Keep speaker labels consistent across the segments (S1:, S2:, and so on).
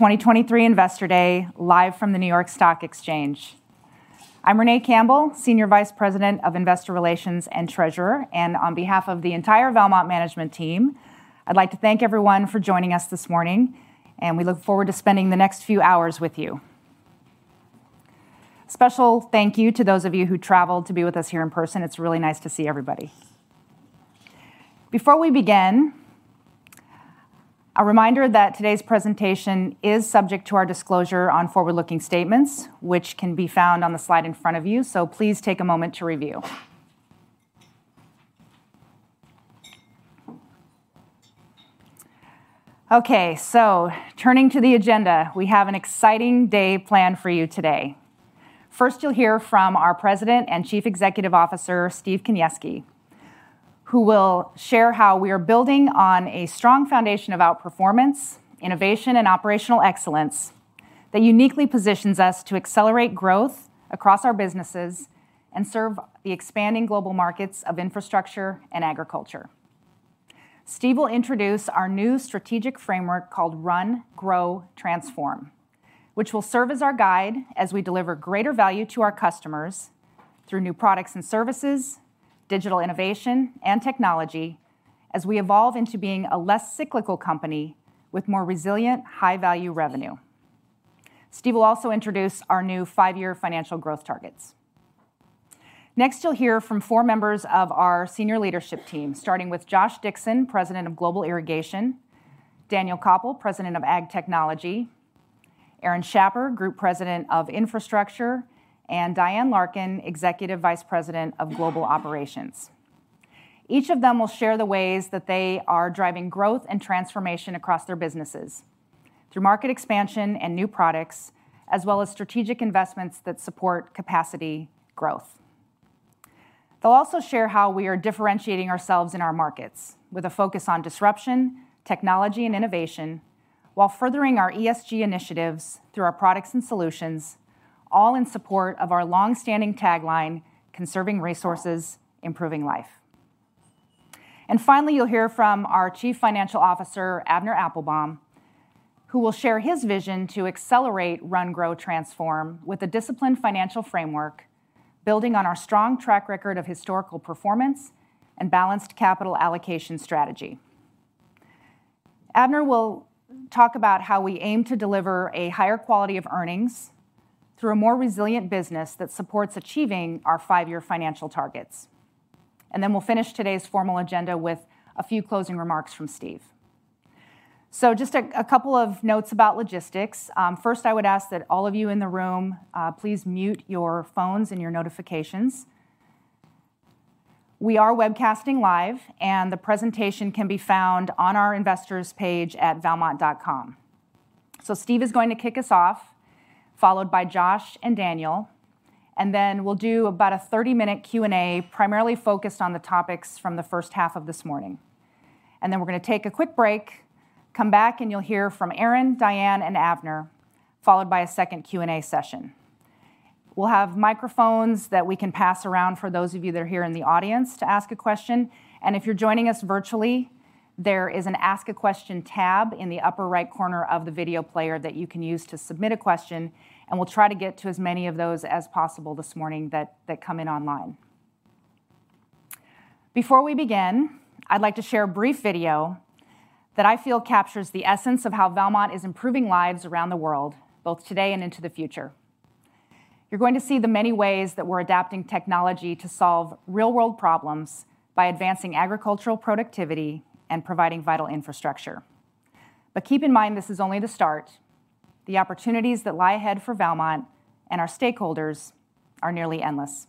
S1: 2023 Investor Day live from the New York Stock Exchange. I'm Renee Campbell, Senior Vice President of Investor Relations and Treasurer. On behalf of the entire Valmont management team, I'd like to thank everyone for joining us this morning, and we look forward to spending the next few hours with you. Special thank you to those of you who traveled to be with us here in person. It's really nice to see everybody. Before we begin, a reminder that today's presentation is subject to our disclosure on forward-looking statements which can be found on the slide in front of you. Please take a moment to review. Okay. Turning to the agenda, we have an exciting day planned for you today. First, you'll hear from our President and Chief Executive Officer, Stephen G. Kaniewski, who will share how we are building on a strong foundation of outperformance, innovation, and operational excellence that uniquely positions us to accelerate growth across our businesses and serve the expanding global markets of infrastructure and agriculture. Stephen G. Kaniewski will introduce our new strategic framework called Run, Grow, Transform, which will serve as our guide as we deliver greater value to our customers through new products and services, digital innovation and technology as we evolve into being a less cyclical company with more resilient high-value revenue. Stephen G. Kaniewski will also introduce our new five years financial growth targets. Next, you'll hear from four members of our senior leadership team, starting with Jason Hixson, President of Global Irrigation, Daniel Kappelman, President of Ag Technology, Aaron Schapper, Group President of Infrastructure, and Diane Larkin, Executive Vice President of Global Operations. Each of them will share the ways that they are driving growth and transformation across their businesses through market expansion and new products, as well as strategic investments that support capacity growth. They'll also share how we are differentiating ourselves in our markets with a focus on disruption, technology, and innovation while furthering our ESG initiatives through our products and solutions, all in support of our long-standing tagline, "Conserving Resources. Improving Life." Finally, you'll hear from our Chief Financial Officer, Avner Applbaum, who will share his vision to accelerate Run/Grow/Transform with a disciplined financial framework building on our strong track record of historical performance and balanced capital allocation strategy. Avner will talk about how we aim to deliver a higher quality of earnings through a more resilient business that supports achieving our five year financial targets. We'll finish today's formal agenda with a few closing remarks from Steve. Just a couple of notes about logistics. First, I would ask that all of you in the room, please mute your phones and your notifications. We are webcasting live, and the presentation can be found on our investors page at valmont.com. Steve is going to kick us off, followed by Josh and Daniel, and then we'll do about a 30 minutes Q&A primarily focused on the topics from the first half of this morning. We're gonna take a quick break, come back, and you'll hear from Aaron, Diane, and Avner, followed by a second Q&A session. We'll have microphones that we can pass around for those of you that are here in the audience to ask a question. If you're joining us virtually, there is an Ask a Question tab in the upper right corner of the video player that you can use to submit a question, and we'll try to get to as many of those as possible this morning that come in online. Before we begin, I'd like to share a brief video that I feel captures the essence of how Valmont is improving lives around the world, both today and into the future. You're going to see the many ways that we're adapting technology to solve real-world problems by advancing agricultural productivity and providing vital infrastructure. Keep in mind this is only the start. The opportunities that lie ahead for Valmont and our stakeholders are nearly endless.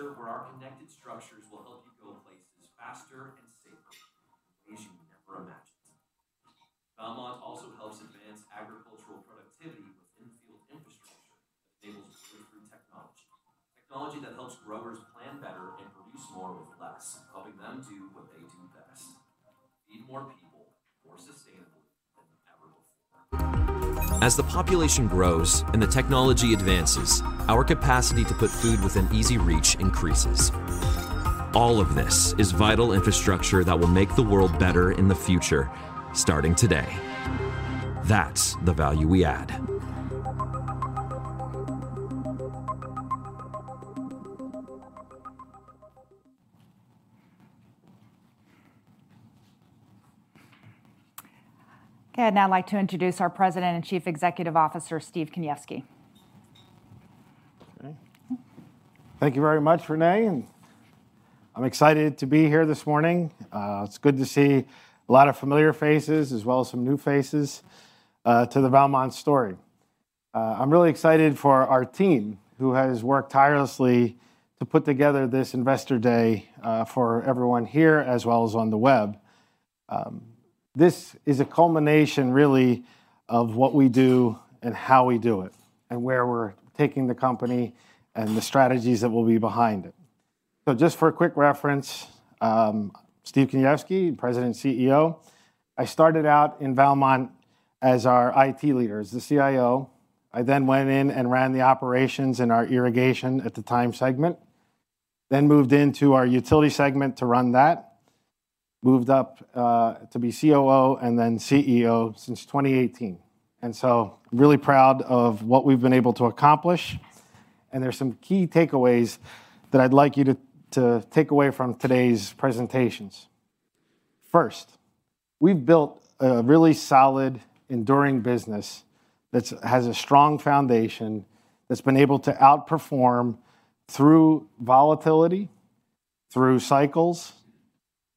S2: where our connected structures will help you go places faster and safer in ways you never imagined. Valmont also helps advance agricultural productivity with in-field infrastructure that enables breakthrough technology. Technology that helps growers plan better and produce more with less, helping them do what they do best: feed more people more sustainably than ever before.
S1: As the population grows and the technology advances, our capacity to put food within easy reach increases.
S2: All of this is vital infrastructure that will make the world better in the future, starting today. That's the value we add.
S1: I'd now like to introduce our President and Chief Executive Officer, Steve Kaniewski.
S3: Okay.Thank you very much, Renee. I'm excited to be here this morning. It's good to see a lot of familiar faces, as well as some new faces, to the Valmont story. I'm really excited for our team, who has worked tirelessly to put together this investor day, for everyone here, as well as on the web. This is a culmination really of what we do and how we do it, and where we're taking the company and the strategies that will be behind it. Just for a quick reference, Steve Kaniewski, President and CEO. I started out in Valmont as our IT leader, as the CIO. I then went in and ran the operations in our irrigation at the time segment, then moved into our utility segment to run that, moved up, to be COO, and then CEO since 2018. Really proud of what we've been able to accomplish, and there's some key takeaways that I'd like you to take away from today's presentations. First, we've built a really solid, enduring business that has a strong foundation, that's been able to outperform through volatility, through cycles,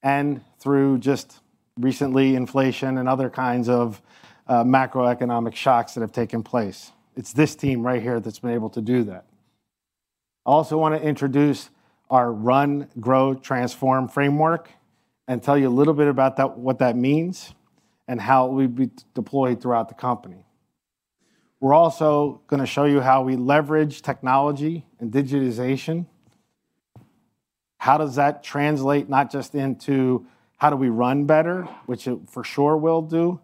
S3: and through just recently inflation and other kinds of macroeconomic shocks that have taken place. It's this team right here that's been able to do that. I also wanna introduce our Run, Grow, Transform framework and tell you a little bit about that, what that means and how it will be deployed throughout the company. We're also gonna show you how we leverage technology and digitization. How does that translate not just into how do we run better, which it for sure will do,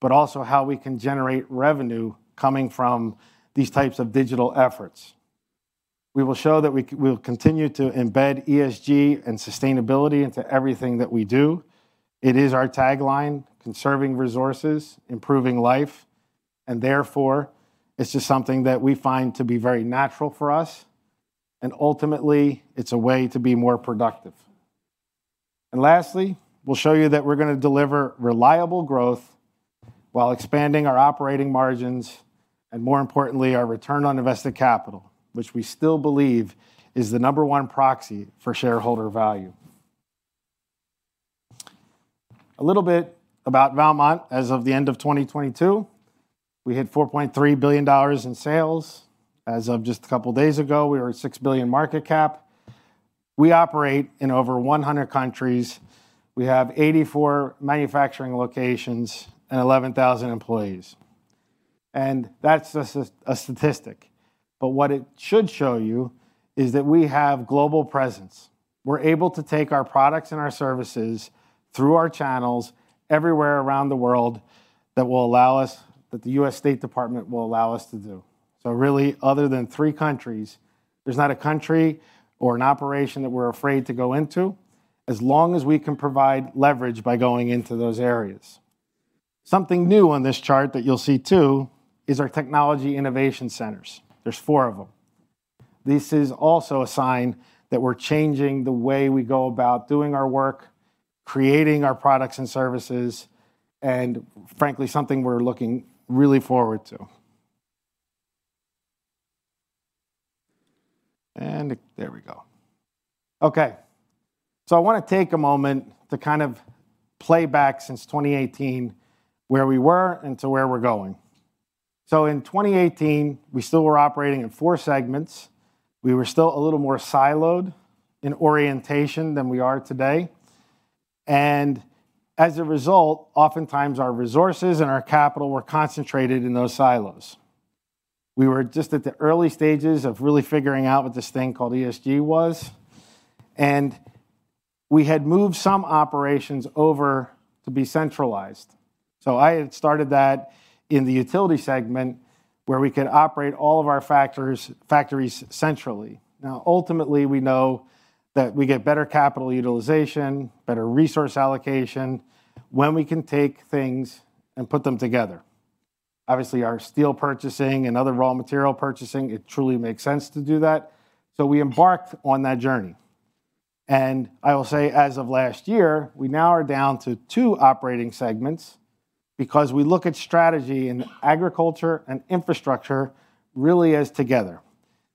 S3: but also how we can generate revenue coming from these types of digital efforts. We will show that we will continue to embed ESG and sustainability into everything that we do. It is our tagline, "Conserving Resources. Improving Life.," therefore it's just something that we find to be very natural for us, and ultimately it's a way to be more productive. Lastly, we'll show you that we're gonna deliver reliable growth while expanding our operating margins, and more importantly our return on invested capital, which we still believe is the number one proxy for shareholder value. A little bit about Valmont. As of the end of 2022, we hit $4.3 billion in sales. As of just a couple days ago, we were a $6 billion market cap. We operate in over 100 countries. We have 84 manufacturing locations and 11,000 employees. That's just a statistic, but what it should show you is that we have global presence. We're able to take our products and our services through our channels everywhere around the world that will allow us that the U.S. State Department will allow us to do. Really other than three countries, there's not a country or an operation that we're afraid to go into as long as we can provide leverage by going into those areas. Something new on this chart that you'll see too is our technology innovation centers. There's four of them. This is also a sign that we're changing the way we go about doing our work, creating our products and services, and frankly something we're looking really forward to. There we go. Okay. I wanna take a moment to kind of play back since 2018 where we were and to where we're going. In 2018 we still were operating in 4 segments. We were still a little more siloed in orientation than we are today. As a result, oftentimes our resources and our capital were concentrated in those silos. We were just at the early stages of really figuring out what this thing called ESG was. We had moved some operations over to be centralized, so I had started that in the utility segment where we could operate all of our factories centrally. Ultimately we know that we get better capital utilization, better resource allocation when we can take things and put them together. Obviously our steel purchasing and other raw material purchasing, it truly makes sense to do that, so we embarked on that journey. I will say as of last year, we now are down to two operating segments because we look at strategy in agriculture and Infrastructure really as together.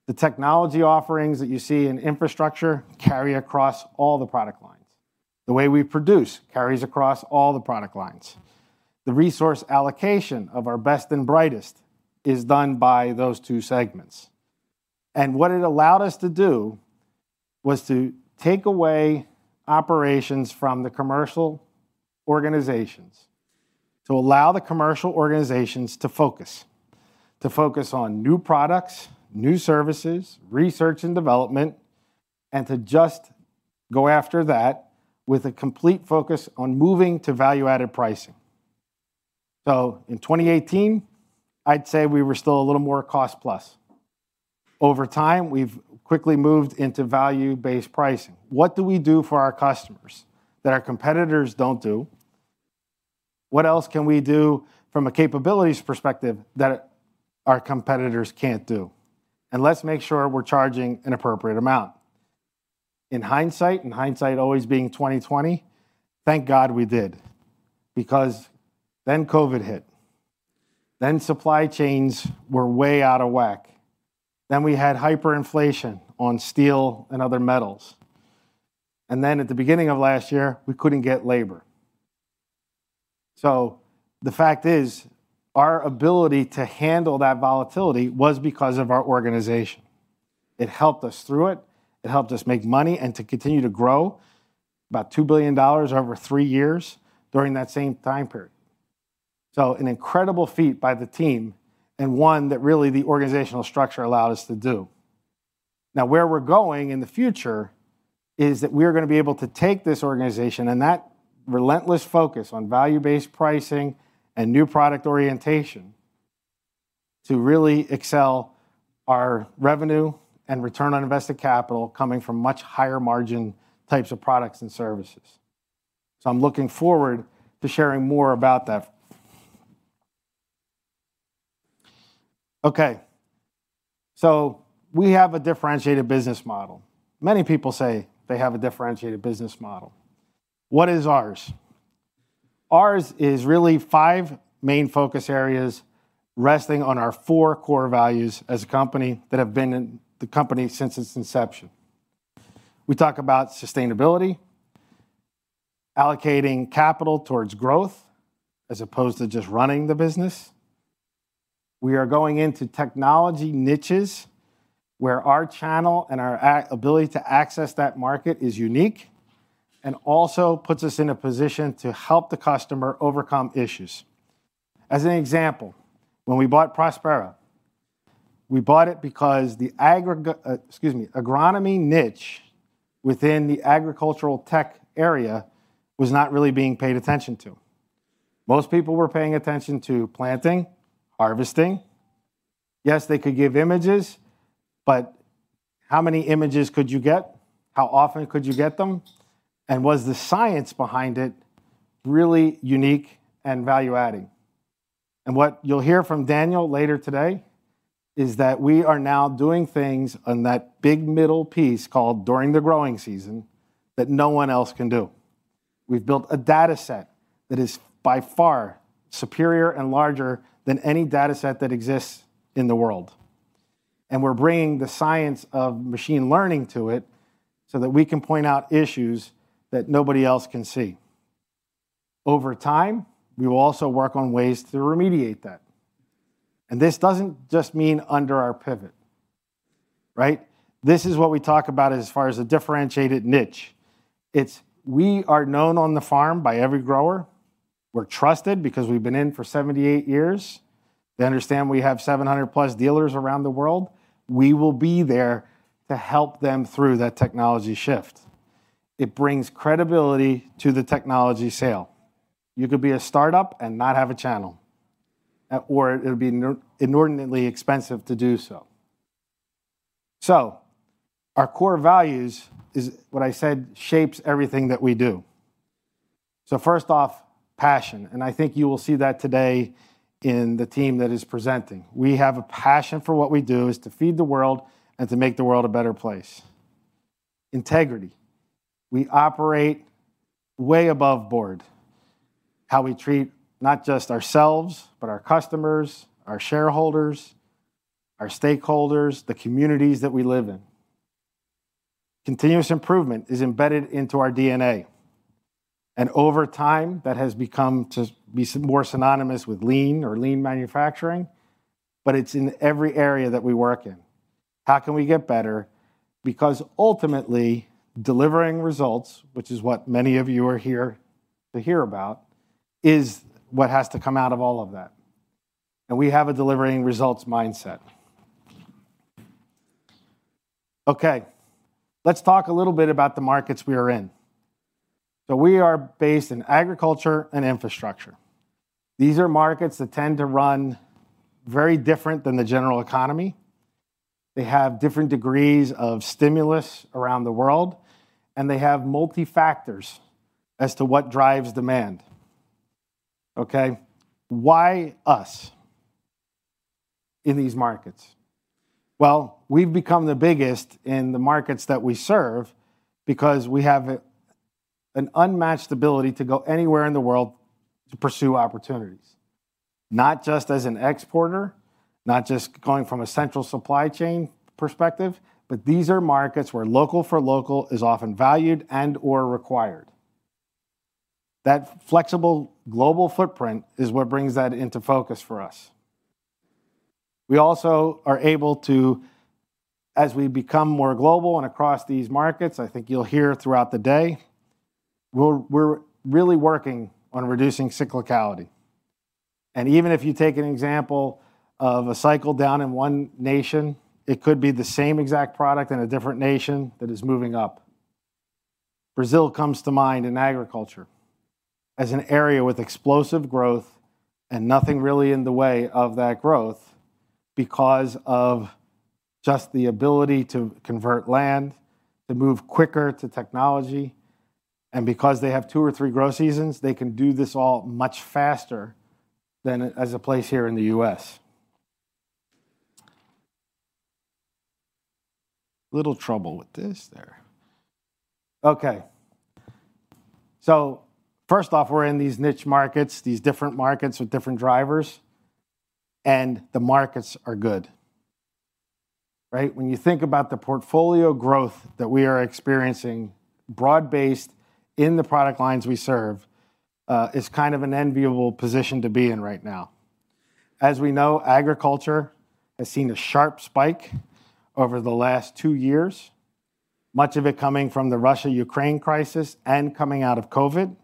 S3: The technology offerings that you see in Infrastructure carry across all the product lines. The way we produce carries across all the product lines. The resource allocation of our best and brightest is done by those two segments. What it allowed us to do was to take away operations from the commercial organizations to allow the commercial organizations to focus, to focus on new products, new services, research and development, and to just go after that with a complete focus on moving to value-added pricing. In 2018, I'd say we were still a little more cost-plus. Over time, we've quickly moved into value-based pricing. What do we do for our customers that our competitors don't do? What else can we do from a capabilities perspective that our competitors can't do? Let's make sure we're charging an appropriate amount. In hindsight, and hindsight always being 20/20, thank God we did, because then COVID hit. Supply chains were way out of whack. We had hyperinflation on steel and other metals. At the beginning of last year, we couldn't get labor. The fact is, our ability to handle that volatility was because of our organization. It helped us through it. It helped us make money and to continue to grow about $2 billion over 3 years during that same time period. An incredible feat by the team and one that really the organizational structure allowed us to do. Where we're going in the future is that we're gonna be able to take this organization and that relentless focus on value-based pricing and new product orientation to really excel our revenue and return on invested capital coming from much higher margin types of products and services. I'm looking forward to sharing more about that. Okay. We have a differentiated business model. Many people say they have a differentiated business model. What is ours? Ours is really five main focus areas resting on our four core values as a company that have been in the company since its inception. We talk about sustainability, allocating capital towards growth, as opposed to just running the business. We are going into technology niches where our channel and our ability to access that market is unique and also puts us in a position to help the customer overcome issues. As an example, when we bought Prospera, we bought it because the excuse me, agronomy niche within the agricultural tech area was not really being paid attention to. Most people were paying attention to planting, harvesting. Yes, they could give images, but how many images could you get? How often could you get them? Was the science behind it really unique and value-adding? What you'll hear from Daniel later today is that we are now doing things on that big middle piece called during the growing season that no one else can do. We've built a dataset that is by far superior and larger than any dataset that exists in the world. We're bringing the science of machine learning to it so that we can point out issues that nobody else can see. Over time, we will also work on ways to remediate that. This doesn't just mean under our pivot, right? This is what we talk about as far as a differentiated niche. It's we are known on the farm by every grower. We're trusted because we've been in for 78 years. They understand we have 700 plus dealers around the world. We will be there to help them through that technology shift. It brings credibility to the technology sale. You could be a startup and not have a channel, or it'll be inordinately expensive to do so. Our core values is what I said shapes everything that we do. First off, passion, and I think you will see that today in the team that is presenting. We have a passion for what we do, is to feed the world and to make the world a better place. Integrity. We operate way above board, how we treat not just ourselves, but our customers, our shareholders, our stakeholders, the communities that we live in. Continuous improvement is embedded into our DNA. Over time, that has become to be more synonymous with lean or lean manufacturing, but it's in every area that we work in. How can we get better? Ultimately, delivering results, which is what many of you are here to hear about, is what has to come out of all of that. We have a delivering results mindset. Okay. Let's talk a little bit about the markets we are in. We are based in agriculture and infrastructure. These are markets that tend to run very different than the general economy. They have different degrees of stimulus around the world, and they have multi factors as to what drives demand. Okay. Why us in these markets? We've become the biggest in the markets that we serve because we have an unmatched ability to go anywhere in the world to pursue opportunities. Not just as an exporter, not just going from a central supply chain perspective, but these are markets where local for local is often valued and/or required. That flexible global footprint is what brings that into focus for us. We also are able to, as we become more global and across these markets, I think you'll hear throughout the day, we're really working on reducing cyclicality. Even if you take an example of a cycle down in one nation, it could be the same exact product in a different nation that is moving up. Brazil comes to mind in agriculture as an area with explosive growth and nothing really in the way of that growth because of just the ability to convert land, to move quicker to technology, and because they have two or three grow seasons, they can do this all much faster than as a place here in the U.S. Little trouble with this there. Okay. First off, we're in these niche markets, these different markets with different drivers, and the markets are good. Right? When you think about the portfolio growth that we are experiencing, broad-based in the product lines we serve, is kind of an enviable position to be in right now. As we know, agriculture has seen a sharp spike over the last two years, much of it coming from the Russia-Ukraine crisis and coming out of COVID.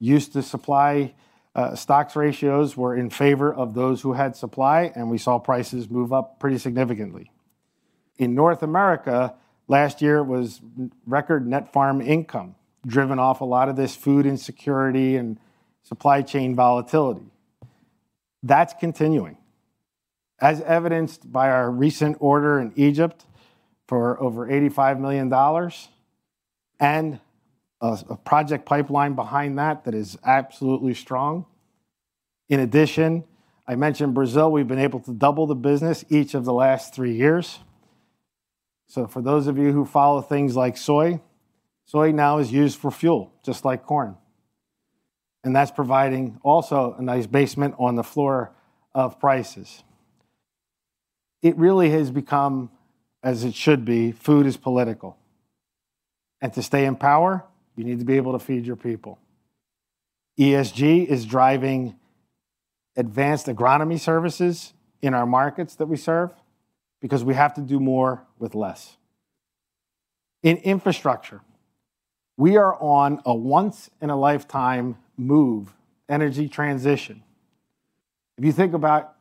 S3: Used to supply, stocks ratios were in favor of those who had supply, we saw prices move up pretty significantly. In North America, last year was record net farm income, driven off a lot of this food insecurity and supply chain volatility. That's continuing as evidenced by our recent order in Egypt for over $85 million and a project pipeline behind that that is absolutely strong. In addition, I mentioned Brazil, we've been able to double the business each of the last 3 years. For those of you who follow things like soy now is used for fuel, just like corn. That's providing also a nice basement on the floor of prices. It really has become, as it should be, food is political. To stay in power, you need to be able to feed your people. ESG is driving advanced agronomy services in our markets that we serve because we have to do more with less. In infrastructure, we are on a once-in-a-lifetime move energy transition. If you think about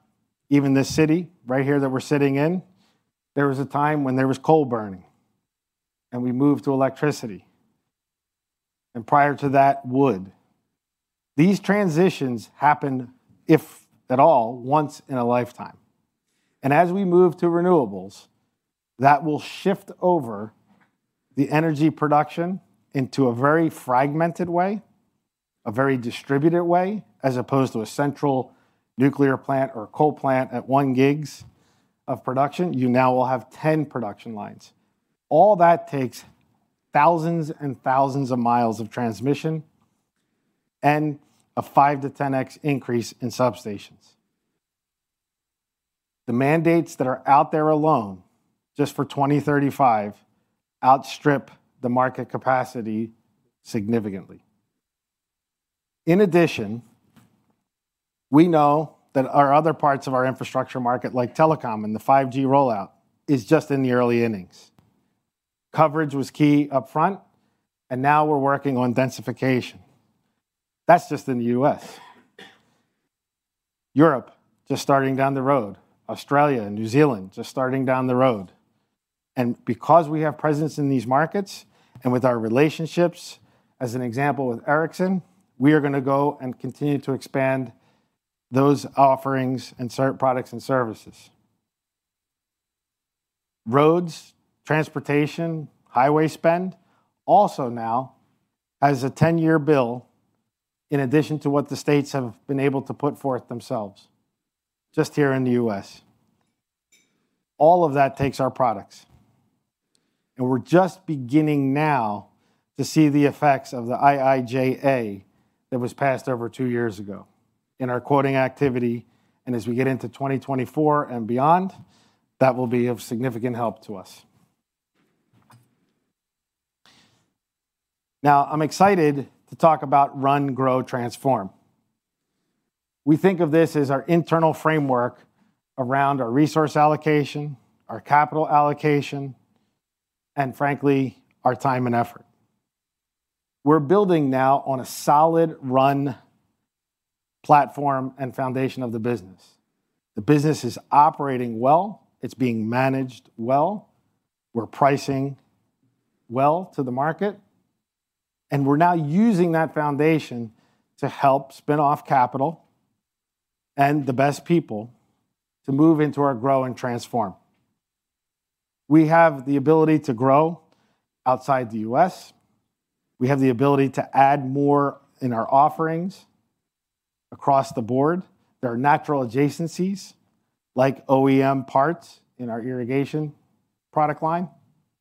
S3: even this city right here that we're sitting in, there was a time when there was coal burning, and we moved to electricity, and prior to that, wood. These transitions happened, if at all, once in a lifetime. As we move to renewables, that will shift over the energy production into a very fragmented way, a very distributed way, as opposed to a central nuclear plant or a coal plant at 1 gigs of production. You now will have 10 production lines. All that takes thousands and thousands of miles of transmission and a 5 to 10x increase in substations. The mandates that are out there alone, just for 2035, outstrip the market capacity significantly. We know that our other parts of our infrastructure market, like telecom and the 5G rollout, is just in the early innings. Coverage was key up front. Now we're working on densification. That's just in the U.S. Europe, just starting down the road. Australia and New Zealand, just starting down the road. Because we have presence in these markets and with our relationships, as an example with Ericsson, we are gonna go and continue to expand those offerings and products and services. Roads, transportation, highway spend, also now has a 10-year bill, in addition to what the states have been able to put forth themselves, just here in the U.S. All of that takes our products. We're just beginning now to see the effects of the IIJA that was passed over two years ago in our quoting activity, and as we get into 2024 and beyond, that will be of significant help to us. I'm excited to talk about Run, Grow, Transform. We think of this as our internal framework around our resource allocation, our capital allocation, and frankly, our time and effort. We're building now on a solid run platform and foundation of the business. The business is operating well, it's being managed well, we're pricing well to the market, and we're now using that foundation to help spin off capital and the best people to move into our grow and transform. We have the ability to grow outside the U.S. We have the ability to add more in our offerings across the board. There are natural adjacencies like OEM parts in our irrigation product line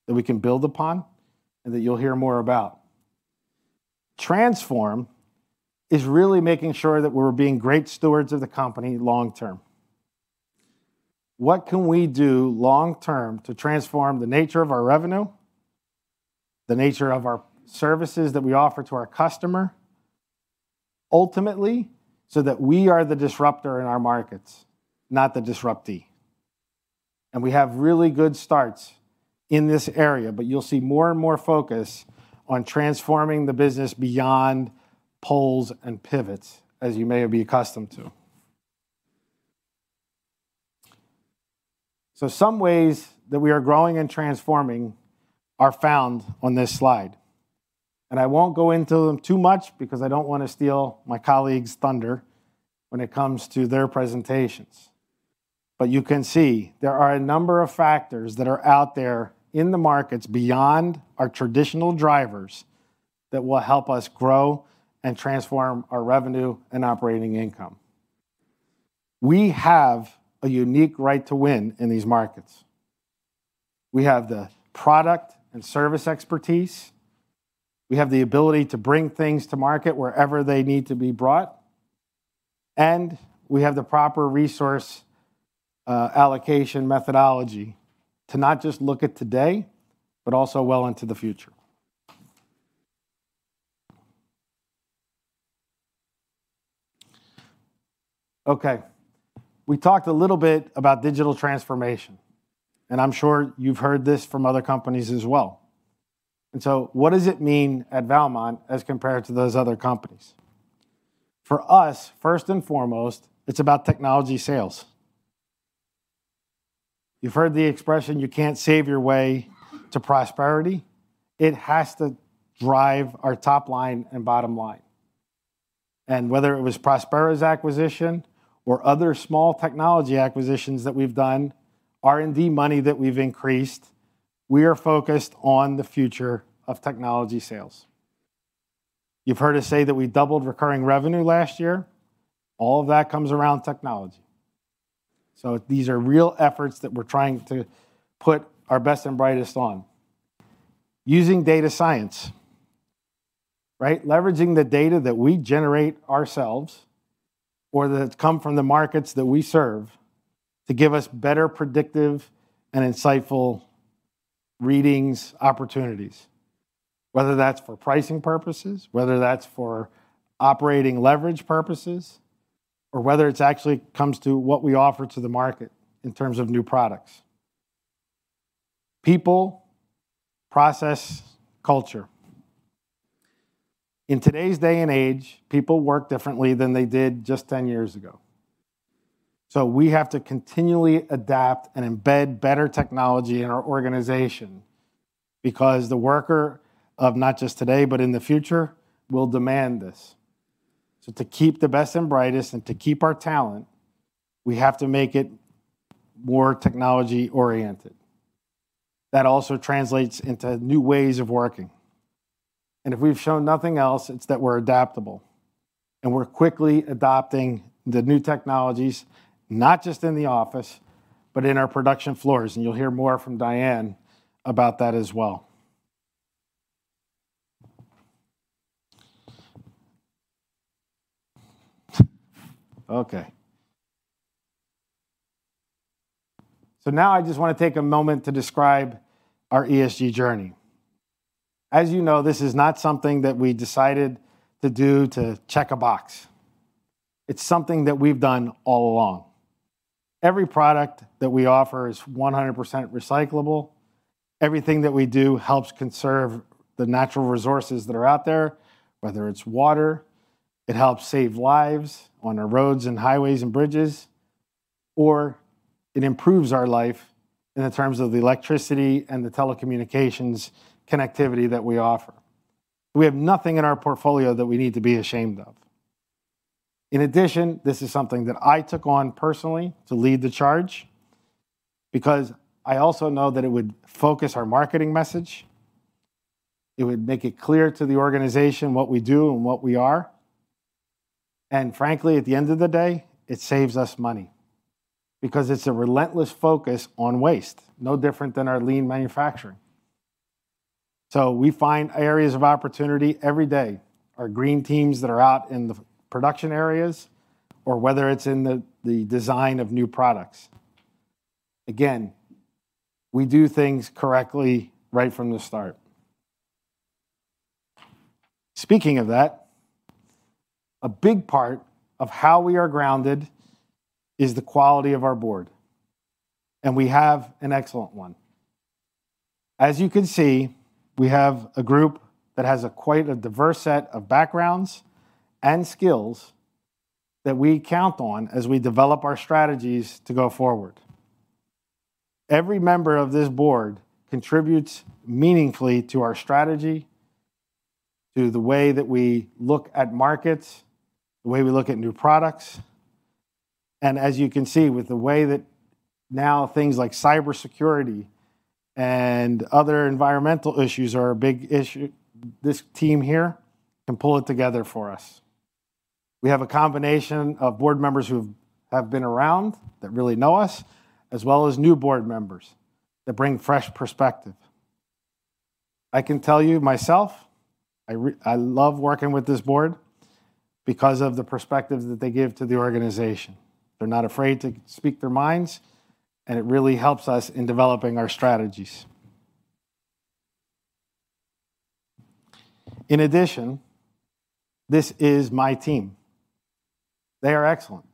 S3: that we can build upon and that you'll hear more about. Transform is really making sure that we're being great stewards of the company long term. What can we do long term to transform the nature of our revenue, the nature of our services that we offer to our customer, ultimately, so that we are the disruptor in our markets, not the disruptee. We have really good starts in this area, but you'll see more and more focus on transforming the business beyond poles and pivots, as you may be accustomed to. Some ways that we are growing and transforming are found on this slide. I won't go into them too much because I don't wanna steal my colleagues' thunder when it comes to their presentations. You can see there are a number of factors that are out there in the markets beyond our traditional drivers that will help us grow and transform our revenue and operating income. We have a unique right to win in these markets. We have the product and service expertise, we have the ability to bring things to market wherever they need to be brought, and we have the proper resource allocation methodology to not just look at today, but also well into the future. Okay. We talked a little bit about digital transformation, and I'm sure you've heard this from other companies as well. What does it mean at Valmont as compared to those other companies? For us, first and foremost, it's about technology sales. You've heard the expression, you can't save your way to prosperity. It has to drive our top line and bottom line. Whether it was Prospera's acquisition or other small technology acquisitions that we've done, R&D money that we've increased, we are focused on the future of technology sales. You've heard us say that we doubled recurring revenue last year. All of that comes around technology. These are real efforts that we're trying to put our best and brightest on. Using data science, right? Leveraging the data that we generate ourselves, or that come from the markets that we serve, to give us better predictive and insightful readings, opportunities. Whether that's for pricing purposes, whether that's for operating leverage purposes, or whether it's actually comes to what we offer to the market in terms of new products. People, process, culture. In today's day and age, people work differently than they did just 10 years ago. We have to continually adapt and embed better technology in our organization, because the worker of not just today, but in the future, will demand this. To keep the best and brightest and to keep our talent, we have to make it more technology-oriented. That also translates into new ways of working. If we've shown nothing else, it's that we're adaptable, and we're quickly adopting the new technologies, not just in the office, but in our production floors. You'll hear more from Diane about that as well. Okay. Now I just wanna take a moment to describe our ESG journey. As you know, this is not something that we decided to do to check a box. It's something that we've done all along. Every product that we offer is 100% recyclable. Everything that we do helps conserve the natural resources that are out there, whether it's water, it helps save lives on our roads and highways and bridges, or it improves our life in terms of the electricity and the telecommunications connectivity that we offer. We have nothing in our portfolio that we need to be ashamed of. This is something that I took on personally to lead the charge, because I also know that it would focus our marketing message, it would make it clear to the organization what we do and what we are, and frankly, at the end of the day, it saves us money. It's a relentless focus on waste, no different than our lean manufacturing. We find areas of opportunity every day, our green teams that are out in the production areas, or whether it's in the design of new products. Again, we do things correctly right from the start. Speaking of that, a big part of how we are grounded is the quality of our board, and we have an excellent one. As you can see, we have a group that has a quite a diverse set of backgrounds and skills that we count on as we develop our strategies to go forward. Every member of this board contributes meaningfully to our strategy, to the way that we look at markets, the way we look at new products, and as you can see, with the way that now things like cybersecurity and other environmental issues are a big issue, this team here can pull it together for us. We have a combination of board members who have been around that really know us, as well as new board members that bring fresh perspective. I can tell you myself, I love working with this board because of the perspectives that they give to the organization. They're not afraid to speak their minds, and it really helps us in developing our strategies. In addition, this is my team. They are excellent,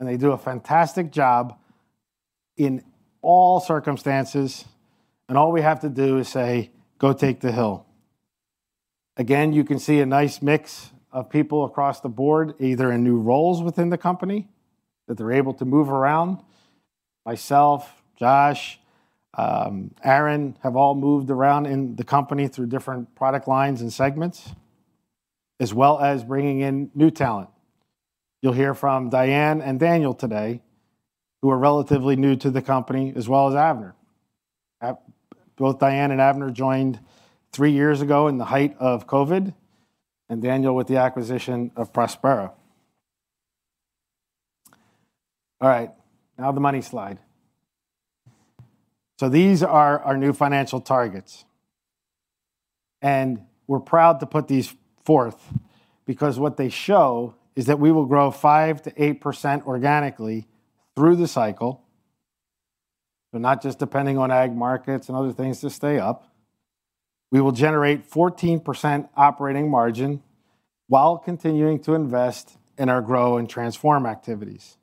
S3: and they do a fantastic job in all circumstances, and all we have to do is say, "Go take the hill." You can see a nice mix of people across the board, either in new roles within the company that they're able to move around. Myself, Josh, Aaron have all moved around in the company through different product lines and segments, as well as bringing in new talent. You'll hear from Diane and Daniel today, who are relatively new to the company, as well as Avner. Both Diane and Avner joined three years ago in the height of COVID, Daniel with the acquisition of Prospera. All right, now the money slide. These are our new financial targets, and we're proud to put these forth because what they show is that we will grow 5%-8% organically through the cycle. We're not just depending on ag markets and other things to stay up. We will generate 14% operating margin while continuing to invest in our grow and transform activities.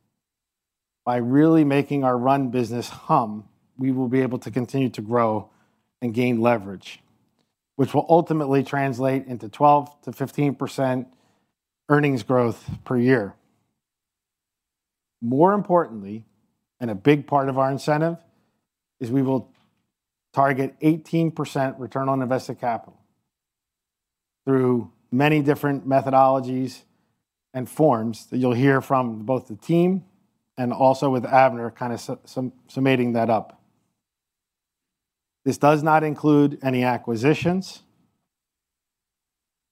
S3: By really making our run business hum, we will be able to continue to grow and gain leverage, which will ultimately translate into 12%-15% earnings growth per year. More importantly, and a big part of our incentive, is we will target 18% return on invested capital through many different methodologies and forms that you'll hear from both the team and also with Avner kinda summating that up. This does not include any acquisitions,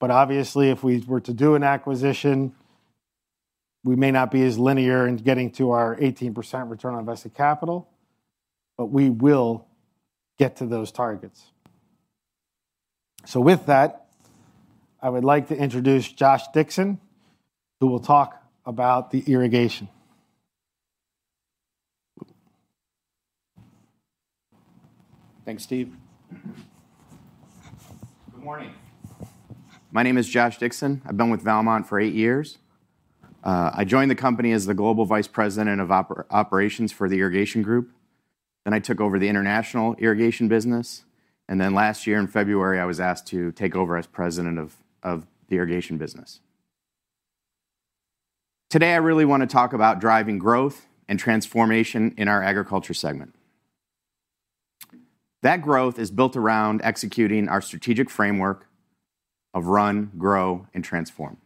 S3: but obviously, if we were to do an acquisition, we may not be as linear in getting to our 18% return on invested capital, but we will get to those targets. With that, I would like to introduce Jason Hixson, who will talk about the irrigation.
S4: Thanks, Steve. Good morning. My name is Jason Hixson. I've been with Valmont for eight years. I joined the company as the Global Vice President of Operations for the Irrigation group, then I took over the international irrigation business, and then last year in February, I was asked to take over as President of the irrigation business. Today, I really wanna talk about driving growth and transformation in our agriculture segment. That growth is built around executing our strategic framework of Run, Grow, and Transform.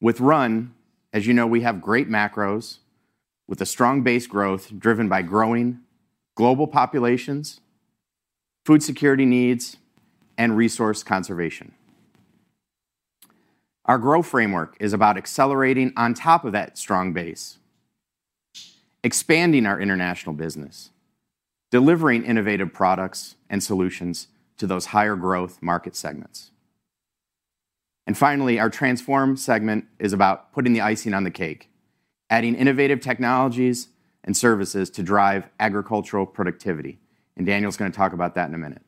S4: With Run, as you know, we have great macros with a strong base growth driven by growing global populations, food security needs, and resource conservation. Our growth framework is about accelerating on top of that strong base, expanding our international business, delivering innovative products and solutions to those higher growth market segments. Finally, our transform segment is about putting the icing on the cake, adding innovative technologies and services to drive agricultural productivity, and Daniel's gonna talk about that in a minute.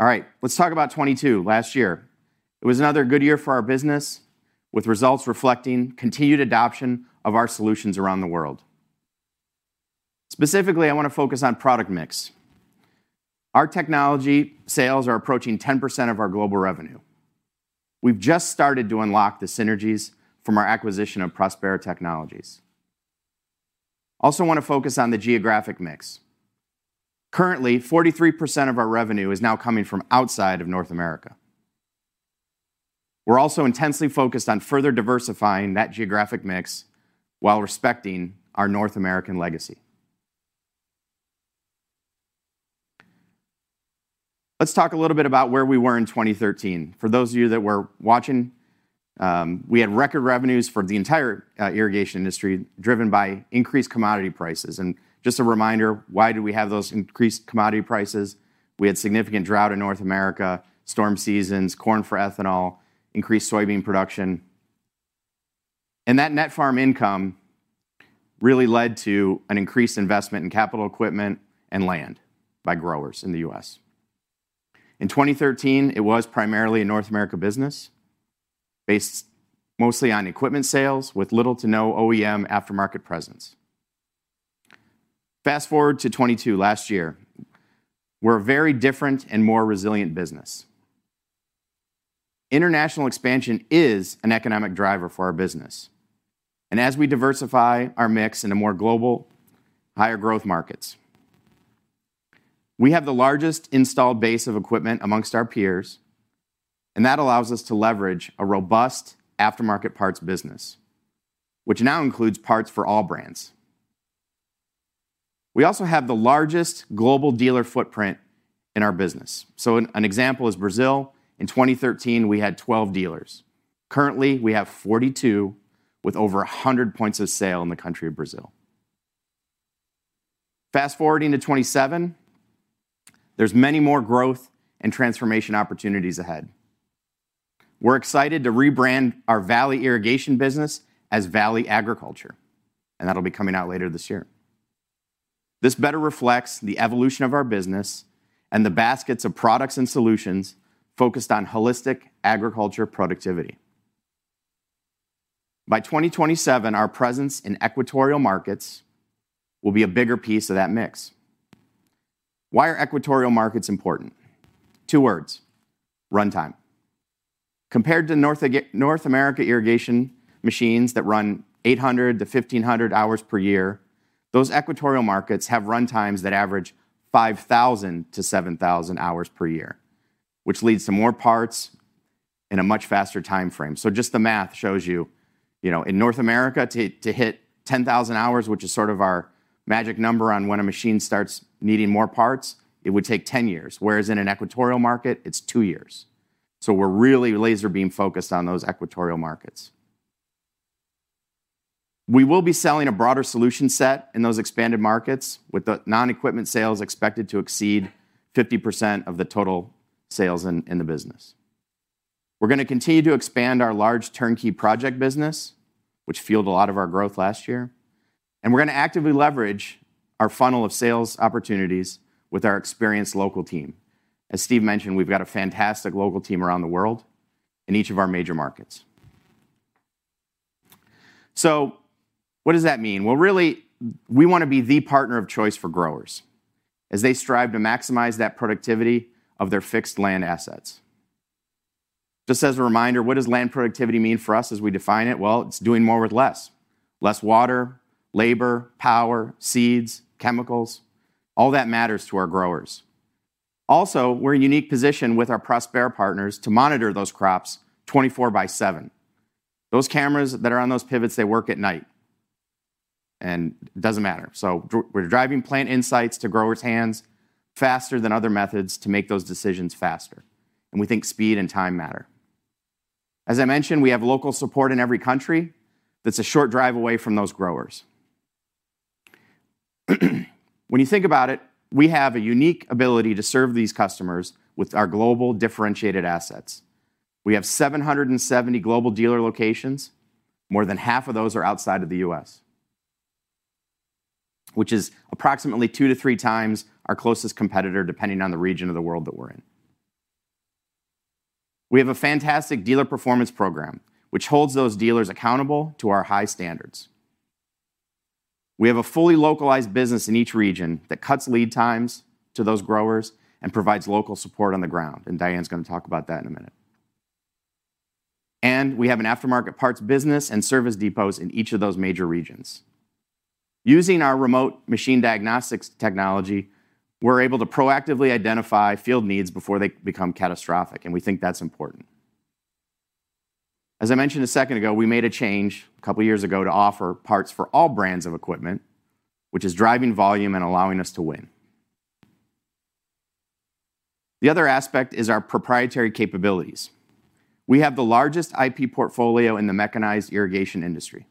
S4: All right. Let's talk about 2022, last year. It was another good year for our business, with results reflecting continued adoption of our solutions around the world. Specifically, I wanna focus on product mix. Our technology sales are approaching 10% of our global revenue. We've just started to unlock the synergies from our acquisition of Prospera Technologies. Also want to focus on the geographic mix. Currently, 43% of our revenue is now coming from outside of North America. We're also intensely focused on further diversifying that geographic mix while respecting our North American legacy. Let's talk a little bit about where we were in 2013. For those of you that were watching, we had record revenues for the entire irrigation industry, driven by increased commodity prices. Just a reminder, why do we have those increased commodity prices? We had significant drought in North America, storm seasons, corn for ethanol, increased soybean production. That net farm income really led to an increased investment in capital equipment and land by growers in the U.S. In 2013, it was primarily a North America business, based mostly on equipment sales with little to no OEM aftermarket presence. Fast-forward to 2022, last year, we're a very different and more resilient business. International expansion is an economic driver for our business, and as we diversify our mix into more global, higher growth markets. We have the largest installed base of equipment amongst our peers, that allows us to leverage a robust aftermarket parts business, which now includes parts for all brands. We also have the largest global dealer footprint in our business. An example is Brazil. In 2013, we had 12 dealers. Currently, we have 42 with over 100 points of sale in the country of Brazil. Fast-forwarding to 2027, there's many more growth and transformation opportunities ahead. We're excited to rebrand our Valley Irrigation business as Valley Agriculture, that'll be coming out later this year. This better reflects the evolution of our business and the baskets of products and solutions focused on holistic agriculture productivity. By 2027, our presence in equatorial markets will be a bigger piece of that mix. Why are equatorial markets important? Two words, runtime. Compared to North America irrigation machines that run 800-1,500 hours per year, those equatorial markets have runtimes that average 5,000-7,000 hours per year, which leads to more parts in a much faster timeframe. Just the math shows you know, in North America to hit 10,000 hours, which is sort of our magic number on when a machine starts needing more parts, it would take 10 years, whereas in an equatorial market it's two years. We're really laser beam focused on those equatorial markets. We will be selling a broader solution set in those expanded markets with the non-equipment sales expected to exceed 50% of the total sales in the business. We're gonna continue to expand our large turnkey project business, which fueled a lot of our growth last year. We're gonna actively leverage our funnel of sales opportunities with our experienced local team. As Steve mentioned, we've got a fantastic local team around the world in each of our major markets. What does that mean? Well, really, we wanna be the partner of choice for growers as they strive to maximize that productivity of their fixed land assets. Just as a reminder, what does land productivity mean for us as we define it? Well, it's doing more with less. Less water, labor, power, seeds, chemicals, all that matters to our growers. Also, we're in a unique position with our Prospera partners to monitor those crops 24 by 7. Those cameras that are on those pivots, they work at night, and it doesn't matter. We're driving Plant Insights to growers' hands faster than other methods to make those decisions faster. We think speed and time matter. As I mentioned, we have local support in every country that's a short drive away from those growers. When you think about it, we have a unique ability to serve these customers with our global differentiated assets. We have 770 global dealer locations. More than half of those are outside of the U.S., which is approximately two to three times our closest competitor, depending on the region of the world that we're in. We have a fantastic dealer performance program which holds those dealers accountable to our high standards. We have a fully localized business in each region that cuts lead times to those growers and provides local support on the ground. Diane's gonna talk about that in a minute. We have an aftermarket parts business and service depots in each of those major regions. Using our remote machine diagnostics technology, we're able to proactively identify field needs before they become catastrophic, and we think that's important. As I mentioned a second ago, we made a change a couple years ago to offer parts for all brands of equipment, which is driving volume and allowing us to win. The other aspect is our proprietary capabilities. We have the largest IP portfolio in the mechanized irrigation industry.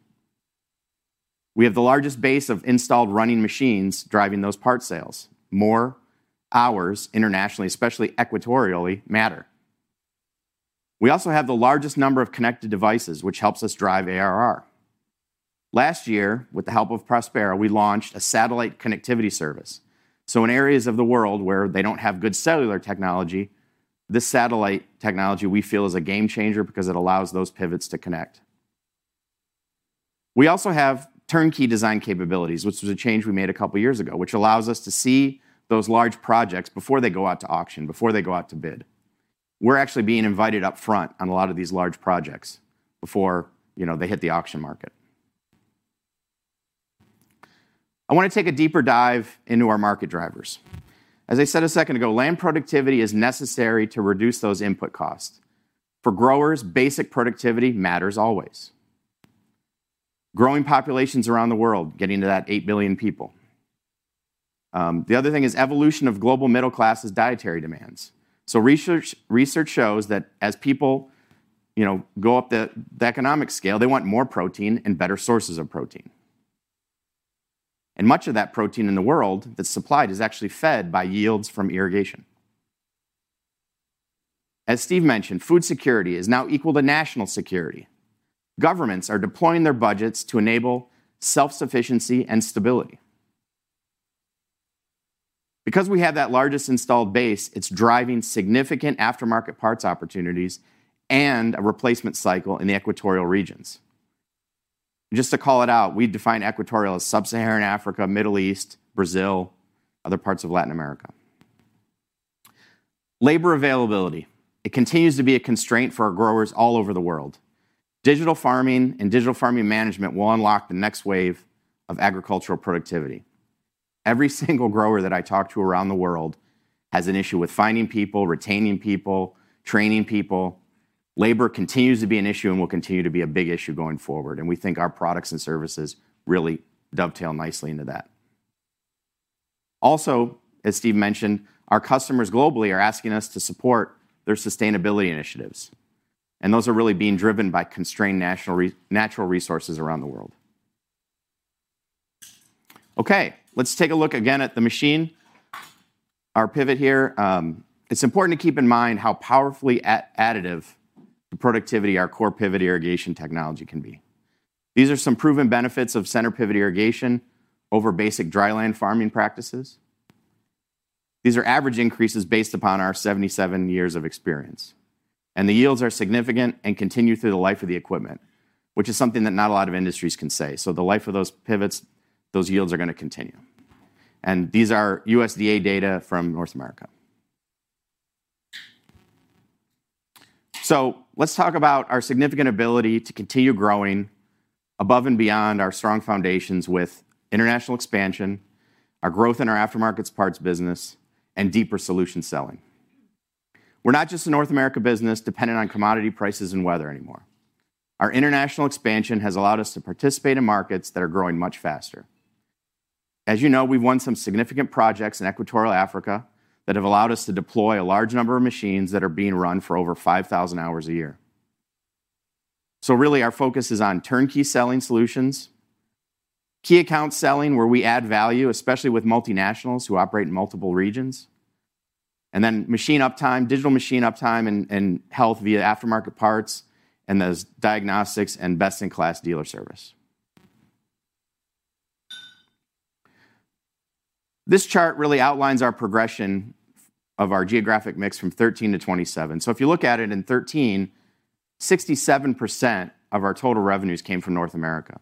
S4: We have the largest base of installed running machines driving those parts sales. More hours internationally, especially equatorially, matter. We also have the largest number of connected devices, which helps us drive ARR. Last year, with the help of Prospera, we launched a satellite connectivity service. In areas of the world where they don't have good cellular technology, this satellite technology we feel is a game changer because it allows those pivots to connect. We also have turnkey design capabilities, which was a change we made a couple years ago, which allows us to see those large projects before they go out to auction, before they go out to bid. We're actually being invited up front on a lot of these large projects before, you know, they hit the auction market. I wanna take a deeper dive into our market drivers. As I said a second ago, land productivity is necessary to reduce those input costs. For growers, basic productivity matters always. Growing populations around the world getting to that 8 billion people. The other thing is evolution of global middle classes' dietary demands. Research shows that as people, you know, go up the economic scale, they want more protein and better sources of protein. Much of that protein in the world that's supplied is actually fed by yields from irrigation. As Steve mentioned, food security is now equal to national security. Governments are deploying their budgets to enable self-sufficiency and stability. We have that largest installed base, it's driving significant aftermarket parts opportunities and a replacement cycle in the equatorial regions. Just to call it out, we define equatorial as Sub-Saharan Africa, Middle East, Brazil, other parts of Latin America. Labor availability, it continues to be a constraint for our growers all over the world. Digital farming and digital farming management will unlock the next wave of agricultural productivity. Every single grower that I talk to around the world has an issue with finding people, retaining people, training people. Labor continues to be an issue and will continue to be a big issue going forward, we think our products and services really dovetail nicely into that. Also, as Steve mentioned, our customers globally are asking us to support their sustainability initiatives, and those are really being driven by constrained natural resources around the world. Okay. Let's take a look again at the machine, our pivot here. It's important to keep in mind how powerfully additive the productivity our core pivot irrigation technology can be. These are some proven benefits of center pivot irrigation over basic dry land farming practices. These are average increases based upon our 77 years of experience. The yields are significant and continue through the life of the equipment, which is something that not a lot of industries can say. The life of those pivots, those yields are going to continue. These are USDA data from North America. Let's talk about our significant ability to continue growing above and beyond our strong foundations with international expansion, our growth in our aftermarket parts business, and deeper solution selling. We're not just a North America business dependent on commodity prices and weather anymore. Our international expansion has allowed us to participate in markets that are growing much faster. As you know, we've won some significant projects in Equatorial Africa that have allowed us to deploy a large number of machines that are being run for over 5,000 hours a year. Really our focus is on turnkey selling solutions, key account selling, where we add value, especially with multinationals who operate in multiple regions, and then machine uptime, digital machine uptime and health via aftermarket parts, and those diagnostics and best-in-class dealer service. This chart really outlines our progression of our geographic mix from 13 to 27. If you look at it, in 13, 67% of our total revenues came from North America.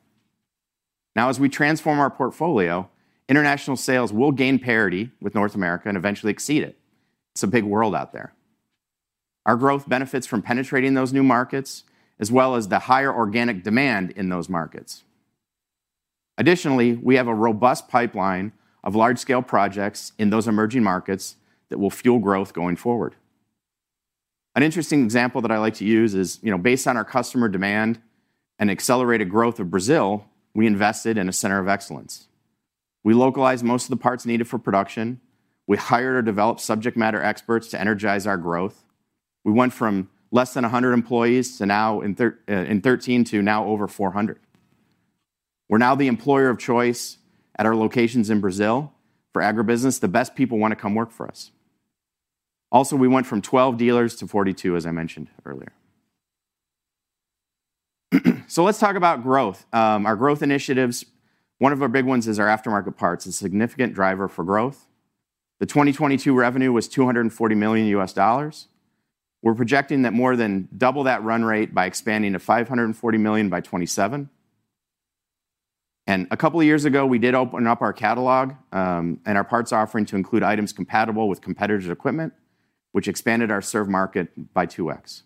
S4: Now, as we transform our portfolio, international sales will gain parity with North America and eventually exceed it. It's a big world out there. Our growth benefits from penetrating those new markets, as well as the higher organic demand in those markets. Additionally, we have a robust pipeline of large-scale projects in those emerging markets that will fuel growth going forward. An interesting example that I like to use is, you know, based on our customer demand and accelerated growth of Brazil, we invested in a center of excellence. We localized most of the parts needed for production. We hired or developed subject matter experts to energize our growth. We went from less than 100 employees to now in 13 to now over 400. We're now the employer of choice at our locations in Brazil. For agribusiness, the best people wanna come work for us. We went from 12 dealers to 42, as I mentioned earlier. Let's talk about growth. Our growth initiatives, one of our big ones is our aftermarket parts, a significant driver for growth. The 2022 revenue was $240 million. We're projecting that more than double that run rate by expanding to $540 million by 2027. A couple of years ago, we did open up our catalog and our parts offering to include items compatible with competitive equipment, which expanded our served market by 2x.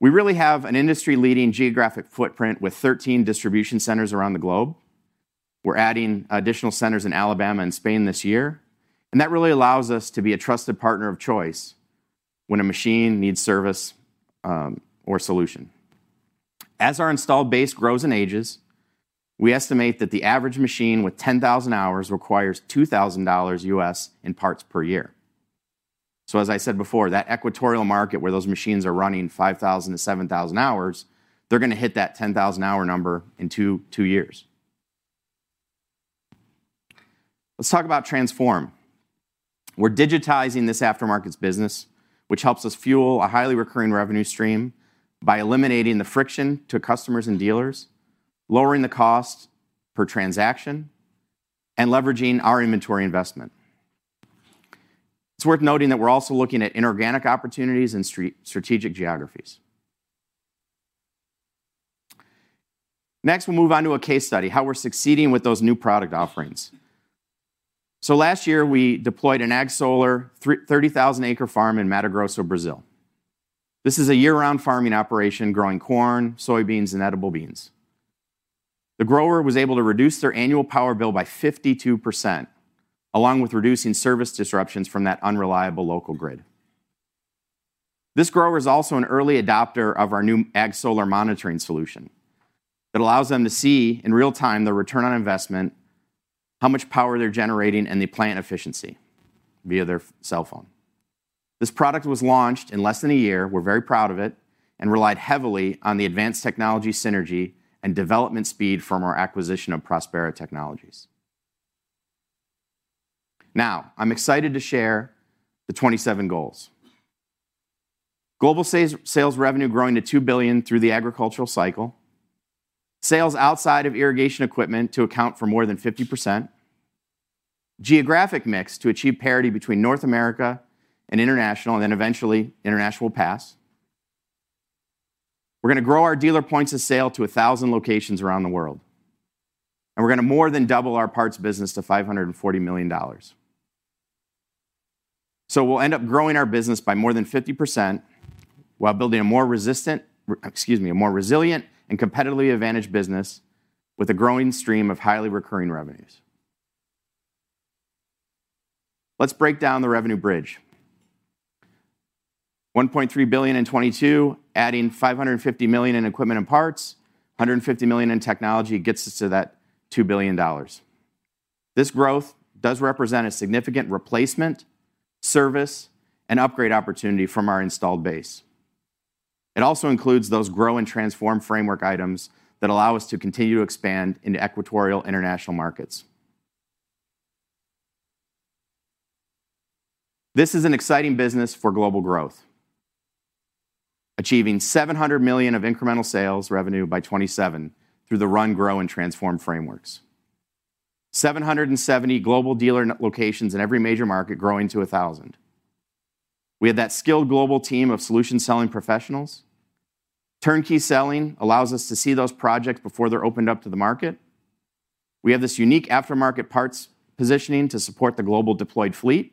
S4: We really have an industry-leading geographic footprint with 13 distribution centers around the globe. We're adding additional centers in Alabama and Spain this year, that really allows us to be a trusted partner of choice when a machine needs service or solution. As our installed base grows and ages, we estimate that the average machine with 10,000 hours requires $2,000 in parts per year. As I said before, that equatorial market where those machines are running 5,000-7,000 hours, they're gonna hit that 10,000-hour number in 2 years. Let's talk about transform. We're digitizing this after-markets business, which helps us fuel a highly recurring revenue stream by eliminating the friction to customers and dealers, lowering the cost per transaction, and leveraging our inventory investment. It's worth noting that we're also looking at inorganic opportunities in strategic geographies. We'll move on to a case study, how we're succeeding with those new product offerings. Last year, we deployed an Ag Solar 30,000-acre farm in Mato Grosso, Brazil. This is a year-round farming operation growing corn, soybeans, and edible beans. The grower was able to reduce their annual power bill by 52%, along with reducing service disruptions from that unreliable local grid. This grower is also an early adopter of our new Ag Solar monitoring solution. It allows them to see in real time the return on investment, how much power they're generating, and the plant efficiency via their cell phone. This product was launched in less than a year, we're very proud of it, and relied heavily on the advanced technology synergy and development speed from our acquisition of Prospera Technologies. I'm excited to share the 27 goals. Global sales revenue growing to $2 billion through the agricultural cycle. Sales outside of irrigation equipment to account for more than 50%. Geographic mix to achieve parity between North America and international, and then eventually international pass. We're gonna grow our dealer points of sale to 1,000 locations around the world. We're gonna more than double our parts business to $540 million. We'll end up growing our business by more than 50% while building a more resilient and competitively advantaged business with a growing stream of highly recurring revenues. Let's break down the revenue bridge. $1.3 billion in 2022, adding $550 million in equipment and parts, $150 million in technology gets us to that $2 billion. This growth does represent a significant replacement, service, and upgrade opportunity from our installed base. It also includes those grow and transform framework items that allow us to continue to expand into equatorial international markets. This is an exciting business for global growth. Achieving $700 million of incremental sales revenue by 2027 through the run, grow, and transform frameworks. 770 global dealer locations in every major market growing to 1,000. We have that skilled global team of solution-selling professionals. Turnkey selling allows us to see those projects before they're opened up to the market. We have this unique aftermarket parts positioning to support the global deployed fleet.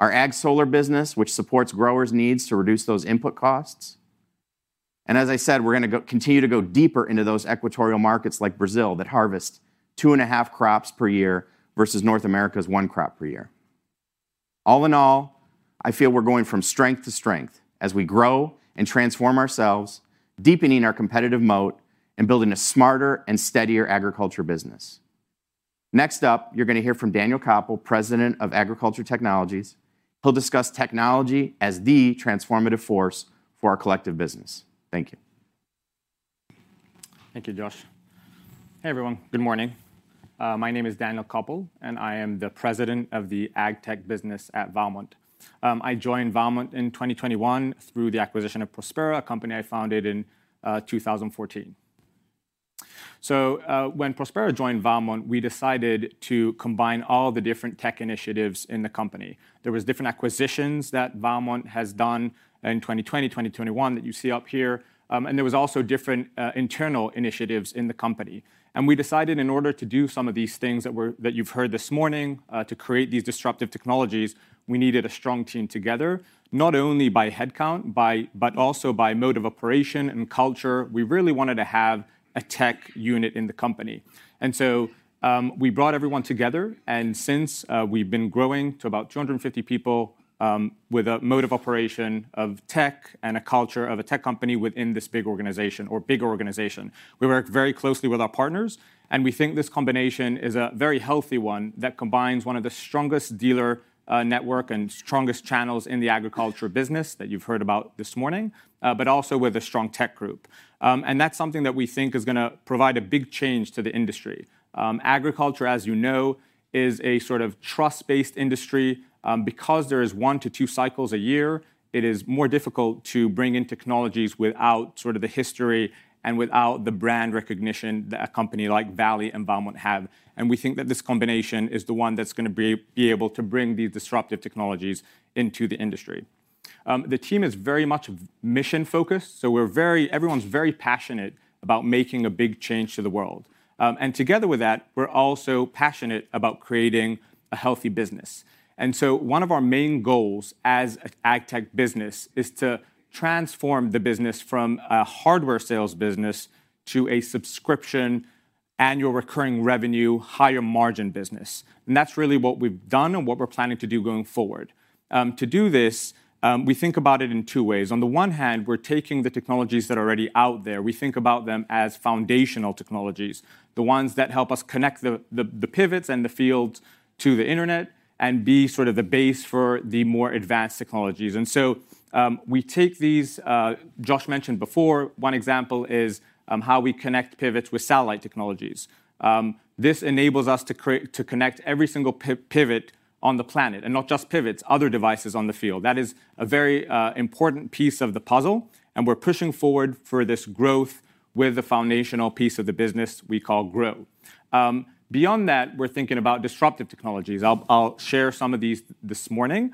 S4: Our Ag Solar business, which supports growers' needs to reduce those input costs. As I said, we're gonna continue to go deeper into those equatorial markets like Brazil that harvest 2.5 crops per year versus North America's 1 crop per year. All in all, I feel we're going from strength to strength as we grow and transform ourselves, deepening our competitive moat and building a smarter and steadier agriculture business. Next up, you're gonna hear from Daniel Kappelman, President of Ag Technology. He'll discuss technology as the transformative force for our collective business. Thank you.
S5: Thank you, Josh. Hey, everyone. Good morning. My name is Daniel Kappelman, and I am the Daniel Koppelman. I joined Valmont in 2021 through the acquisition of Prospera, a company I founded in 2014. When Prospera joined Valmont, we decided to combine all the different tech initiatives in the company. There was different acquisitions that Valmont has done in 2020, 2021 that you see up here, there was also different internal initiatives in the company. We decided in order to do some of these things that you've heard this morning, to create these disruptive technologies, we needed a strong team together, not only by headcount, but also by mode of operation and culture. We really wanted to have a tech unit in the company. We brought everyone together, since we've been growing to about 250 people, with a mode of operation of tech and a culture of a tech company within this big organization or bigger organization. We work very closely with our partners, and we think this combination is a very healthy one that combines one of the strongest dealer network and strongest channels in the agriculture business that you've heard about this morning, but also with a strong tech group. That's something that we think is gonna provide a big change to the industry. Agriculture, as you know, is a sort of trust-based industry. Because there is one to two cycles a year, it is more difficult to bring in technologies without sort of the history and without the brand recognition that a company like Valley and Valmont have. We think that this combination is the one that's gonna be able to bring these disruptive technologies into the industry. The team is very much mission-focused, so everyone's very passionate about making a big change to the world. Together with that, we're also passionate about creating a healthy business. One of our main goals as an AgTech business is to transform the business from a hardware sales business to a subscription, annual recurring revenue, higher margin business. That's really what we've done and what we're planning to do going forward. To do this, we think about it in two ways. On the one hand, we're taking the technologies that are already out there. We think about them as foundational technologies, the ones that help us connect the pivots and the fields to the Internet and be sort of the base for the more advanced technologies. We take these. Josh mentioned before one example is how we connect pivots with satellite technologies. This enables us to connect every single pivot on the planet, and not just pivots, other devices on the field. That is a very important piece of the puzzle. We're pushing forward for this growth with the foundational piece of the business we call Grow. Beyond that, we're thinking about disruptive technologies. I'll share some of these this morning.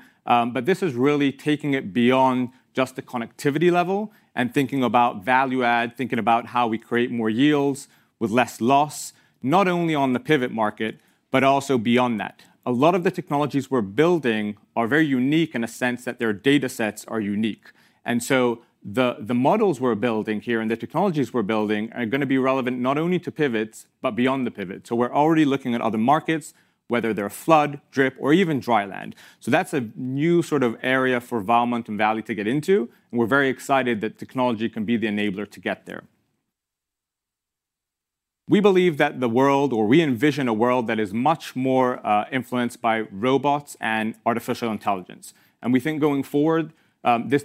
S5: This is really taking it beyond just the connectivity level and thinking about value add, thinking about how we create more yields with less loss, not only on the pivot market, but also beyond that. A lot of the technologies we're building are very unique in a sense that their datasets are unique. The models we're building here and the technologies we're building are gonna be relevant not only to pivots but beyond the pivot. We're already looking at other markets, whether they're flood, drip, or even dry land. That's a new sort of area for Valmont and Valley to get into, and we're very excited that technology can be the enabler to get there. We envision a world that is much more influenced by robots and artificial intelligence. We think going forward,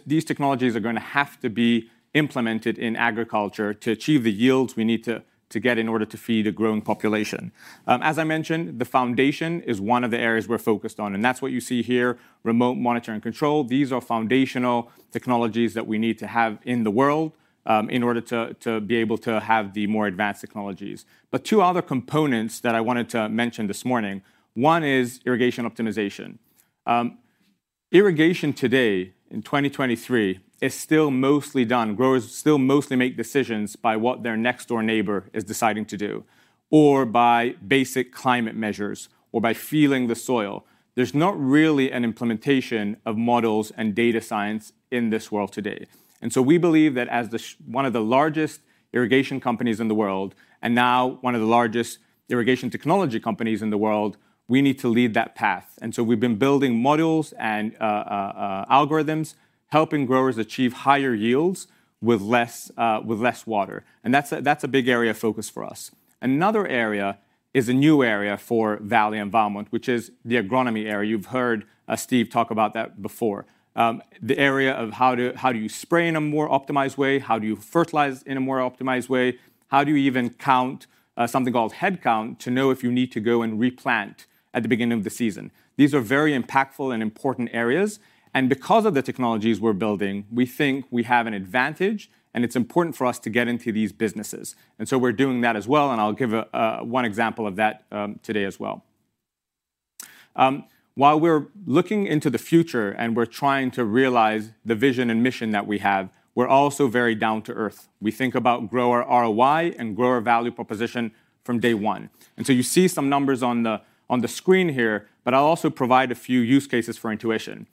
S5: these technologies are gonna have to be implemented in agriculture to achieve the yields we need to get in order to feed a growing population. As I mentioned, the foundation is one of the areas we're focused on, and that's what you see here, remote monitor and control. These are foundational technologies that we need to have in the world, in order to be able to have the more advanced technologies. Two other components that I wanted to mention this morning, one is irrigation optimization. Irrigation today in 2023 is still mostly done. Growers still mostly make decisions by what their next-door neighbor is deciding to do or by basic climate measures or by feeling the soil. There's not really an implementation of models and data science in this world today. We believe that as one of the largest irrigation companies in the world, and now one of the largest irrigation technology companies in the world, we need to lead that path. We've been building models and algorithms helping growers achieve higher yields with less water, and that's a big area of focus for us. Another area is a new area for Valley Environment, which is the agronomy area. You've heard Steve talk about that before. The area of how do you spray in a more optimized way? How do you fertilize in a more optimized way? How do you even count something called headcount to know if you need to go and replant at the beginning of the season? These are very impactful and important areas, and because of the technologies we're building, we think we have an advantage, and it's important for us to get into these businesses. We're doing that as well, and I'll give a 1 example of that today as well. While we're looking into the future and we're trying to realize the vision and mission that we have, we're also very down-to-earth. We think about grower ROI and grower value proposition from day 1. You see some numbers on the screen here, but I'll also provide a few use cases for intuition.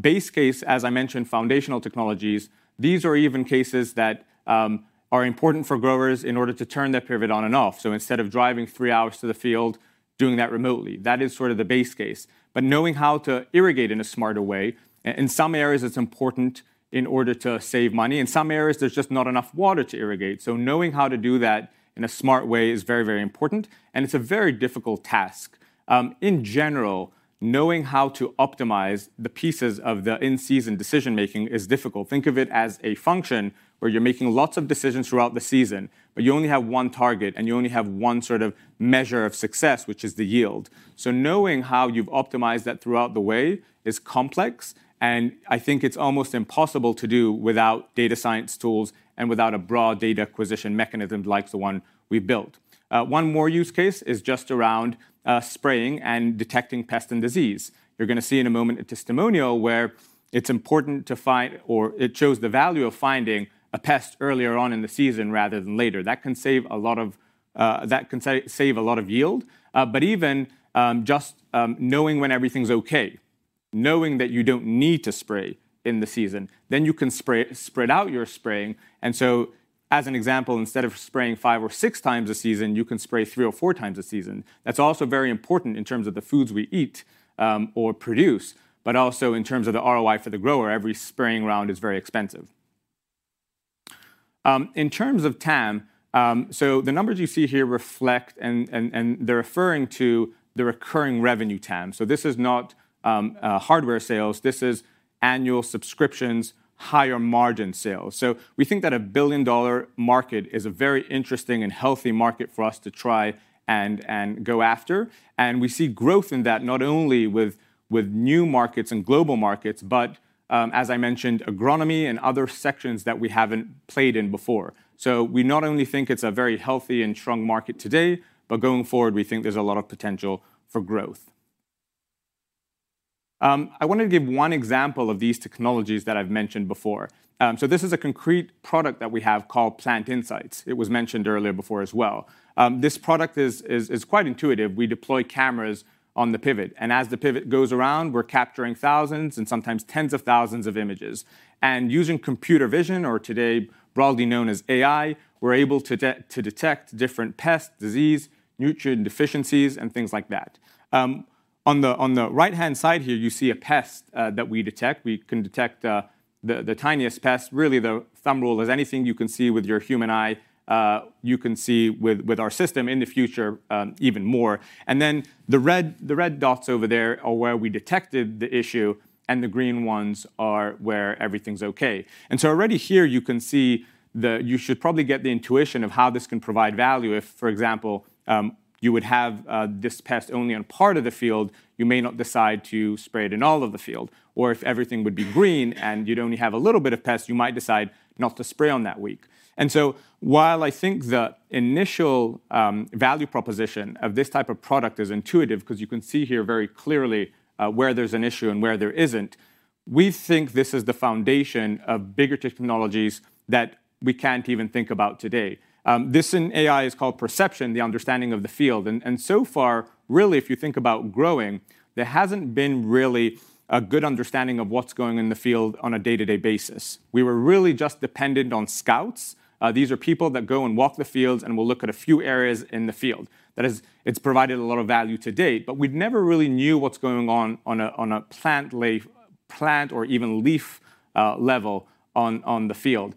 S5: Base case, as I mentioned, foundational technologies. These are even cases that are important for growers in order to turn their pivot on and off. Instead of driving three hours to the field, doing that remotely. That is sort of the base case. Knowing how to irrigate in a smarter way, in some areas, it's important in order to save money. In some areas, there's just not enough water to irrigate. Knowing how to do that in a smart way is very, very important, and it's a very difficult task. In general, knowing how to optimize the pieces of the in-season decision-making is difficult. Think of it as a function where you're making lots of decisions throughout the season, but you only have one target, and you only have one sort of measure of success, which is the yield. Knowing how you've optimized that throughout the way is complex, and I think it's almost impossible to do without data science tools and without a broad data acquisition mechanism like the one we built. One more use case is just around spraying and detecting pest and disease. You're gonna see in a moment a testimonial where it's important to find or it shows the value of finding a pest earlier on in the season rather than later. That can save a lot of yield. Even just knowing when everything's okay, knowing that you don't need to spray in the season, then you can spray, spread out your spraying. As an example, instead of spraying five or six times a season, you can spray three or four times a season. That's also very important in terms of the foods we eat or produce, but also in terms of the ROI for the grower. Every spraying round is very expensive. In terms of TAM, the numbers you see here reflect and they're referring to the recurring revenue TAM. This is not hardware sales, this is annual subscriptions, higher margin sales. We think that a $1 billion market is a very interesting and healthy market for us to try and go after. We see growth in that, not only with new markets and global markets, but as I mentioned, agronomy and other sections that we haven't played in before. We not only think it's a very healthy and strong market today, but going forward, we think there's a lot of potential for growth. I wanted to give one example of these technologies that I've mentioned before. This is a concrete product that we have called Plant Insights. It was mentioned earlier before as well. This product is quite intuitive. We deploy cameras on the pivot, and as the pivot goes around, we're capturing thousands and sometimes tens of thousands of images. Using computer vision, or today broadly known as AI, we're able to detect different pest, disease, nutrient deficiencies, and things like that. On the right-hand side here, you see a pest that we detect. We can detect the tiniest pest. Really, the thumb rule is anything you can see with your human eye, you can see with our system in the future, even more. The red dots over there are where we detected the issue, and the green ones are where everything's okay. Already here you can see you should probably get the intuition of how this can provide value if, for example, you would have this pest only on part of the field, you may not decide to spray it in all of the field. If everything would be green and you'd only have a little bit of pest, you might decide not to spray on that week. While I think the initial value proposition of this type of product is intuitive because you can see here very clearly where there's an issue and where there isn't, we think this is the foundation of bigger technologies that we can't even think about today. This in AI is called perception, the understanding of the field. So far, really, if you think about growing, there hasn't been really a good understanding of what's going in the field on a day-to-day basis. We were really just dependent on scouts. These are people that go and walk the fields and will look at a few areas in the field. It's provided a lot of value to date, but we'd never really knew what's going on on a plant leaf, plant or even leaf level on the field.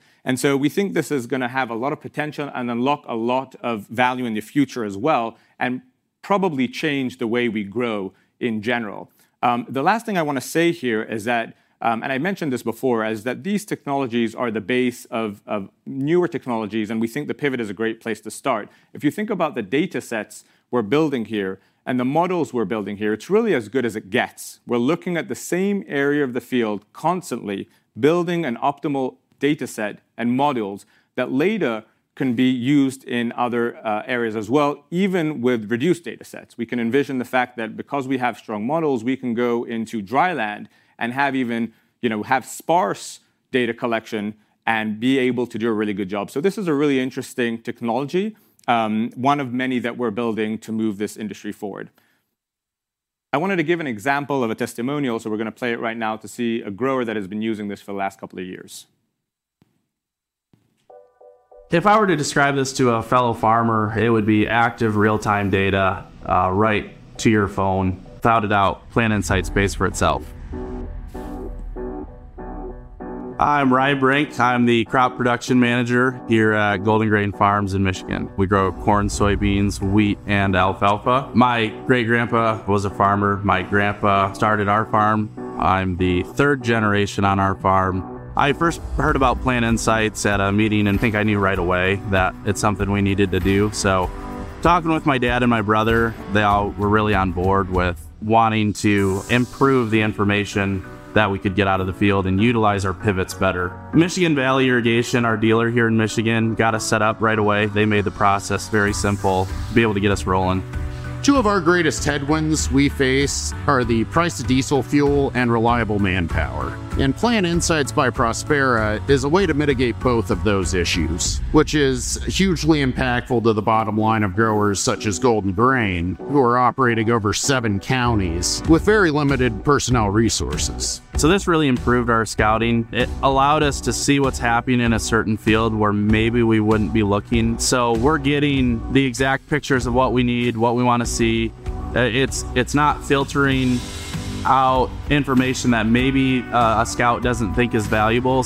S5: We think this is gonna have a lot of potential and unlock a lot of value in the future as well, and probably change the way we grow in general. The last thing I want to say here is that, I mentioned this before, is that these technologies are the base of newer technologies, and we think the pivot is a great place to start. If you think about the datasets we're building here and the models we're building here, it's really as good as it gets. We're looking at the same area of the field constantly, building an optimal dataset and models that later can be used in other areas as well, even with reduced datasets. We can envision the fact that because we have strong models, we can go into dry land and have even, you know, have sparse data collection and be able to do a really good job. This is a really interesting technology, one of many that we're building to move this industry forward. I wanted to give an example of a testimonial, so we're gonna play it right now to see a grower that has been using this for the last couple of years.
S6: If I were to describe this to a fellow farmer, it would be active real-time data, right to your phone. Without a doubt, Plant Insights pays for itself. I'm Ryan Brink. I'm the crop production manager here at Golden Grain Farms in Michigan. We grow corn, soybeans, wheat, and alfalfa. My great-grandpa was a farmer. My grandpa started our farm. I'm the third generation on our farm. I first heard about Plant Insights at a meeting. I think I knew right away that it's something we needed to do. Talking with my dad and my brother, they all were really on board with wanting to improve the information that we could get out of the field and utilize our pivots better. Michigan Valley Irrigation, our dealer here in Michigan, got us set up right away. They made the process very simple to be able to get us rolling. Two of our greatest headwinds we face are the price of diesel fuel and reliable manpower. Plant Insights by Prospera is a way to mitigate both of those issues, which is hugely impactful to the bottom line of growers such as Golden Grain, who are operating over seven counties with very limited personnel resources. This really improved our scouting. It allowed us to see what's happening in a certain field where maybe we wouldn't be looking. We're getting the exact pictures of what we need, what we wanna see. It's not filtering out information that maybe a scout doesn't think is valuable.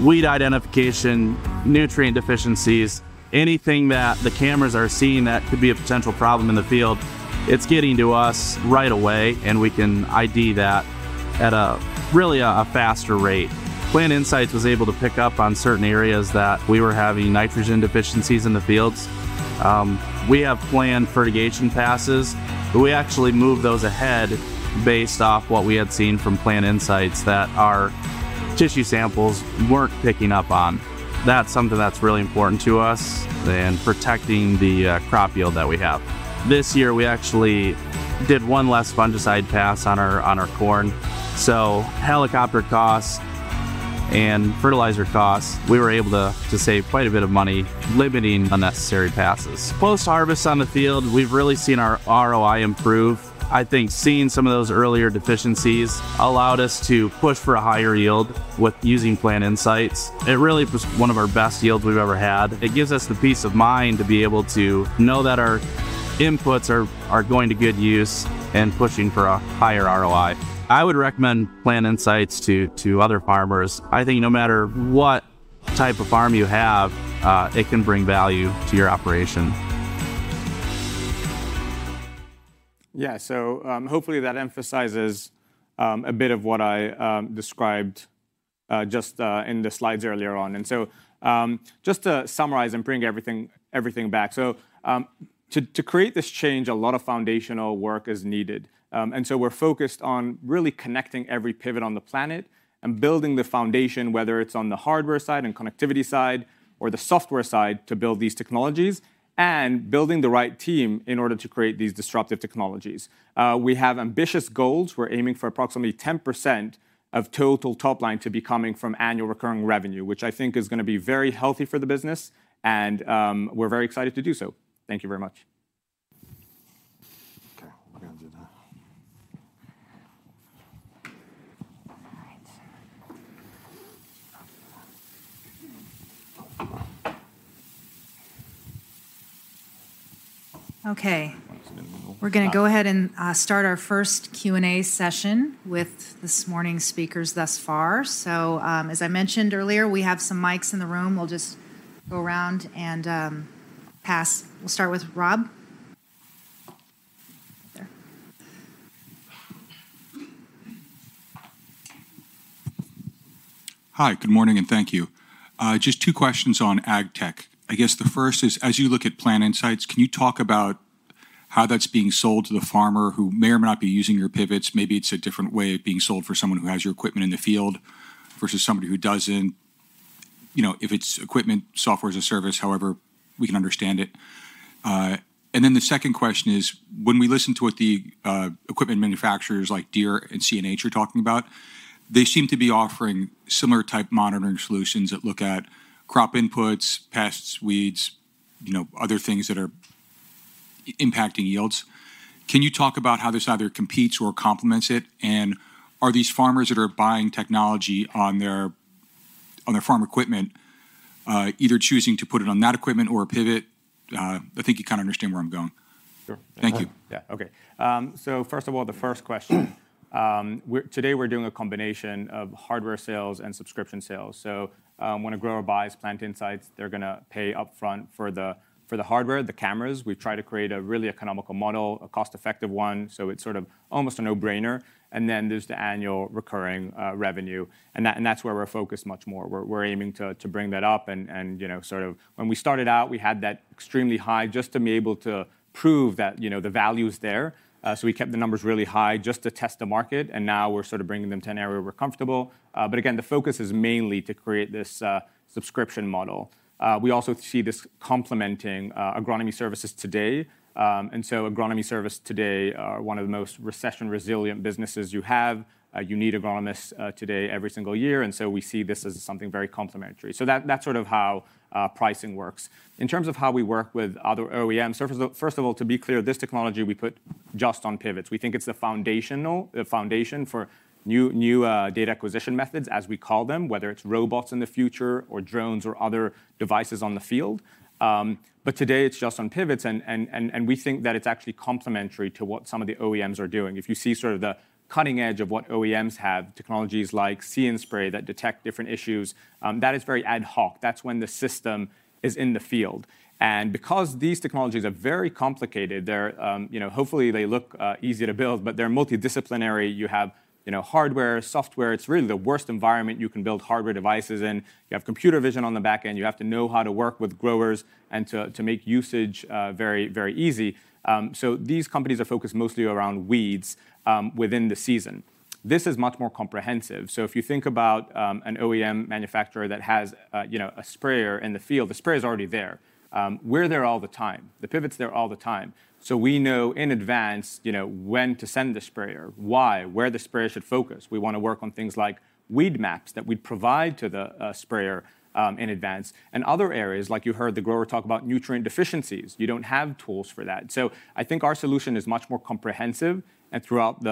S6: Weed identification, nutrient deficiencies, anything that the cameras are seeing that could be a potential problem in the field, it's getting to us right away, and we can ID that at a really a faster rate. Plant Insights was able to pick up on certain areas that we were having nitrogen deficiencies in the fields. We have planned fertigation passes, but we actually moved those ahead based off what we had seen from Plant Insights that our tissue samples weren't picking up on. That's something that's really important to us in protecting the crop yield that we have. This year we actually did one less fungicide pass on our corn. Helicopter costs and fertilizer costs, we were able to save quite a bit of money limiting unnecessary passes. Post-harvest on the field, we've really seen our ROI improve. I think seeing some of those earlier deficiencies allowed us to push for a higher yield with using Plant Insights. It really was one of our best yields we've ever had. It gives us the peace of mind to be able to know that our inputs are going to good use and pushing for a higher ROI. I would recommend Plant Insights to other farmers. I think no matter what type of farm you have, it can bring value to your operation.
S5: Hopefully that emphasizes a bit of what I described just in the slides earlier on. Just to summarize and bring everything back. To create this change, a lot of foundational work is needed. We're focused on really connecting every pivot on the planet and building the foundation, whether it's on the hardware side and connectivity side or the software side to build these technologies, and building the right team in order to create these disruptive technologies. We have ambitious goals. We're aiming for approximately 10% of total top line to be coming from annual recurring revenue, which I think is going to be very healthy for the business, and we're very excited to do so. Thank you very much.
S1: Okay, we're gonna do that. We're gonna go ahead and start our first Q&A session with this morning's speakers thus far. As I mentioned earlier, we have some mics in the room. We'll just go around and pass. We'll start with Rob. There.
S7: Hi. Good morning, and thank you. Just two questions on ag tech. I guess the first is, as you look at Plant Insights, can you talk about how that's being sold to the farmer who may or may not be using your pivots? Maybe it's a different way of being sold for someone who has your equipment in the field versus somebody who doesn't. You know, if it's equipment, software as a service, however we can understand it. The second question is, when we listen to what the equipment manufacturers like Deere and CNH are talking about, they seem to be offering similar type monitoring solutions that look at crop inputs, pests, weeds, you know, other things that are impacting yields. Can you talk about how this either competes or complements it? Are these farmers that buying technology on their, on their farm equipment, either choosing to put it on that equipment or a pivot? I think you kinda understand where I'm going.
S5: Sure.
S7: Thank you.
S5: Yeah. Okay. First of all, the first question. Today we're doing a combination of hardware sales and subscription sales. When a grower buys Plant Insights, they're gonna pay upfront for the hardware, the cameras. We try to create a really economical model, a cost-effective one, so it's sort of almost a no-brainer. There's the annual recurring revenue, and that's where we're focused much more. We're aiming to bring that up and, you know, sort of when we started out, we had that extremely high just to be able to prove that, you know, the value is there. We kept the numbers really high just to test the market, and now we're sort of bringing them to an area we're comfortable. Again, the focus is mainly to create this subscription model. We also see this complementing agronomy services today. Agronomy service today are one of the most recession-resilient businesses you have. You need agronomists today every single year, and so we see this as something very complementary. That's sort of how pricing works. In terms of how we work with other OEM services, first of all, to be clear, this technology we put just on pivots. We think it's the foundation for new data acquisition methods, as we call them, whether it's robots in the future or drones or other devices on the field. Today it's just on pivots and we think that it's actually complementary to what some of the OEMs are doing. If you see sort of the cutting edge of what OEMs have, technologies like See & Spray that detect different issues, that is very ad hoc. That's when the system is in the field. Because these technologies are very complicated, they're, you know, hopefully they look easy to build, but they're multidisciplinary. You have, you know, hardware, software. It's really the worst environment you can build hardware devices in. You have computer vision on the back end. You have to know how to work with growers and to make usage very, very easy. These companies are focused mostly around weeds-within the season. This is much more comprehensive. If you think about an OEM manufacturer that has, you know, a sprayer in the field, the sprayer's already there. We're there all the time. The pivot's there all the time. We know in advance, you know, when to send the sprayer, why, where the sprayer should focus. We wanna work on things like weed maps that we'd provide to the sprayer in advance, and other areas like you heard the grower talk about nutrient deficiencies. You don't have tools for that. I think our solution is much more comprehensive and throughout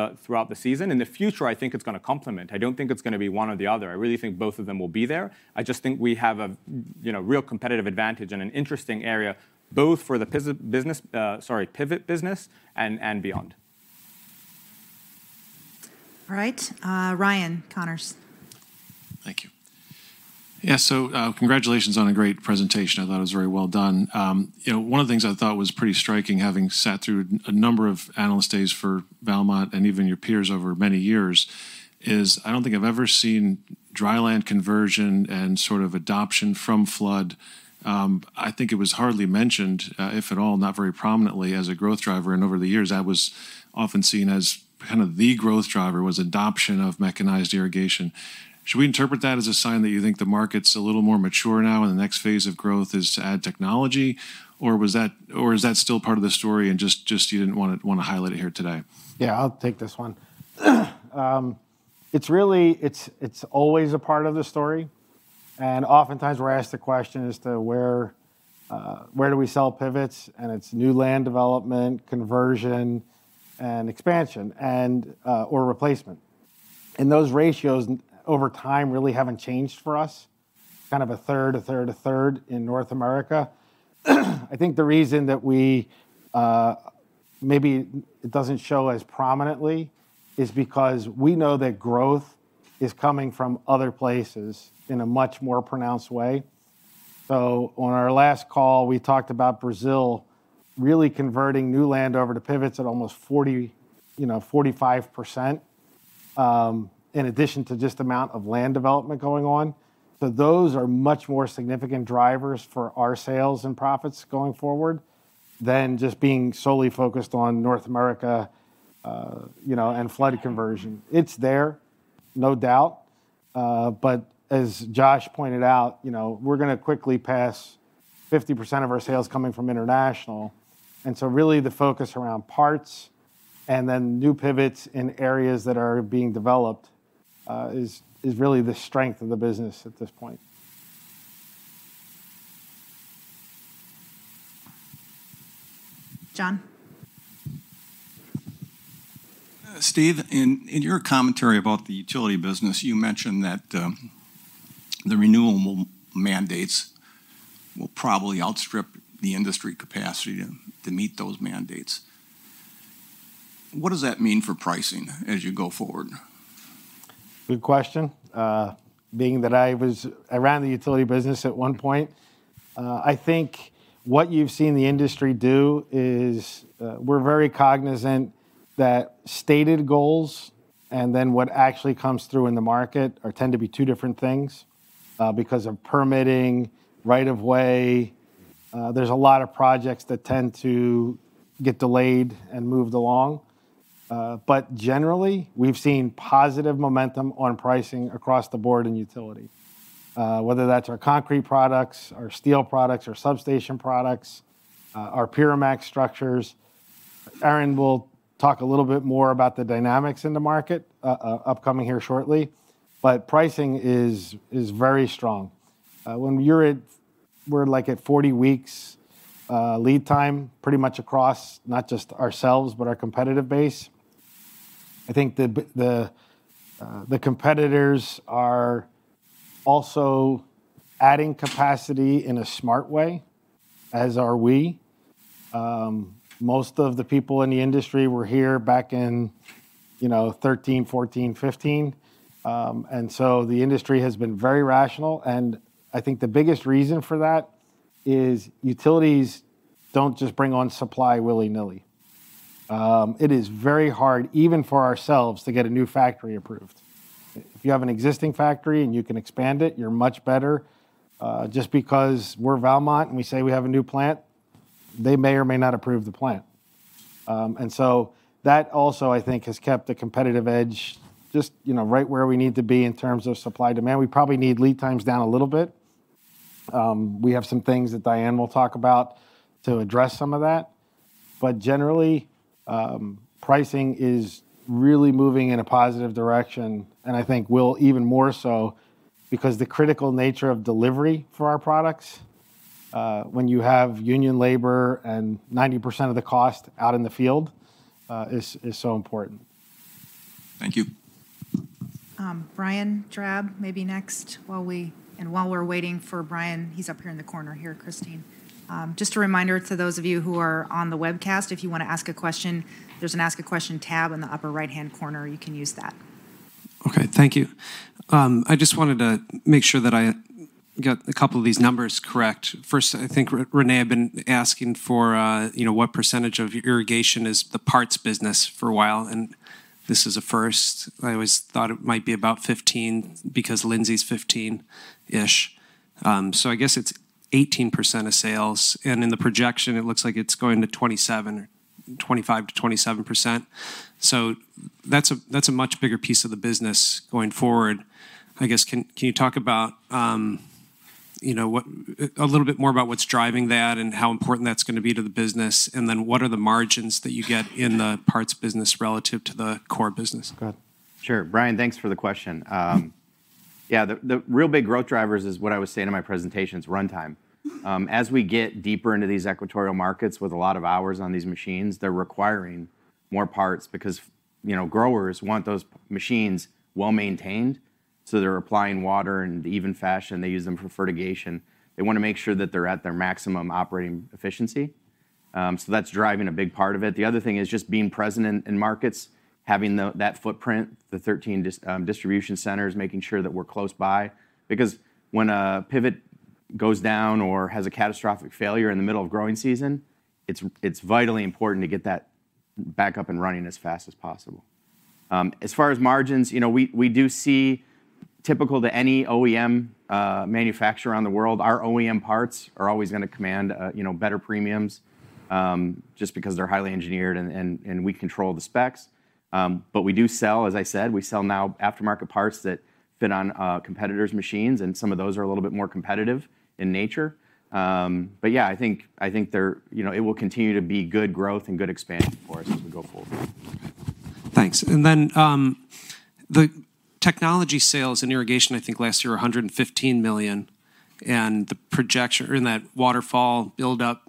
S5: the season. In the future, I think it's gonna complement. I don't think it's gonna be one or the other. I really think both of them will be there. I just think we have a, you know, real competitive advantage in an interesting area, both for the, sorry, pivot business and beyond.
S1: All right. Ryan Connors.
S8: Thank you. Yeah, congratulations on a great presentation. I thought it was very well done. You know, one of the things I thought was pretty striking having sat through a number of analyst days for Valmont and even your peers over many years is I don't think I've ever seen dry land conversion and sort of adoption from flood. I think it was hardly mentioned, if at all, not very prominently as a growth driver, and over the years that was often seen as kind of the growth driver was adoption of mechanized irrigation. Should we interpret that as a sign that you think the market's a little more mature now and the next phase of growth is to add technology, or was that or is that still part of the story and just you didn't wanna highlight it here today?
S3: Yeah, I'll take this one. It's always a part of the story. Oftentimes we're asked the question as to where we sell pivots, and it's new land development, conversion and expansion, and or replacement. Those ratios over time really haven't changed for us, kind of a third, a third, a third in North America. I think the reason that we maybe it doesn't show as prominently is because we know that growth is coming from other places in a much more pronounced way. On our last call, we talked about Brazil really converting new land over to pivots at almost 40, you know, 45%, in addition to just amount of land development going on. Those are much more significant drivers for our sales and profits going forward than just being solely focused on North America, you know, and flood conversion. It's there, no doubt, but as Jason Hixson pointed out, you know, we're gonna quickly pass 50% of our sales coming from international. Really the focus around parts and then new pivots in areas that are being developed, is really the strength of the business at this point.
S1: John.
S9: Steve, in your commentary about the utility business, you mentioned that the renewable mandates will probably outstrip the industry capacity to meet those mandates. What does that mean for pricing as you go forward?
S3: Good question. Being that I ran the utility business at one point. I think what you've seen the industry do is, we're very cognizant that stated goals and then what actually comes through in the market are tend to be two different things, because of permitting, right of way. There's a lot of projects that tend to get delayed and moved along. Generally, we've seen positive momentum on pricing across the board in utility. Whether that's our concrete products, our steel products, our substation products, our PureMAX structures. Aaron will talk a little bit more about the dynamics in the market upcoming here shortly, but pricing is very strong. We're like at 40 weeks, lead time, pretty much across not just ourselves, but our competitive base. I think the competitors are also adding capacity in a smart way, as are we. Most of the people in the industry were here back in, you know, 2013, 2014, 2015. The industry has been very rational, and I think the biggest reason for that is utilities don't just bring on supply willy-nilly. It is very hard, even for ourselves, to get a new factory approved. If you have an existing factory and you can expand it, you're much better. Just because we're Valmont and we say we have a new plant, they may or may not approve the plant. That also, I think, has kept the competitive edge just, you know, right where we need to be in terms of supply-demand. We probably need lead times down a little bit. We have some things that Diane will talk about to address some of that. Generally, pricing is really moving in a positive direction and I think will even more so because the critical nature of delivery for our products, when you have union labor and 90% of the cost out in the field, is so important.
S9: Thank you.
S1: Brian Drab maybe next while we're waiting for Brian, he's up here in the corner here, Christine. just a reminder to those of you who are on the webcast, if you wanna ask a question, there's an ask a question tab in the upper right-hand corner. You can use that.
S10: Okay. Thank you. I just wanted to make sure that I got a couple of these numbers correct. First, I think Renee had been asking for, you know, what percentage of irrigation is the parts business for a while, this is a first. I always thought it might be about 15 because Lindsay's 15-ish. I guess it's 18% of sales, and in the projection it looks like it's going to 27% or 25%-27%. That's a much bigger piece of the business going forward. I guess can you talk about, you know, a little bit more about what's driving that and how important that's gonna be to the business? What are the margins that you get in the parts business relative to the core business?
S3: Go ahead.
S5: Sure. Brian, thanks for the question. Yeah, the real big growth drivers is what I was saying in my presentation's runtime. As we get deeper into these equatorial markets with a lot of hours on these machines, they're requiring more parts because, you know, growers want those machines well-maintained, so they're applying water in even fashion. They use them for fertigation. They wanna make sure that they're at their maximum operating efficiency, so that's driving a big part of it. The other thing is just being present in markets, having the, that footprint, the 13 distribution centers, making sure that we're close by. When a pivot goes down or has a catastrophic failure in the middle of growing season, it's vitally important to get that back up and running as fast as possible. As far as margins, you know, we do see typical to any OEM manufacturer around the world, our OEM parts are always gonna command, you know, better premiums, just because they're highly engineered and we control the specs. We do sell, as I said, we sell now aftermarket parts that fit on competitors' machines, and some of those are a little bit more competitive in nature. Yeah, I think they're, you know, it will continue to be good growth and good expansion for us as we go forward.
S10: Thanks. The technology sales and irrigation I think last year were $115 million, and the projection or in that waterfall build up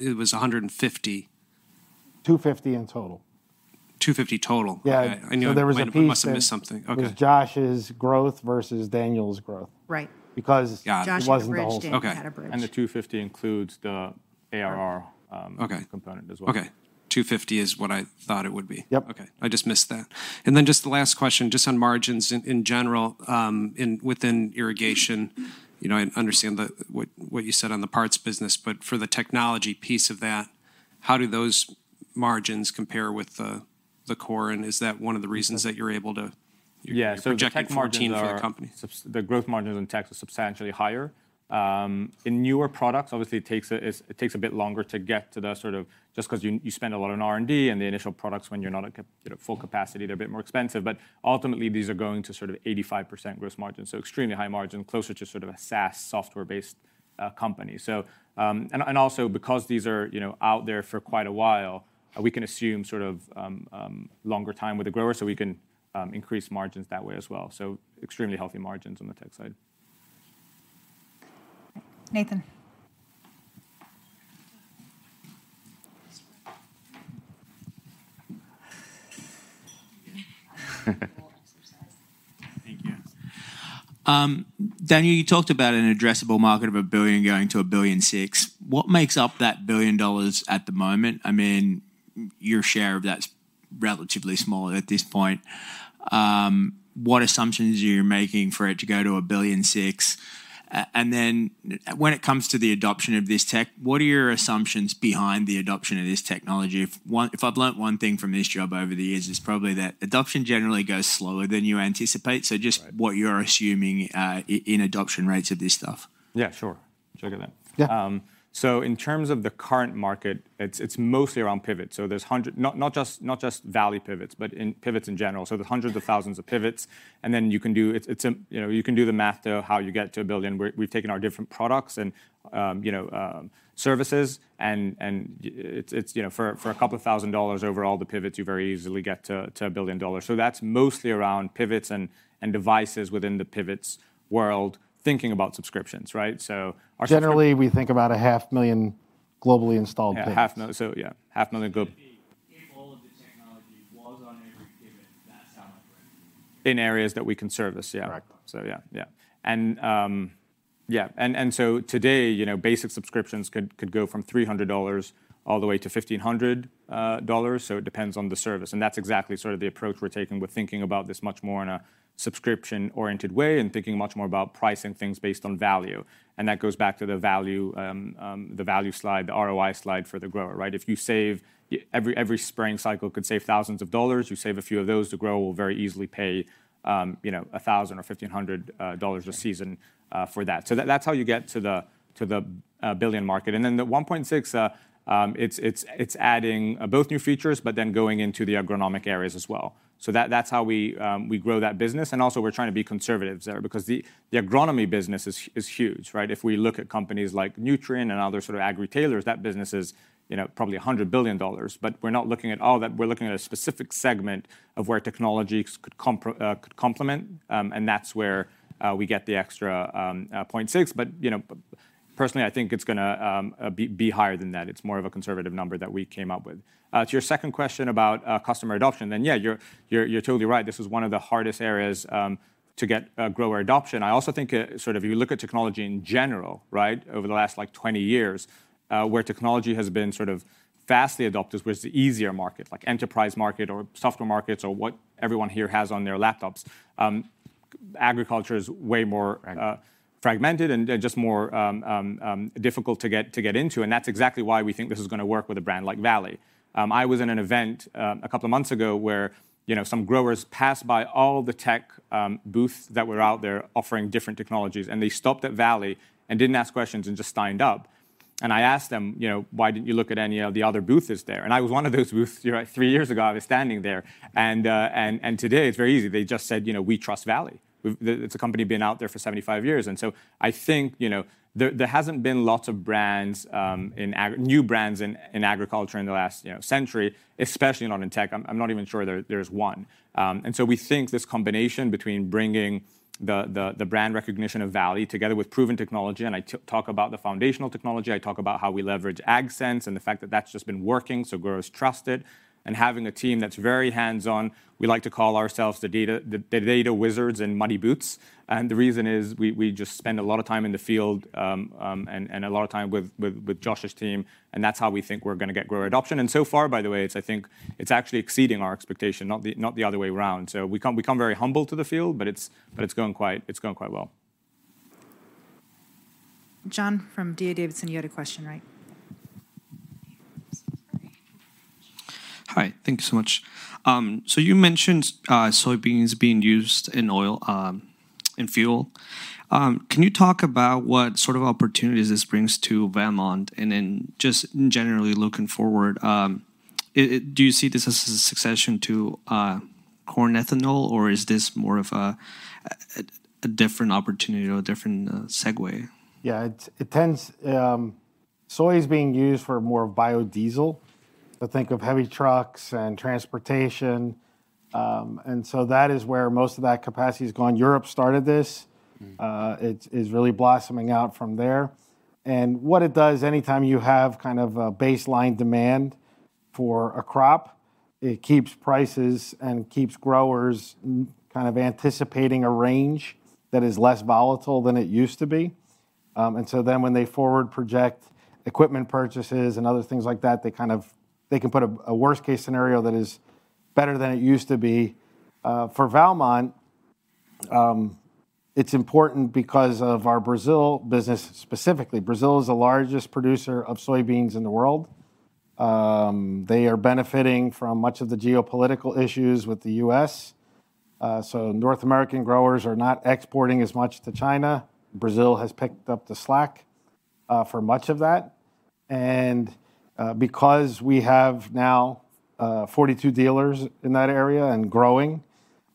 S10: it was $150 million.
S3: 250 in total.
S10: $250 total.
S3: Yeah.
S10: Okay.
S3: there was a piece.
S10: I must have missed something. Okay.
S3: Was Josh's growth versus Daniel's growth.
S4: Right.
S3: Because-
S10: Got it.
S3: it wasn't the whole thing.
S4: Josh had a bridge, Daniel had a bridge.
S5: The $250 includes the ARR.
S10: Okay...
S5: component as well.
S10: Okay. $250 is what I thought it would be.
S3: Yep.
S10: Okay. I just missed that. Just the last question, just on margins in general, within irrigation? You know, I understand what you said on the parts business, but for the technology piece of that, how do those margins compare with the core? Is that one of the reasons that you're able to-
S5: Yeah. The tech margins are.
S10: You're projecting 14 to the company.
S5: the growth margins in tech are substantially higher. In newer products, obviously it takes a bit longer to get to the sort of. Just 'cause you spend a lot on R&D and the initial products when you're not at you know, full capacity, they're a bit more expensive. Ultimately, these are going to sort of 85% gross margin. Extremely high margin, closer to sort of a SaaS software-based company. And also because these are, you know, out there for quite a while, we can assume sort of longer time with the grower, so we can increase margins that way as well. Extremely healthy margins on the tech side.
S4: Nathan.
S11: Thank you. Daniel, you talked about an addressable market of $1 billion going to $1.6 billion. What makes up that $1 billion at the moment? I mean, your share of that's relatively small at this point. What assumptions are you making for it to go to $1.6 billion? When it comes to the adoption of this tech, what are your assumptions behind the adoption of this technology? If I've learnt one thing from this job over the years, it's probably that adoption generally goes slower than you anticipate.
S5: Right.
S11: Just what you're assuming, in adoption rates of this stuff.
S5: Yeah, sure. Sure, go then.
S3: Yeah.
S5: In terms of the current market, it's mostly around pivots. There's not just Valley pivots, but in pivots in general. There's hundreds of thousands of pivots, and then you can do. It's, you know, you can do the math to how you get to $1 billion. We've taken our different products and, you know, services and, you know, for $2,000 over all the pivots, you very easily get to $1 billion. That's mostly around pivots and devices within the pivots world thinking about subscriptions, right? Our subscription-
S3: Generally, we think about 500,000 globally installed pivots.
S5: Yeah. Half mil. Yeah, half million globe
S11: It should be if all of the technology was on every pivot, that's how it works.
S5: In areas that we can service, yeah.
S3: Correct.
S5: Yeah. Yeah. Today, you know, basic subscriptions could go from $300 all the way to $1,500. It depends on the service. That's exactly sort of the approach we're taking. We're thinking about this much more in a subscription-oriented way and thinking much more about pricing things based on value. That goes back to the value slide, the ROI slide for the grower, right? If you save every spring cycle could save thousands of dollars, you save a few of those, the grower will very easily pay, you know, $1,000 or $1,500 a season for that. That's how you get to the billion market. The 1.6, it's adding both new features but then going into the agronomic areas as well. That's how we grow that business. We're trying to be conservatives there because the agronomy business is huge, right? If we look at companies like Nutrien and other sort of agri-tailers, that business is, you know, probably $100 billion. We're not looking at all that. We're looking at a specific segment of where technology could complement, and that's where we get the extra 0.6. You know, personally, I think it's gonna be higher than that. It's more of a conservative number that we came up with. To your second question about customer adoption, yeah, you're, you're totally right. This is one of the hardest areas to get grower adoption. I also think sort of you look at technology in general, right, over the last, like, 20 years, where technology has been sort of fastly adopted was the easier market, like enterprise market or software markets or what everyone here has on their laptops. Agriculture is way more.
S3: Right
S5: fragmented and just more difficult to get into. That's exactly why we think this is gonna work with a brand like Valley. I was in an event a couple of months ago where, you know, some growers passed by all the tech booths that were out there offering different technologies, and they stopped at Valley and didn't ask questions and just signed up. I asked them, you know, "Why didn't you look at any of the other booths there?" I was one of those booths, you know, three years ago, I was standing there. Today it's very easy. They just said, you know, "We trust Valley." It's a company been out there for 75 years. I think, you know, there hasn't been lots of brands, new brands in agriculture in the last, you know, century, especially not in tech. I'm not even sure there's one. We think this combination between bringing the brand recognition of Valley together with proven technology, and I talk about the foundational technology, I talk about how we leverage AgSense and the fact that that's just been working, so growers trust it, and having a team that's very hands-on. We like to call ourselves the data wizards in muddy boots. The reason is we just spend a lot of time in the field, a lot of time with Jason's team, and that's how we think we're gonna get grower adoption. So far, by the way, it's I think, it's actually exceeding our expectation, not the other way around. We come very humble to the field, but it's going quite well.
S1: John from D.A. Davidson, you had a question, right?
S12: Hi, thank you so much. So you mentioned soybeans being used in oil, in fuel. Can you talk about what sort of opportunities this brings to Valmont? Just generally looking forward, do you see this as a succession to corn ethanol, or is this more of a different opportunity or a different segue?
S3: Yeah. It tends, soy is being used for more biodiesel. Think of heavy trucks and transportation. That is where most of that capacity has gone. Europe started this. It's really blossoming out from there. What it does, anytime you have kind of a baseline demand for a crop, it keeps prices and keeps growers kind of anticipating a range that is less volatile than it used to be. When they forward project equipment purchases and other things like that, they can put a worst case scenario that is better than it used to be. For Valmont, it's important because of our Brazil business specifically. Brazil is the largest producer of soybeans in the world. They are benefiting from much of the geopolitical issues with the U.S. North American growers are not exporting as much to China. Brazil has picked up the slack for much of that. Because we have now, 42 dealers in that area and growing,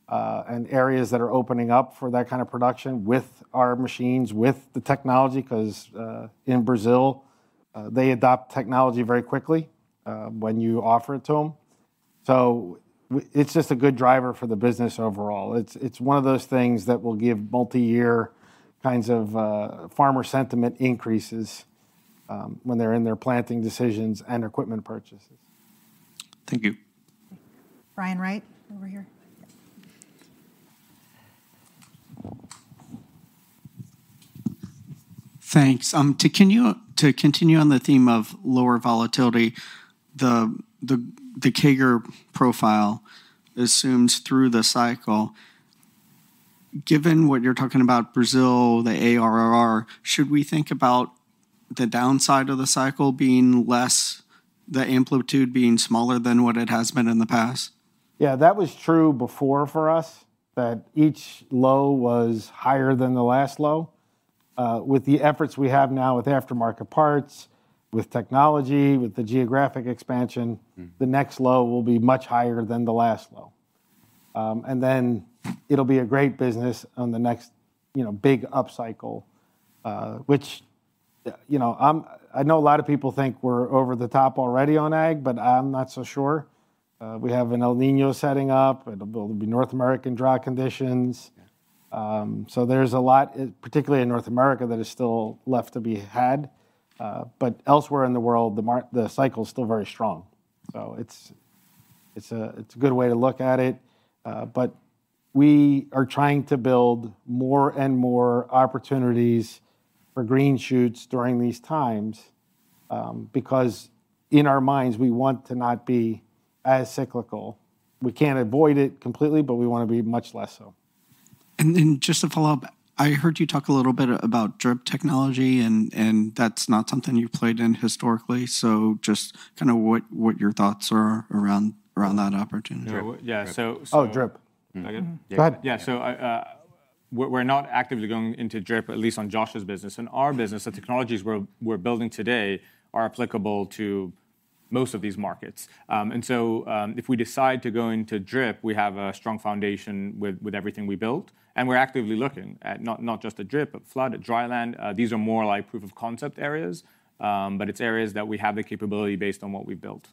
S3: and areas that are opening up for that kind of production with our machines, with the technology, because in Brazil, they adopt technology very quickly, when you offer it to them. It's just a good driver for the business overall. It's, it's one of those things that will give multi-year kinds of, farmer sentiment increases, when they're in their planting decisions and equipment purchases.
S12: Thank you.
S1: Brian Wright over here.
S5: Yeah.
S13: Thanks. To continue on the theme of lower volatility, the CAGR profile assumes through the cycle. Given what you're talking about Brazil, the ARR, should we think about the downside of the cycle being less, the amplitude being smaller than what it has been in the past?
S3: Yeah. That was true before for us, that each low was higher than the last low. With the efforts we have now with aftermarket parts, with technology, with the geographic expansion the next low will be much higher than the last low. Then it'll be a great business on the next, you know, big upcycle, which, you know, I know a lot of people think we're over the top already on ag, but I'm not so sure. We have an El Niño setting up. It'll be North American dry conditions. There's a lot, particularly in North America, that is still left to be had. But elsewhere in the world, the cycle's still very strong. It's a good way to look at it. We are trying to build more and more opportunities for green shoots during these times, because in our minds, we want to not be as cyclical. We can't avoid it completely, but we wanna be much less so.
S13: Just to follow up, I heard you talk a little bit about drip technology and that's not something you've played in historically. Just kinda what your thoughts are around that opportunity.
S5: Drip. Yeah.
S3: Oh, drip.
S5: That it?
S3: Go ahead.
S5: We're not actively going into drip, at least on Josh's business. In our business, the technologies we're building today are applicable to most of these markets. If we decide to go into drip, we have a strong foundation with everything we built, and we're actively looking at not just a drip, but flood, at dry land. These are more like proof of concept areas. It's areas that we have the capability based on what we've built.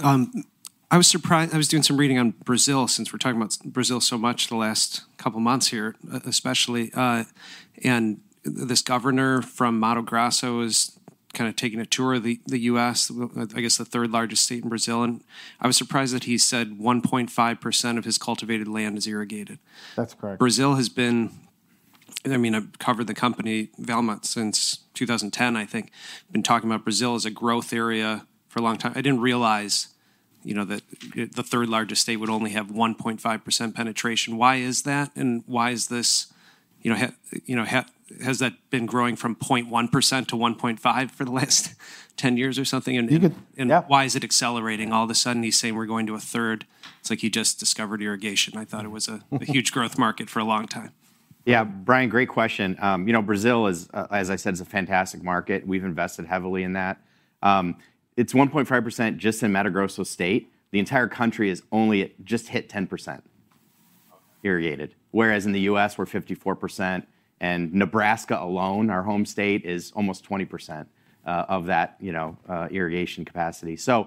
S1: Sure. Brian.
S10: I was doing some reading on Brazil, since we're talking about Brazil so much the last couple months here, especially. This governor from Mato Grosso is kinda taking a tour of the U.S., I guess the third largest state in Brazil. I was surprised that he said 1.5% of his cultivated land is irrigated.
S3: That's correct.
S10: I mean, I've covered the company, Valmont, since 2010, I think. Been talking about Brazil as a growth area for a long time. I didn't realize, you know, that the third largest state would only have 1.5% penetration. Why is that, and why is this?
S14: You know, has that been growing from 0.1% to 1.5% for the last 10 years or something?
S3: You could. Yeah.
S14: Why is it accelerating all of a sudden? You say we're going to a third, it's like you just discovered irrigation. I thought it was a huge growth market for a long time.
S4: Yeah. Brian, great question. you know, Brazil is, as I said, is a fantastic market. We've invested heavily in that. It's 1.5% just in Mato Grosso State. The entire country just hit 10% irrigated, whereas in the U.S. we're 54%, Nebraska alone, our home state, is almost 20% of that, you know, irrigation capacity. you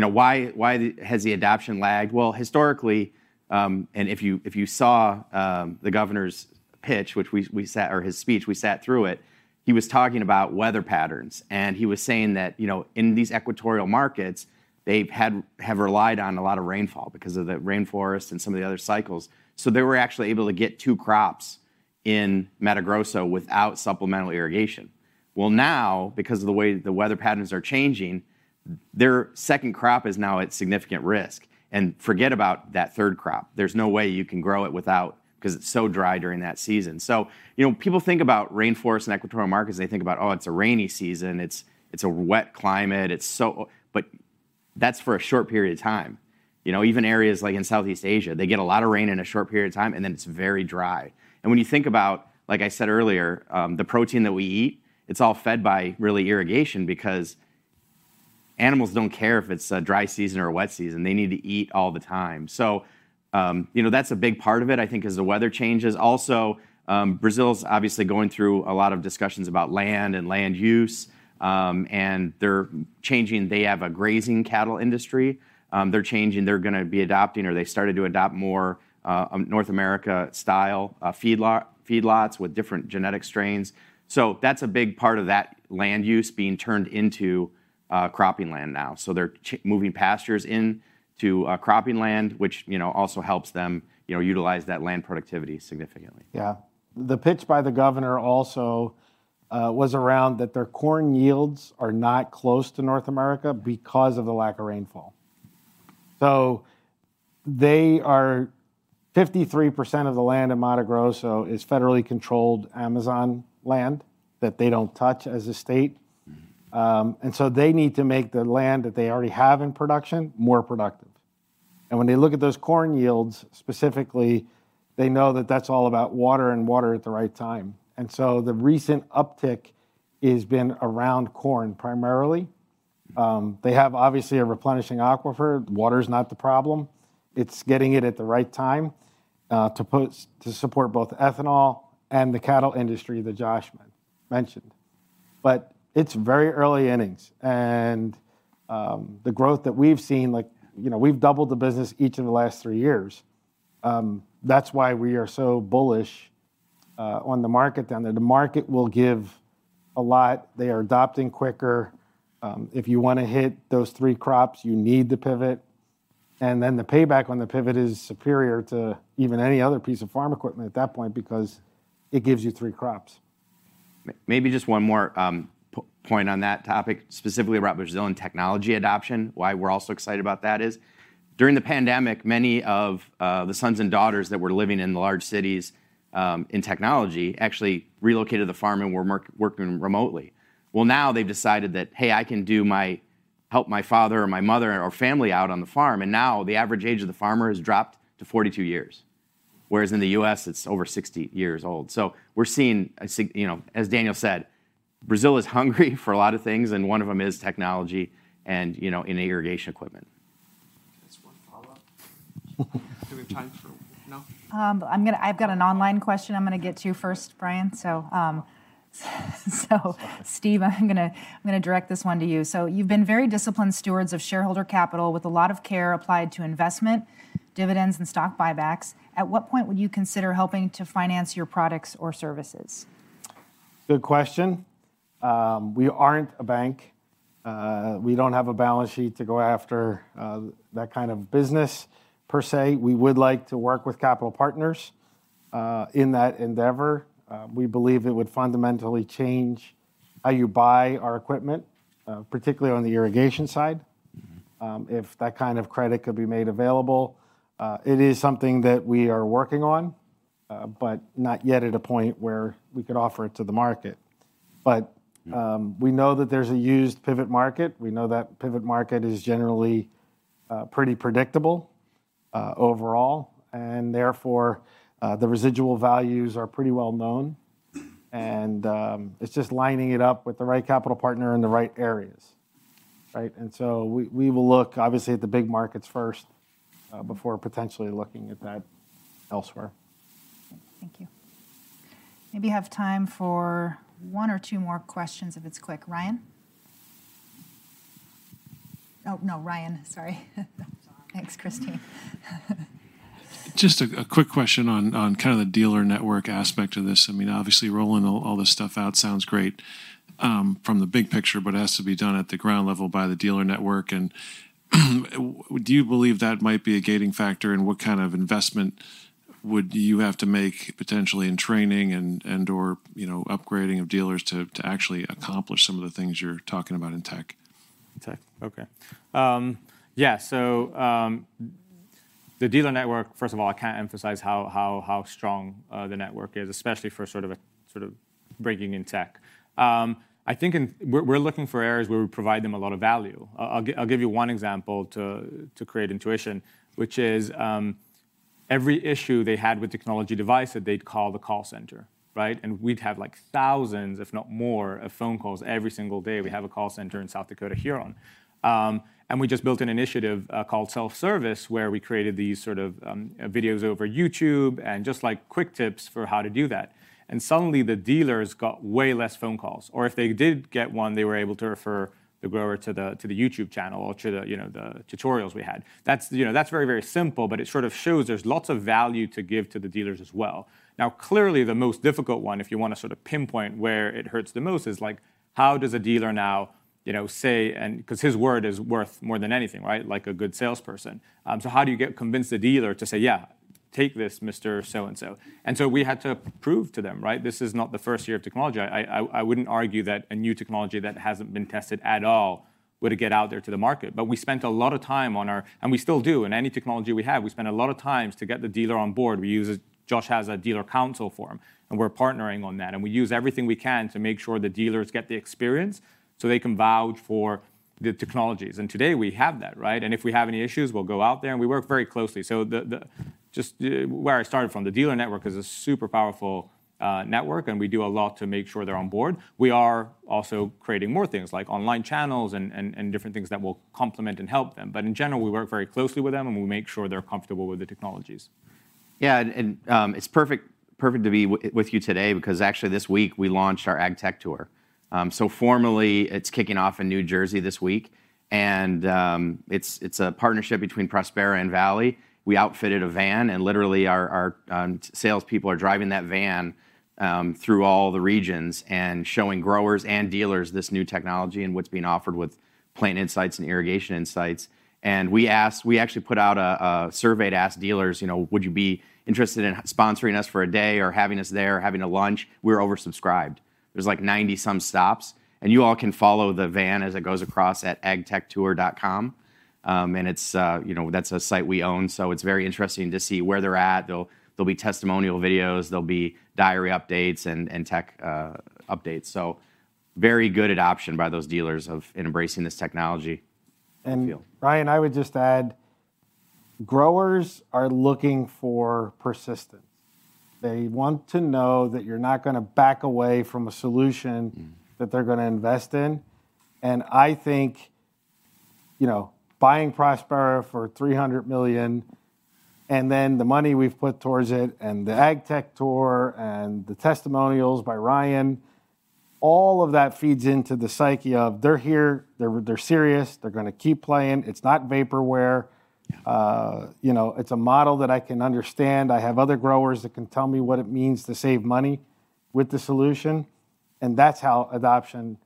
S4: know, why has the adoption lagged? Well, historically, if you saw the governor's pitch, which we sat, or his speech, we sat through it, he was talking about weather patterns. He was saying that, you know, in these equatorial markets, have relied on a lot of rainfall because of the rainforest and some of the other cycles. They were actually able to get two crops in Mato Grosso without supplemental irrigation. Now, because of the way the weather patterns are changing, their second crop is now at significant risk, and forget about that third crop. There's no way you can grow it without, 'cause it's so dry during that season. You know, people think about rainforest and equatorial markets, they think about, oh, it's a rainy season, it's a wet climate, it's so. That's for a short period of time. You know, even areas like in Southeast Asia, they get a lot of rain in a short period of time, and then it's very dry. When you think about, like I said earlier, the protein that we eat, it's all fed by really irrigation, because animals don't care if it's a dry season or a wet season, they need to eat all the time. You know, that's a big part of it, I think is the weather changes. Also, Brazil's obviously going through a lot of discussions about land and land use, and they're changing. They have a grazing cattle industry. They're changing, they're gonna be adopting or they started to adopt more North America style feedlots with different genetic strains. That's a big part of that land use being turned into cropping land now. They're moving pastures into cropping land, which, you know, also helps them, you know, utilize that land productivity significantly.
S3: Yeah. The pitch by the governor also was around that their corn yields are not close to North America because of the lack of rainfall. 53% of the land in Mato Grosso is federally controlled Amazon land that they don't touch as a state. They need to make the land that they already have in production more productive. When they look at those corn yields specifically, they know that that's all about water, and water at the right time. The recent uptick has been around corn primarily. They have obviously a replenishing aquifer. Water's not the problem, it's getting it at the right time, to support both ethanol and the cattle industry that Josh mentioned. It's very early innings, and, the growth that we've seen, like, you know, we've doubled the business each of the last three years. That's why we are so bullish on the market down there. The market will give a lot. They are adopting quicker. If you wanna hit those three crops, you need the pivot. The payback on the pivot is superior to even any other piece of farm equipment at that point because it gives you three crops.
S4: Maybe just one more point on that topic, specifically about Brazilian technology adoption. Why we're all so excited about that is during the pandemic, many of the sons and daughters that were living in the large cities, in technology actually relocated to the farm and were working remotely. Well, now they've decided that, hey, I can help my father or my mother or family out on the farm, and now the average age of the farmer has dropped to 42 years. Whereas in the U.S., it's over 60 years old. We're seeing, you know, as Daniel said, Brazil is hungry for a lot of things, and one of them is technology and, you know, in irrigation equipment.
S8: Just one follow-up. Do we have time for? No?
S1: I've got an online question I'm gonna get to first, Brian.
S8: Sorry
S1: Steve, I'm gonna direct this one to you. You've been very disciplined stewards of shareholder capital with a lot of care applied to investment, dividends, and stock buybacks. At what point would you consider helping to finance your products or services?
S3: Good question. We aren't a bank. We don't have a balance sheet to go after that kind of business per se. We would like to work with capital partners in that endeavor. We believe it would fundamentally change how you buy our equipment, particularly on the irrigation side if that kind of credit could be made available. It is something that we are working on, but not yet at a point where we could offer it to the market.
S4: Yeah
S3: We know that there's a used pivot market. We know that pivot market is generally pretty predictable overall, and therefore, the residual values are pretty well known. It's just lining it up with the right capital partner in the right areas, right? We, we will look obviously at the big markets first, before potentially looking at that elsewhere.
S1: Thank you. Maybe you have time for one or two more questions if it's quick. Ryan? Oh, no, Ryan. Sorry.
S8: That's all right.
S1: Thanks, Christine.
S8: Just a quick question on kind of the dealer network aspect of this. I mean, obviously rolling all this stuff out sounds great from the big picture, but it has to be done at the ground level by the dealer network. Do you believe that might be a gating factor? What kind of investment would you have to make potentially in training and/or, you know, upgrading of dealers to actually accomplish some of the things you're talking about in tech?
S5: Okay. Yeah. The dealer network, first of all, I can't emphasize how strong the network is, especially for sort of breaking in tech. I think we're looking for areas where we provide them a lot of value. I'll give you one example to create intuition, which is, every issue they had with technology device that they'd call the call center, right? We'd have like thousands, if not more, of phone calls every single day. We have a call center in South Dakota, Huron. We just built an initiative called self-service, where we created these sort of videos over YouTube and just like quick tips for how to do that. Suddenly the dealers got way less phone calls, or if they did get one, they were able to refer the grower to the YouTube channel or to the, you know, the tutorials we had. That's, you know, that's very, very simple, but it sort of shows there's lots of value to give to the dealers as well. Clearly the most difficult one, if you wanna sort of pinpoint where it hurts the most, is like, how does a dealer now, you know, say 'cause his word is worth more than anything, right? Like a good salesperson. How do you convince the dealer to say, "Yeah, take this Mr. So-and-so." We had to prove to them, right? This is not the first year of technology. I wouldn't argue that a new technology that hasn't been tested at all would get out there to the market. We spent a lot of time. We still do. In any technology we have, we spend a lot of times to get the dealer on board. Josh has a dealer council forum, and we're partnering on that, and we use everything we can to make sure the dealers get the experience, so they can vouch for the technologies. Today we have that, right? If we have any issues, we'll go out there, and we work very closely. Just where I started from, the dealer network is a super powerful network, and we do a lot to make sure they're on board. We are also creating more things like online channels and different things that will complement and help them. In general, we work very closely with them, and we make sure they're comfortable with the technologies.
S4: Yeah. It's perfect to be with you today because actually this week we launched our AgTech Tour. Formally it's kicking off in New Jersey this week, and it's a partnership between Prospera and Valley. We outfitted a van, literally our salespeople are driving that van through all the regions and showing growers and dealers this new technology and what's being offered with Plant Insights and Irrigation Insights. We actually put out a survey to ask dealers, you know "Would you be interested in sponsoring us for a day or having us there, having a lunch?" We're oversubscribed. There's like 90 some stops, and you all can follow the van as it goes across at agtechtour.com. It's, you know, that's a site we own, so it's very interesting to see where they're at. There'll be testimonial videos, there'll be diary updates and tech updates. Very good adoption by those dealers in embracing this technology.
S3: Ryan, I would just add, growers are looking for persistence. They want to know that you're not gonna back away from a solution that they're gonna invest in. I think, you know, buying Prospera for $300 million, and then the money we've put towards it, and the AgTech Tour, and the testimonials by Ryan, all of that feeds into the psyche of, "They're here, they're serious, they're gonna keep playing. It's not vaporware. You know, it's a model that I can understand. I have other growers that can tell me what it means to save money with the solution." That's how adoption,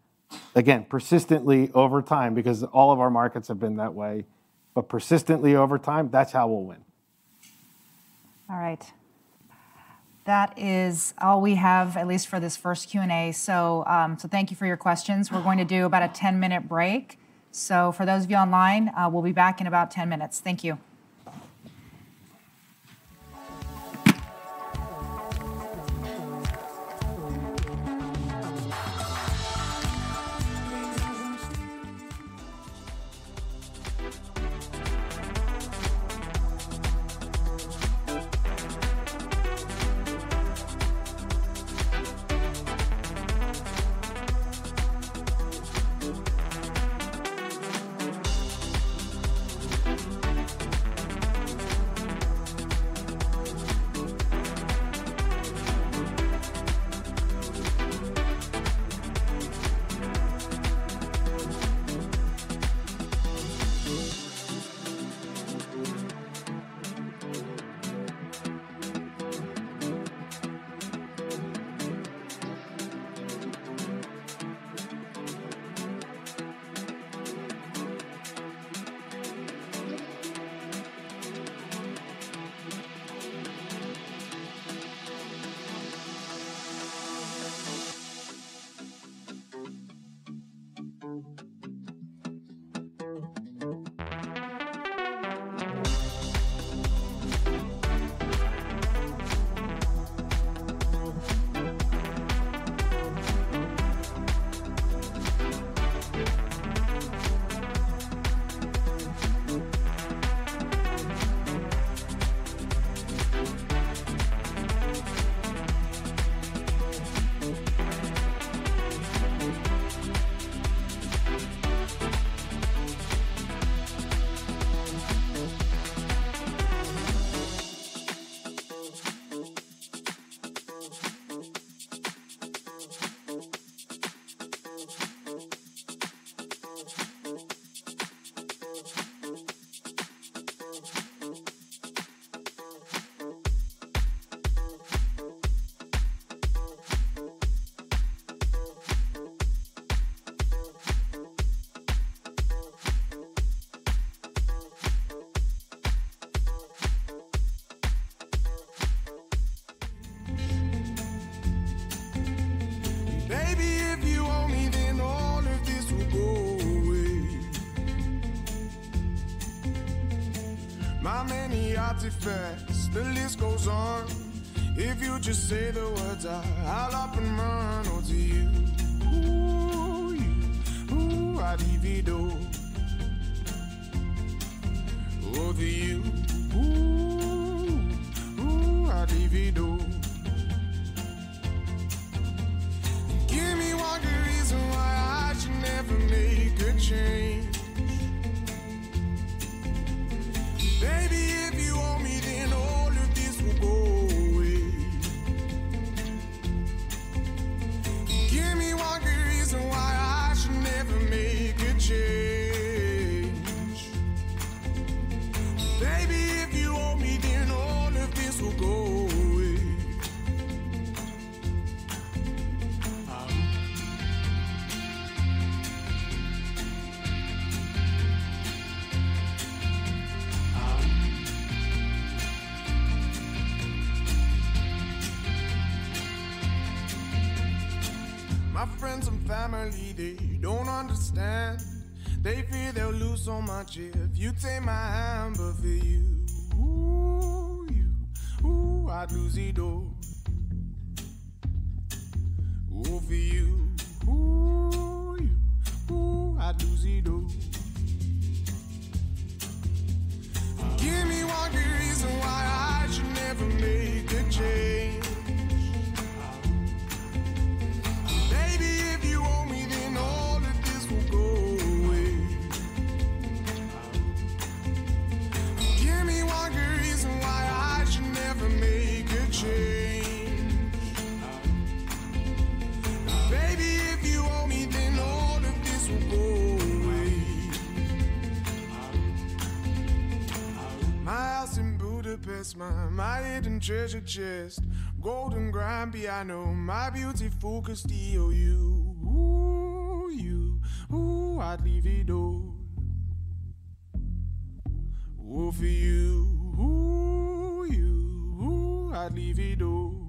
S3: again, persistently over time, because all of our markets have been that way, but persistently over time, that's how we'll win.
S1: All right. That is all we have, at least for this first Q&A. Thank you for your questions. We're going to do about a 10-minute break. For those of you online, we'll be back in about 10 minutes. Thank you. Okay,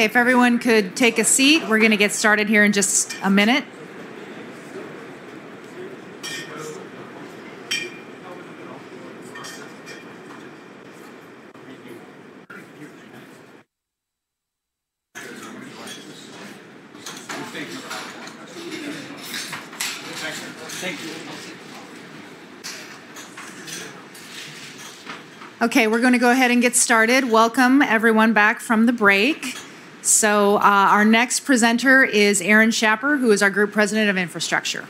S1: if everyone could take a seat, we're gonna get started here in just a minute. Okay, we're gonna go ahead and get started. Welcome, everyone, back from the break. Our next presenter is Aaron Schapper, who is our Group President of Infrastructure.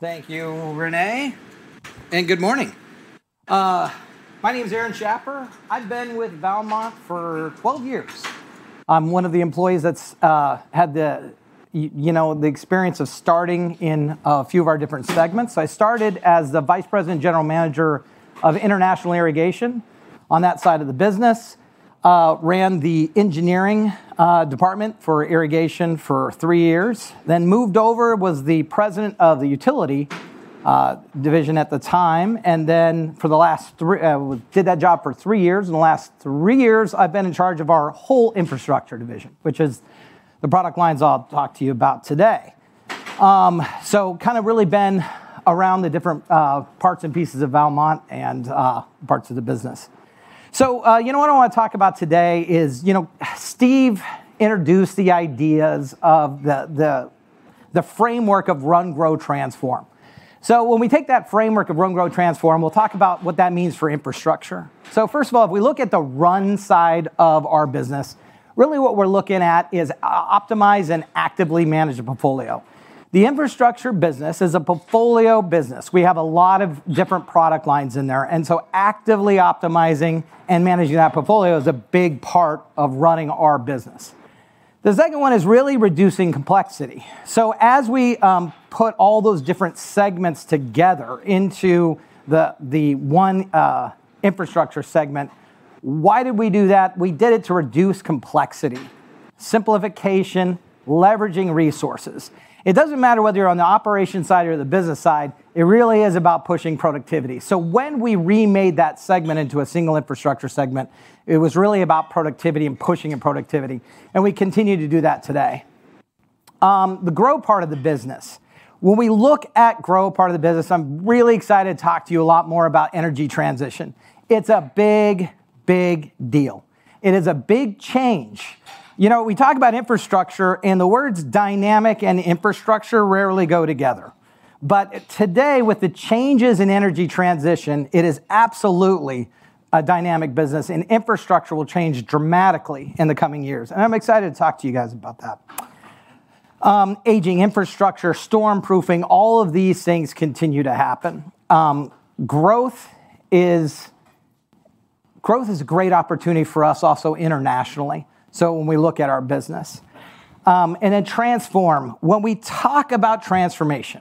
S15: Thank you, Renee. Good morning. My name is Aaron Schapper. I've been with Valmont for 12 years. I'm one of the employees that's, you know, the experience of starting in a few of our different segments. I started as the Vice President and General Manager of International Irrigation on that side of the business. Ran the engineering department for irrigation for three years, moved over, was the President of the Utility division at the time, did that job for three years, and the last three years, I've been in charge of our whole Infrastructure division, which is the product lines I'll talk to you about today. Kind of really been around the different parts and pieces of Valmont and parts of the business. You know what I want to talk about today is, you know, Steve introduced the ideas of the framework of Run, Grow, Transform. When we take that framework of Run, Grow, Transform, we'll talk about what that means for Infrastructure. First of all, if we look at the Run side of our business, really what we're looking at is optimize and actively manage the portfolio. The Infrastructure business is a portfolio business. We have a lot of different product lines in there, and so actively optimizing and managing that portfolio is a big part of running our business. The second one is really reducing complexity. As we put all those different segments together into the one Infrastructure segment, why did we do that? We did it to reduce complexity. Simplification, leveraging resources. It doesn't matter whether you're on the operation side or the business side, it really is about pushing productivity. When we remade that segment into a single infrastructure segment, it was really about productivity and pushing of productivity, and we continue to do that today. The Grow part of the business. When we look at Grow part of the business, I'm really excited to talk to you a lot more about energy transition. It's a big, big deal. It is a big change. You know, we talk about infrastructure, and the words dynamic and infrastructure rarely go together. Today, with the changes in energy transition, it is absolutely a dynamic business, and infrastructure will change dramatically in the coming years, and I'm excited to talk to you guys about that. Aging infrastructure, storm proofing, all of these things continue to happen. Growth is... Growth is a great opportunity for us also internationally. When we look at our business. Transform. When we talk about transformation,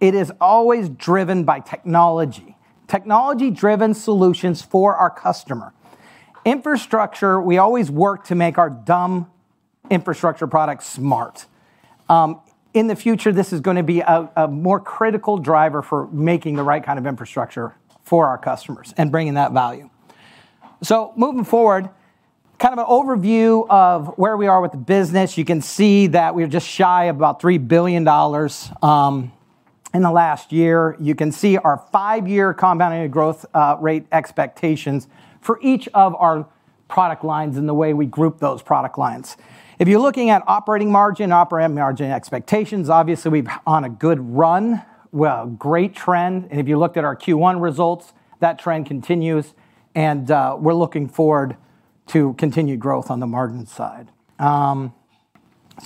S15: it is always driven by technology. Technology-driven solutions for our customer. Infrastructure, we always work to make our dumb infrastructure products smart. In the future, this is gonna be a more critical driver for making the right kind of infrastructure for our customers and bringing that value. Moving forward, kind of an overview of where we are with the business. You can see that we're just shy of about $3 billion in the last year. You can see our five-year compounded growth rate expectations for each of our product lines and the way we group those product lines. If you're looking at operating margin, operating margin expectations, obviously we've on a good run. We have great trend. If you looked at our Q1 results, that trend continues, we're looking forward to continued growth on the margin side.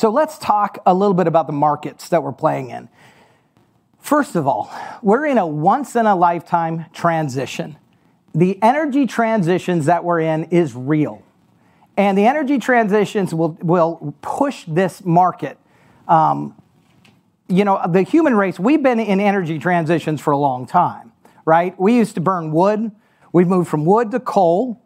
S15: Let's talk a little bit about the markets that we're playing in. First of all, we're in a once in a lifetime transition. The energy transitions that we're in is real, and the energy transitions will push this market. You know, the human race, we've been in energy transitions for a long time, right? We used to burn wood. We've moved from wood to coal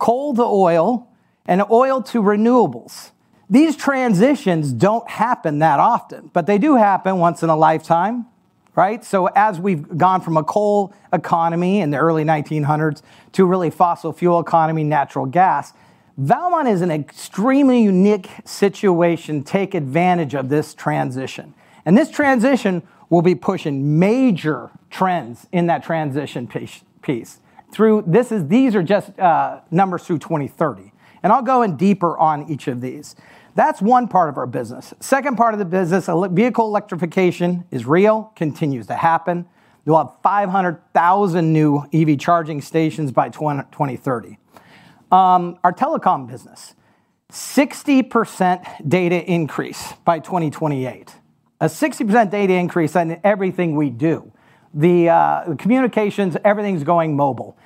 S15: to oil, and oil to renewables. These transitions don't happen that often, but they do happen once in a lifetime, right? As we've gone from a coal economy in the early 1900s to really fossil fuel economy, natural gas, Valmont is in extremely unique situation take advantage of this transition, and this transition will be pushing major trends in that transition piece. These are just numbers through 2030, and I'll go in deeper on each of these. That's one part of our business. Second part of the business, vehicle electrification is real, continues to happen. You'll have 500,000 new EV charging stations by 2030. Our telecom business, 60% data increase by 2028. A 60% data increase on everything we do. The communications, everything's going mobile.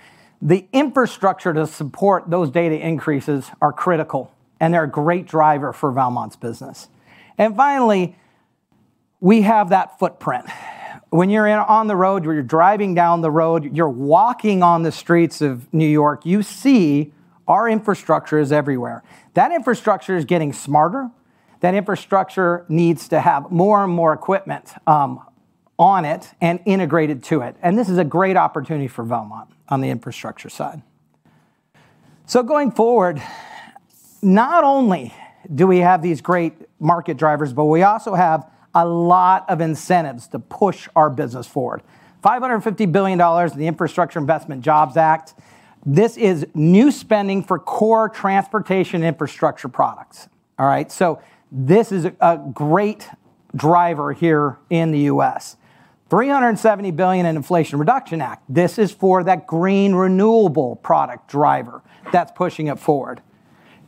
S15: The infrastructure to support those data increases are critical, and they're a great driver for Valmont's business. Finally, we have that footprint. When you're in, on the road, where you're driving down the road, you're walking on the streets of New York, you see our infrastructure is everywhere. That infrastructure is getting smarter. That infrastructure needs to have more and more equipment on it and integrated to it. This is a great opportunity for Valmont on the infrastructure side. Going forward, not only do we have these great market drivers, but we also have a lot of incentives to push our business forward. $550 billion in the Infrastructure Investment and Jobs Act. This is new spending for core transportation infrastructure products. All right? This is a great driver here in the U.S. $370 billion in Inflation Reduction Act. This is for that green renewable product driver that's pushing it forward.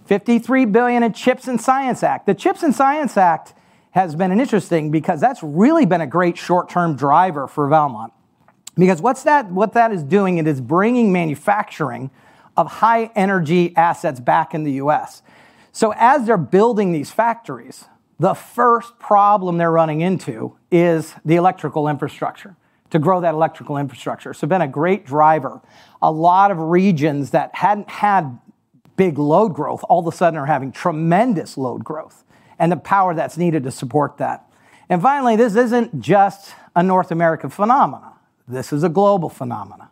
S15: $53 billion in CHIPS and Science Act. The CHIPS and Science Act has been interesting because that's really been a great short-term driver for Valmont because what that is doing, it is bringing manufacturing of high energy assets back in the U.S. As they're building these factories, the first problem they're running into is the electrical infrastructure, to grow that electrical infrastructure, been a great driver. A lot of regions that hadn't had big load growth all of a sudden are having tremendous load growth and the power that's needed to support that. Finally, this isn't just a North American phenomena. This is a global phenomena.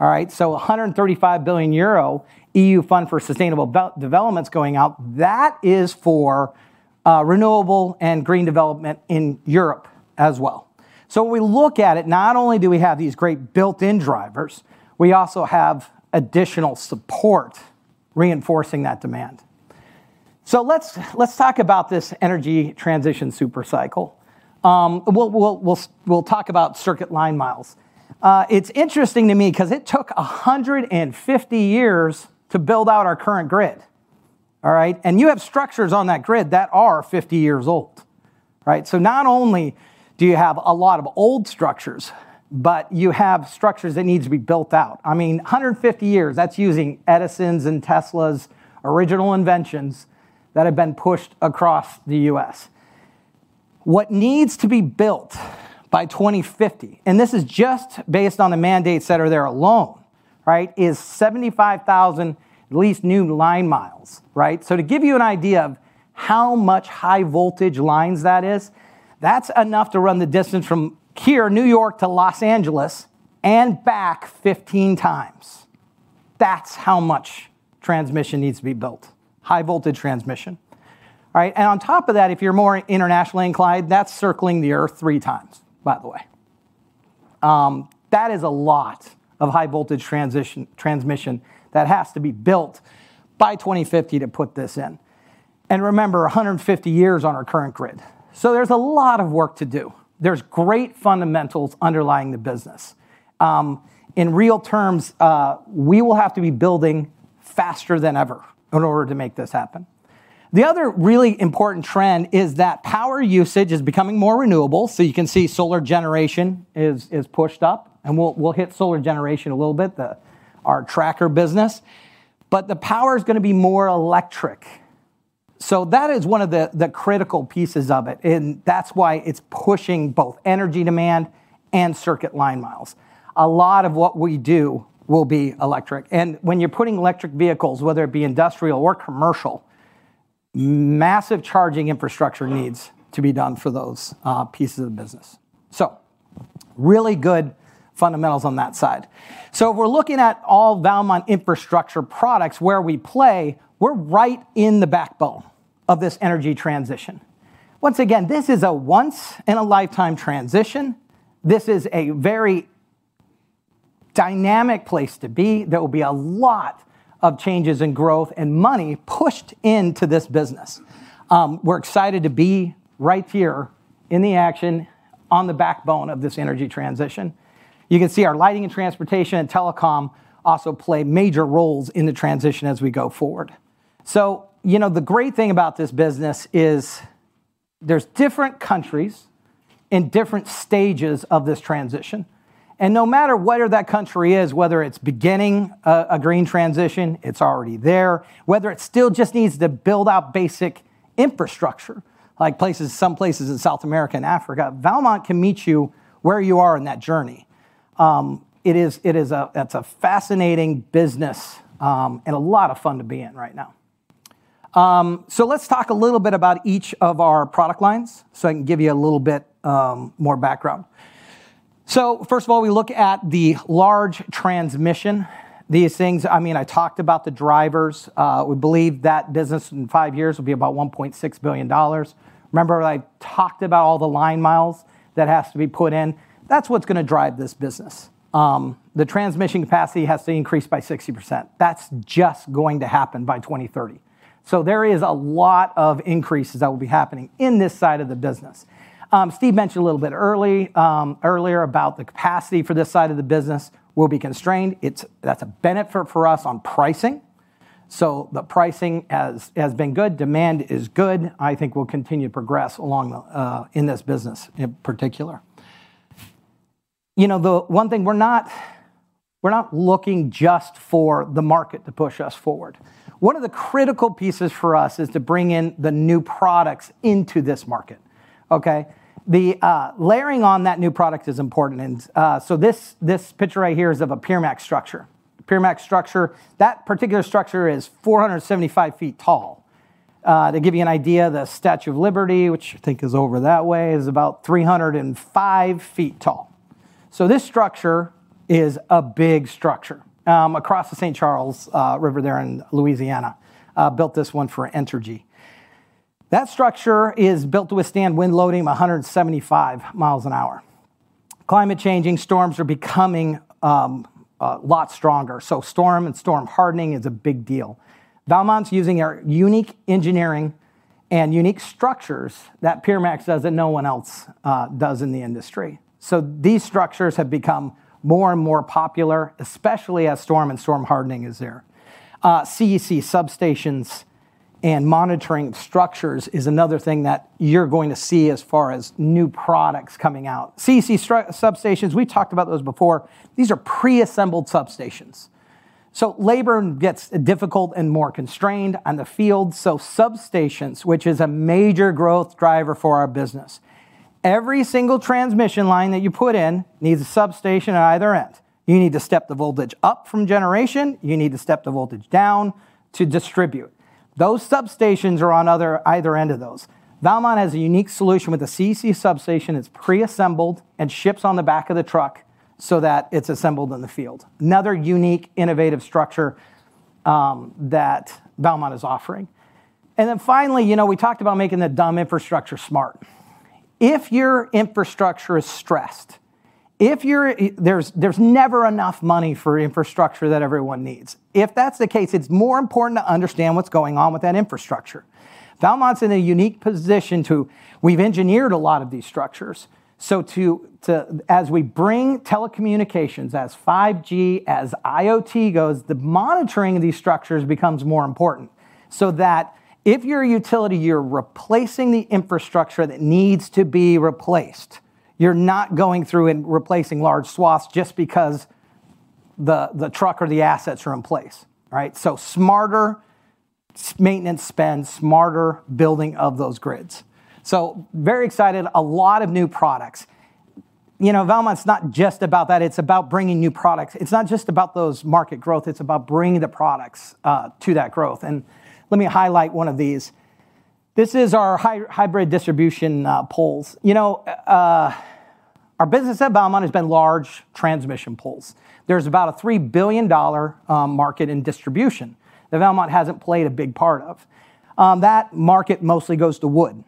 S15: All right? A hundred and thirty-five billion euro EU fund for sustainable development's going out. That is for renewable and green development in Europe as well. When we look at it, not only do we have these great built-in drivers, we also have additional support reinforcing that demand. Let's talk about this energy transition super cycle. We'll talk about circuit line miles. It's interesting to me 'cause it took 150 years to build out our current grid. All right? You have structures on that grid that are 50 years old. Right? Not only do you have a lot of old structures, but you have structures that need to be built out. I mean, 150 years, that's using Edison's and Tesla's original inventions that have been pushed across the US. What needs to be built by 2050, and this is just based on the mandates that are there alone, right, is 75,000 at least new line miles. Right? To give you an idea of how much high voltage lines that is, that's enough to run the distance from here, New York, to Los Angeles and back 15 times. That's how much transmission needs to be built, high voltage transmission. All right? On top of that, if you're more internationally inclined, that's circling the Earth three times, by the way. That is a lot of high voltage transmission that has to be built by 2050 to put this in. Remember, 150 years on our current grid. There's a lot of work to do. There's great fundamentals underlying the business. In real terms, we will have to be building faster than ever in order to make this happen. The other really important trend is that power usage is becoming more renewable, so you can see solar generation is pushed up, and we'll hit solar generation a little bit, our tracker business. The power's gonna be more electric. That is one of the critical pieces of it, and that's why it's pushing both energy demand and circuit line miles. A lot of what we do will be electric, and when you're putting electric vehicles, whether it be industrial or commercial, massive charging infrastructure needs to be done for those pieces of the business. Really good fundamentals on that side. If we're looking at all Valmont infrastructure products where we play, we're right in the backbone of this energy transition. Once again, this is a once in a lifetime transition. This is a very dynamic place to be. There will be a lot of changes in growth and money pushed into this business. We're excited to be right here in the action on the backbone of this energy transition. You can see our lighting and transportation and telecom also play major roles in the transition as we go forward. You know, the great thing about this business is there's different countries in different stages of this transition, and no matter where that country is, whether it's beginning a green transition, it's already there, whether it still just needs to build out basic infrastructure, like places, some places in South America and Africa, Valmont can meet you where you are in that journey. That's a fascinating business and a lot of fun to be in right now. Let's talk a little bit about each of our product lines so I can give you a little bit more background. First of all, we look at the large transmission. These things, I mean, I talked about the drivers. We believe that business in five years will be about $1.6 billion. Remember I talked about all the line miles that has to be put in? That's what's gonna drive this business. The transmission capacity has to increase by 60%. That's just going to happen by 2030. There is a lot of increases that will be happening in this side of the business. Steve mentioned a little bit early, earlier about the capacity for this side of the business will be constrained. It's, that's a benefit for us on pricing. The pricing has been good. Demand is good. I think we'll continue to progress along the in this business in particular. You know, the one thing we're not looking just for the market to push us forward. One of the critical pieces for us is to bring in the new products into this market, okay? The layering on that new product is important and this picture right here is of a Pier Max structure. That particular structure is 475 feet tall. To give you an idea, the Statue of Liberty, which I think is over that way, is about 305 feet tall. This structure is a big structure. Across the St. Charles River there in Louisiana, built this one for Entergy. That structure is built to withstand wind loading 175 miles an hour. Climate changing storms are becoming a lot stronger, so storm and storm hardening is a big deal. Valmont's using our unique engineering and unique structures that Pier Max does that no one else does in the industry. These structures have become more and more popular, especially as storm and storm hardening is there. CEC substations and monitoring structures is another thing that you're going to see as far as new products coming out. CEC substations, we talked about those before. These are preassembled substations. Labor gets difficult and more constrained on the field, so substations, which is a major growth driver for our business. Every single transmission line that you put in needs a substation at either end. You need to step the voltage up from generation. You need to step the voltage down to distribute. Those substations are on other, either end of those. Valmont has a unique solution with a CEC substation. It's preassembled and ships on the back of the truck so that it's assembled in the field. Another unique, innovative structure that Valmont is offering. Finally, you know, we talked about making the dumb infrastructure smart. If your infrastructure is stressed, if you're, there's never enough money for infrastructure that everyone needs. If that's the case, it's more important to understand what's going on with that infrastructure. Valmont's in a unique position. We've engineered a lot of these structures, so as we bring telecommunications, as 5G, as IoT goes, the monitoring of these structures becomes more important, so that if you're a utility, you're replacing the infrastructure that needs to be replaced. You're not going through and replacing large swaths just because the truck or the assets are in place. All right? Smarter maintenance spend, smarter building of those grids. Very excited. A lot of new products. You know, Valmont's not just about that. It's about bringing new products. It's not just about those market growth, it's about bringing the products to that growth, let me highlight one of these. This is our hybrid distribution poles. You know, our business at Valmont has been large transmission poles. There's about a $3 billion market in distribution that Valmont hasn't played a big part of. That market mostly goes to wood.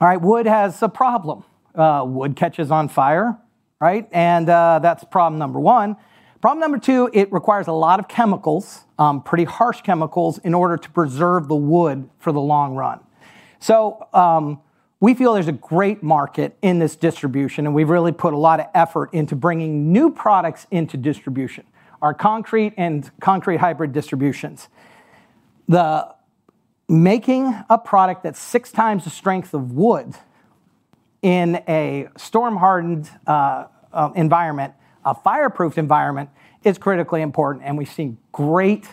S15: All right? Wood has a problem. Wood catches on fire, right? That's problem number one. Problem number two, it requires a lot of chemicals, pretty harsh chemicals in order to preserve the wood for the long run. We feel there's a great market in this distribution, and we've really put a lot of effort into bringing new products into distribution, our concrete and concrete hybrid distributions. The making a product that's 6 times the strength of wood in a storm-hardened, environment, a fireproof environment, is critically important, and we've seen great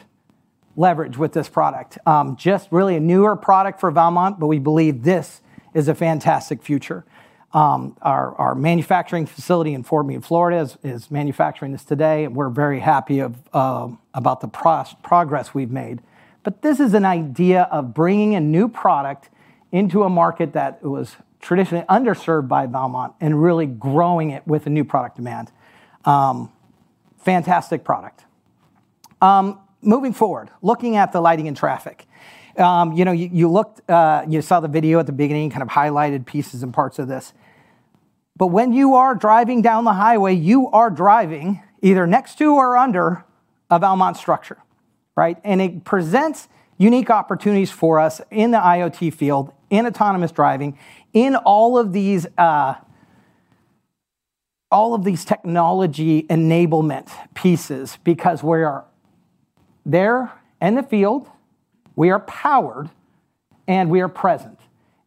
S15: leverage with this product. Just really a newer product for Valmont, but we believe this is a fantastic future. Our manufacturing facility in Fort Meade, Florida is manufacturing this today. We're very happy of, about the progress we've made. This is an idea of bringing a new product into a market that was traditionally underserved by Valmont and really growing it with a new product demand. Fantastic product. Moving forward, looking at the lighting and traffic. You know, you looked, you saw the video at the beginning, kind of highlighted pieces and parts of this. When you are driving down the highway, you are driving either next to or under a Valmont structure, right? It presents unique opportunities for us in the IoT field, in autonomous driving, in all of these All of these technology enablement pieces, because we are there in the field, we are powered, and we are present.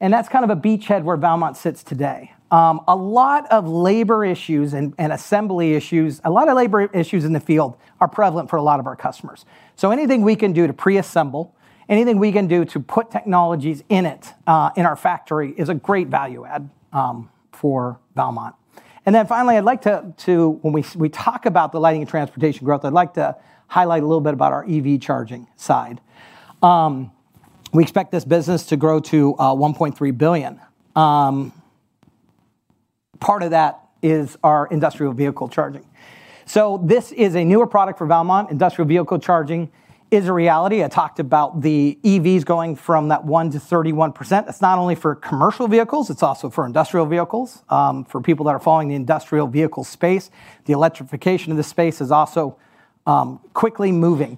S15: That's kind of a beachhead where Valmont sits today. A lot of labor issues and assembly issues, a lot of labor issues in the field are prevalent for a lot of our customers. Anything we can do to pre-assemble, anything we can do to put technologies in it in our factory is a great value add for Valmont. Finally, I'd like to, when we talk about the lighting and transportation growth, I'd like to highlight a little bit about our EV charging side. We expect this business to grow to $1.3 billion. Part of that is our industrial vehicle charging. This is a newer product for Valmont. Industrial vehicle charging is a reality. I talked about the EVs going from that 1 to 31%. It's not only for commercial vehicles, it's also for industrial vehicles. For people that are following the industrial vehicle space, the electrification of the space is also quickly moving.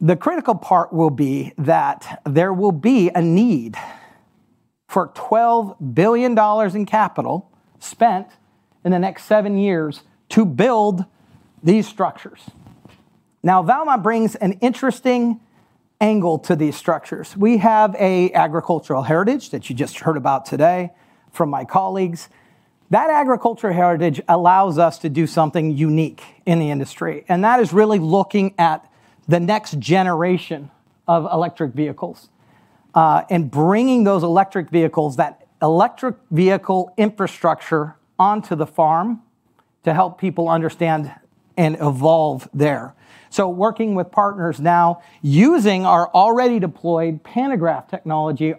S15: The critical part will be that there will be a need for $12 billion in capital spent in the next 7 years to build these structures. Valmont brings an interesting angle to these structures. We have a agricultural heritage that you just heard about today from my colleagues. That agricultural heritage allows us to do something unique in the industry, and that is really looking at the next generation of electric vehicles, and bringing those electric vehicles, that electric vehicle infrastructure onto the farm to help people understand and evolve there. Working with partners now, using our already deployed pantograph technology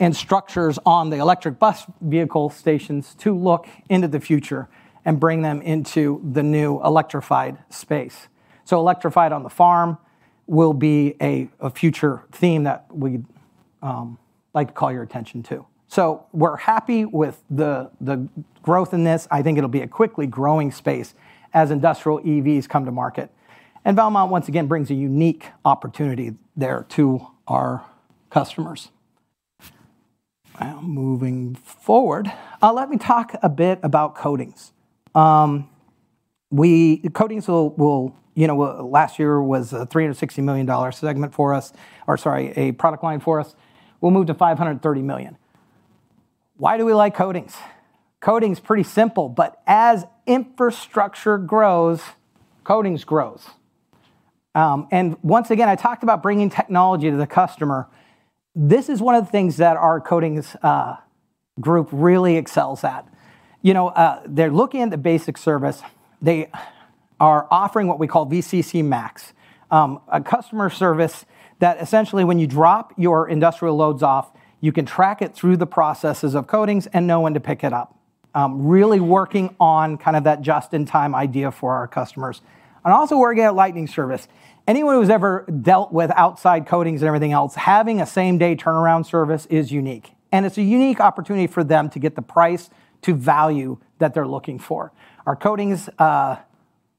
S15: and structures on the electric bus vehicle stations to look into the future and bring them into the new electrified space. Electrified on the farm will be a future theme that we'd like to call your attention to. We're happy with the growth in this. I think it'll be a quickly growing space as industrial EVs come to market. Valmont, once again, brings a unique opportunity there to our customers. Now moving forward, let me talk a bit about coatings. Coatings will, you know, last year was a $360 million segment for us or, sorry, a product line for us. We'll move to $530 million. Why do we like coatings? Coating's pretty simple, but as infrastructure grows, coatings grows. Once again, I talked about bringing technology to the customer. This is one of the things that our coatings group really excels at. You know, they're looking at the basic service. They are offering what we call VCC MAX, a customer service that essentially when you drop your industrial loads off, you can track it through the processes of coatings and know when to pick it up. Really working on kind of that just-in-time idea for our customers. Also working at lightning service. Anyone who's ever dealt with outside coatings and everything else, having a same-day turnaround service is unique, and it's a unique opportunity for them to get the price to value that they're looking for. Our coatings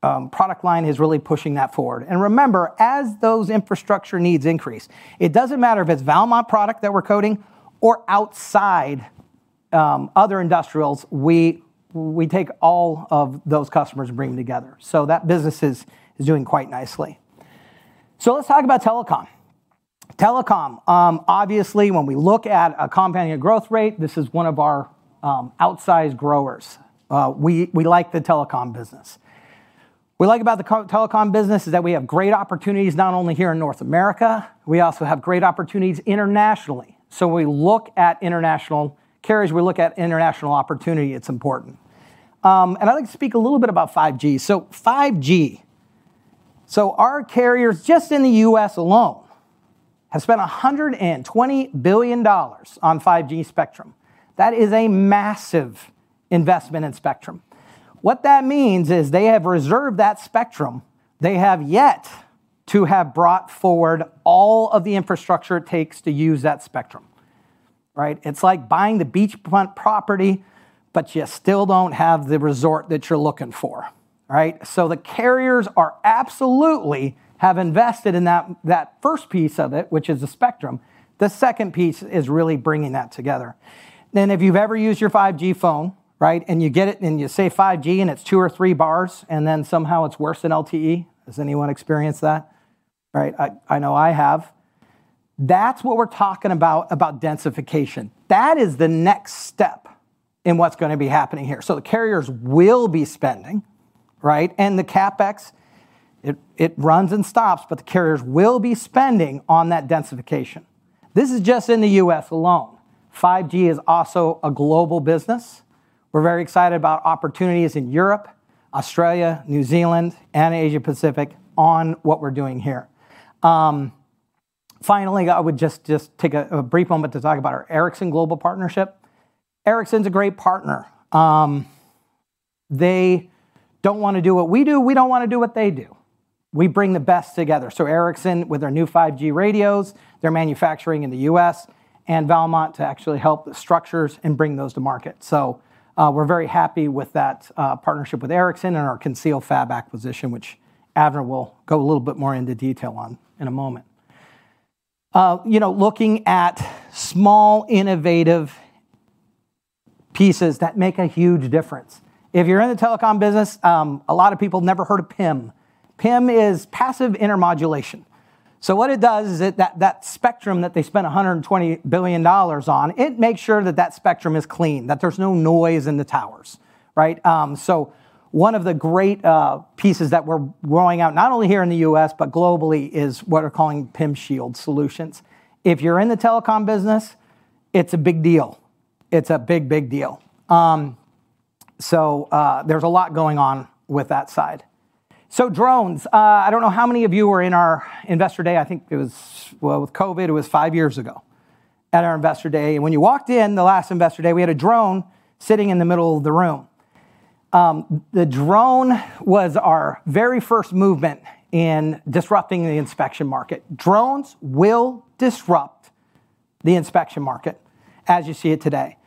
S15: product line is really pushing that forward. Remember, as those infrastructure needs increase, it doesn't matter if it's Valmont product that we're coating or outside, other industrials, we take all of those customers and bring them together. That business is doing quite nicely. Let's talk about telecom. Telecom, obviously, when we look at a compounding growth rate, this is one of our outsized growers. We like the telecom business. We like about the telecom business is that we have great opportunities not only here in North America, we also have great opportunities internationally. We look at international carriers, we look at international opportunity, it's important. I'd like to speak a little bit about 5G. 5G. Our carriers, just in the U.S. alone, have spent $120 billion on 5G spectrum. That is a massive investment in spectrum. What that means is they have reserved that spectrum. They have yet to have brought forward all of the infrastructure it takes to use that spectrum. Right? It's like buying the beachfront property, but you still don't have the resort that you're looking for. Right? The carriers have absolutely invested in that first piece of it, which is the spectrum. The second piece is really bringing that together. If you've ever used your 5G phone, right, and you get it, and you say 5G, and it's two or three bars, and then somehow it's worse than LTE. Has anyone experienced that? Right. I know I have. That's what we're talking about densification. That is the next step in what's gonna be happening here. The carriers will be spending, right? The CapEx, it runs and stops, the carriers will be spending on that densification. This is just in the U.S. alone. 5G is also a global business. We're very excited about opportunities in Europe, Australia, New Zealand, and Asia Pacific on what we're doing here. Finally, I would just take a brief moment to talk about our Ericsson global partnership. Ericsson's a great partner. They don't wanna do what we do, we don't wanna do what they do. We bring the best together. Ericsson, with their new 5G radios, they're manufacturing in the U.S., and Valmont to actually help the structures and bring those to market. We're very happy with that partnership with Ericsson and our ConcealFab acquisition, which Avner will go a little bit more into detail on in a moment. You know, looking at small, innovative pieces that make a huge difference. If you're in the telecom business, a lot of people never heard of PIM. PIM is passive intermodulation. What it does is that spectrum that they spent $120 billion on, it makes sure that that spectrum is clean, that there's no noise in the towers, right? One of the great pieces that we're rolling out, not only here in the U.S. but globally, is what they're calling PIM Shield solutions. If you're in the telecom business, it's a big deal. It's a big deal. There's a lot going on with that side. Drones, I don't know how many of you were in our investor day. I think it was well, with COVID, it was five years ago at our investor day. When you walked in the last investor day, we had a drone sitting in the middle of the room. The drone was our very first movement in disrupting the inspection market. Drones will disrupt the inspection market as you see it today.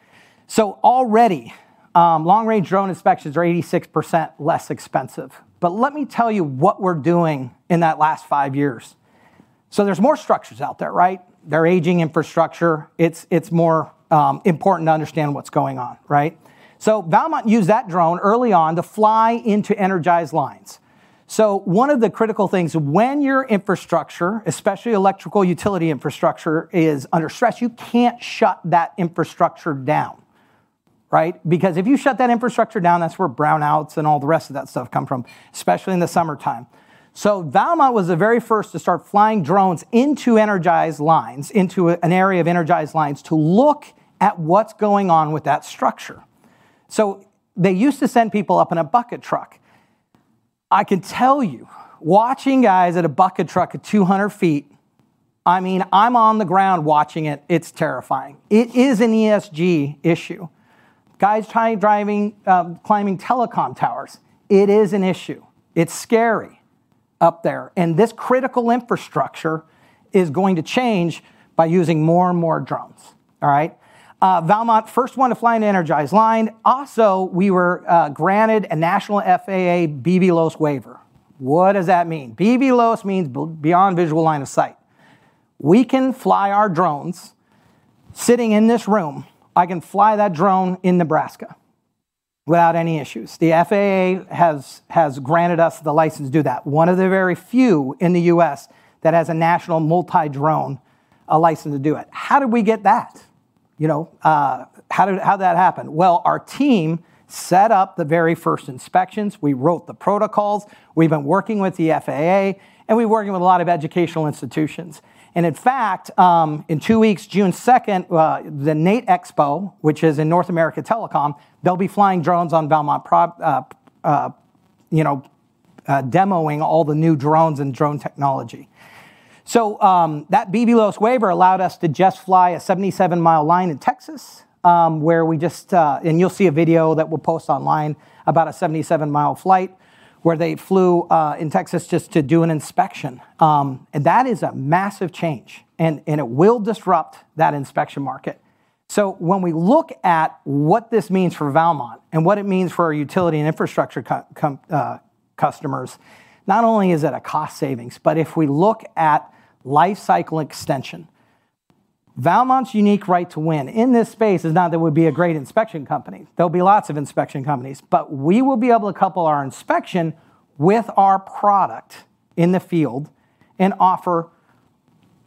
S15: Already, long-range drone inspections are 86% less expensive. Let me tell you what we're doing in that last 5 years. There's more structures out there, right? They're aging infrastructure. It's more important to understand what's going on, right? Valmont used that drone early on to fly into energized lines. One of the critical things, when your infrastructure, especially electrical utility infrastructure, is under stress, you can't shut that infrastructure down, right? Because if you shut that infrastructure down, that's where brownouts and all the rest of that stuff come from, especially in the summertime. Valmont was the very first to start flying drones into energized lines, into an area of energized lines, to look at what's going on with that structure. They used to send people up in a bucket truck. I can tell you, watching guys at a bucket truck at 200 feet, I mean, I'm on the ground watching it. It's terrifying. It is an ESG issue. Guys try climbing telecom towers. It is an issue. It's scary up there, this critical infrastructure is going to change by using more and more drones. All right? Valmont, first one to fly an energized line. We were granted a national FAA BVLOS waiver. What does that mean? BVLOS means beyond visual line of sight. We can fly our drones. Sitting in this room, I can fly that drone in Nebraska without any issues. The FAA has granted us the license to do that, one of the very few in the U.S. that has a national multi-drone license to do it. How did we get that? You know, how did that happen? Well, our team set up the very first inspections. We wrote the protocols. We've been working with the FAA, and we're working with a lot of educational institutions. In fact, in two weeks, June second, the NATE UNITE, which is a North America Telecom, they'll be flying drones on Valmont, you know, demoing all the new drones and drone technology. That BVLOS waiver allowed us to just fly a 77-mile line in Texas, where we just. You'll see a video that we'll post online about a 77-mile flight where they flew in Texas just to do an inspection. That is a massive change. It will disrupt that inspection market. When we look at what this means for Valmont and what it means for our utility and infrastructure customers, not only is it a cost savings, but if we look at life cycle extension, Valmont's unique right to win in this space is not that we'd be a great inspection company. There'll be lots of inspection companies, but we will be able to couple our inspection with our product in the field and offer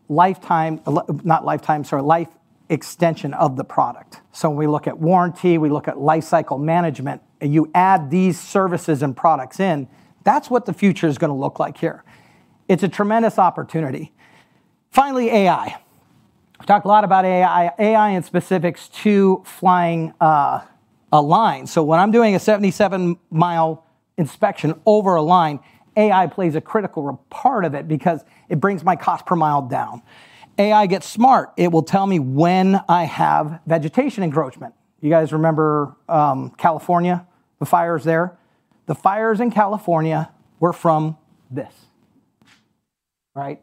S15: not lifetime, sorry, life extension of the product. When we look at warranty, we look at life cycle management, and you add these services and products in, that's what the future is gonna look like here. It's a tremendous opportunity. Finally, AI. I've talked a lot about AI and specifics to flying a line. When I'm doing a 77-mile inspection over a line, AI plays a critical part of it because it brings my cost per mile down. AI gets smart. It will tell me when I have vegetation encroachment. You guys remember California, the fires there? The fires in California were from this. Right?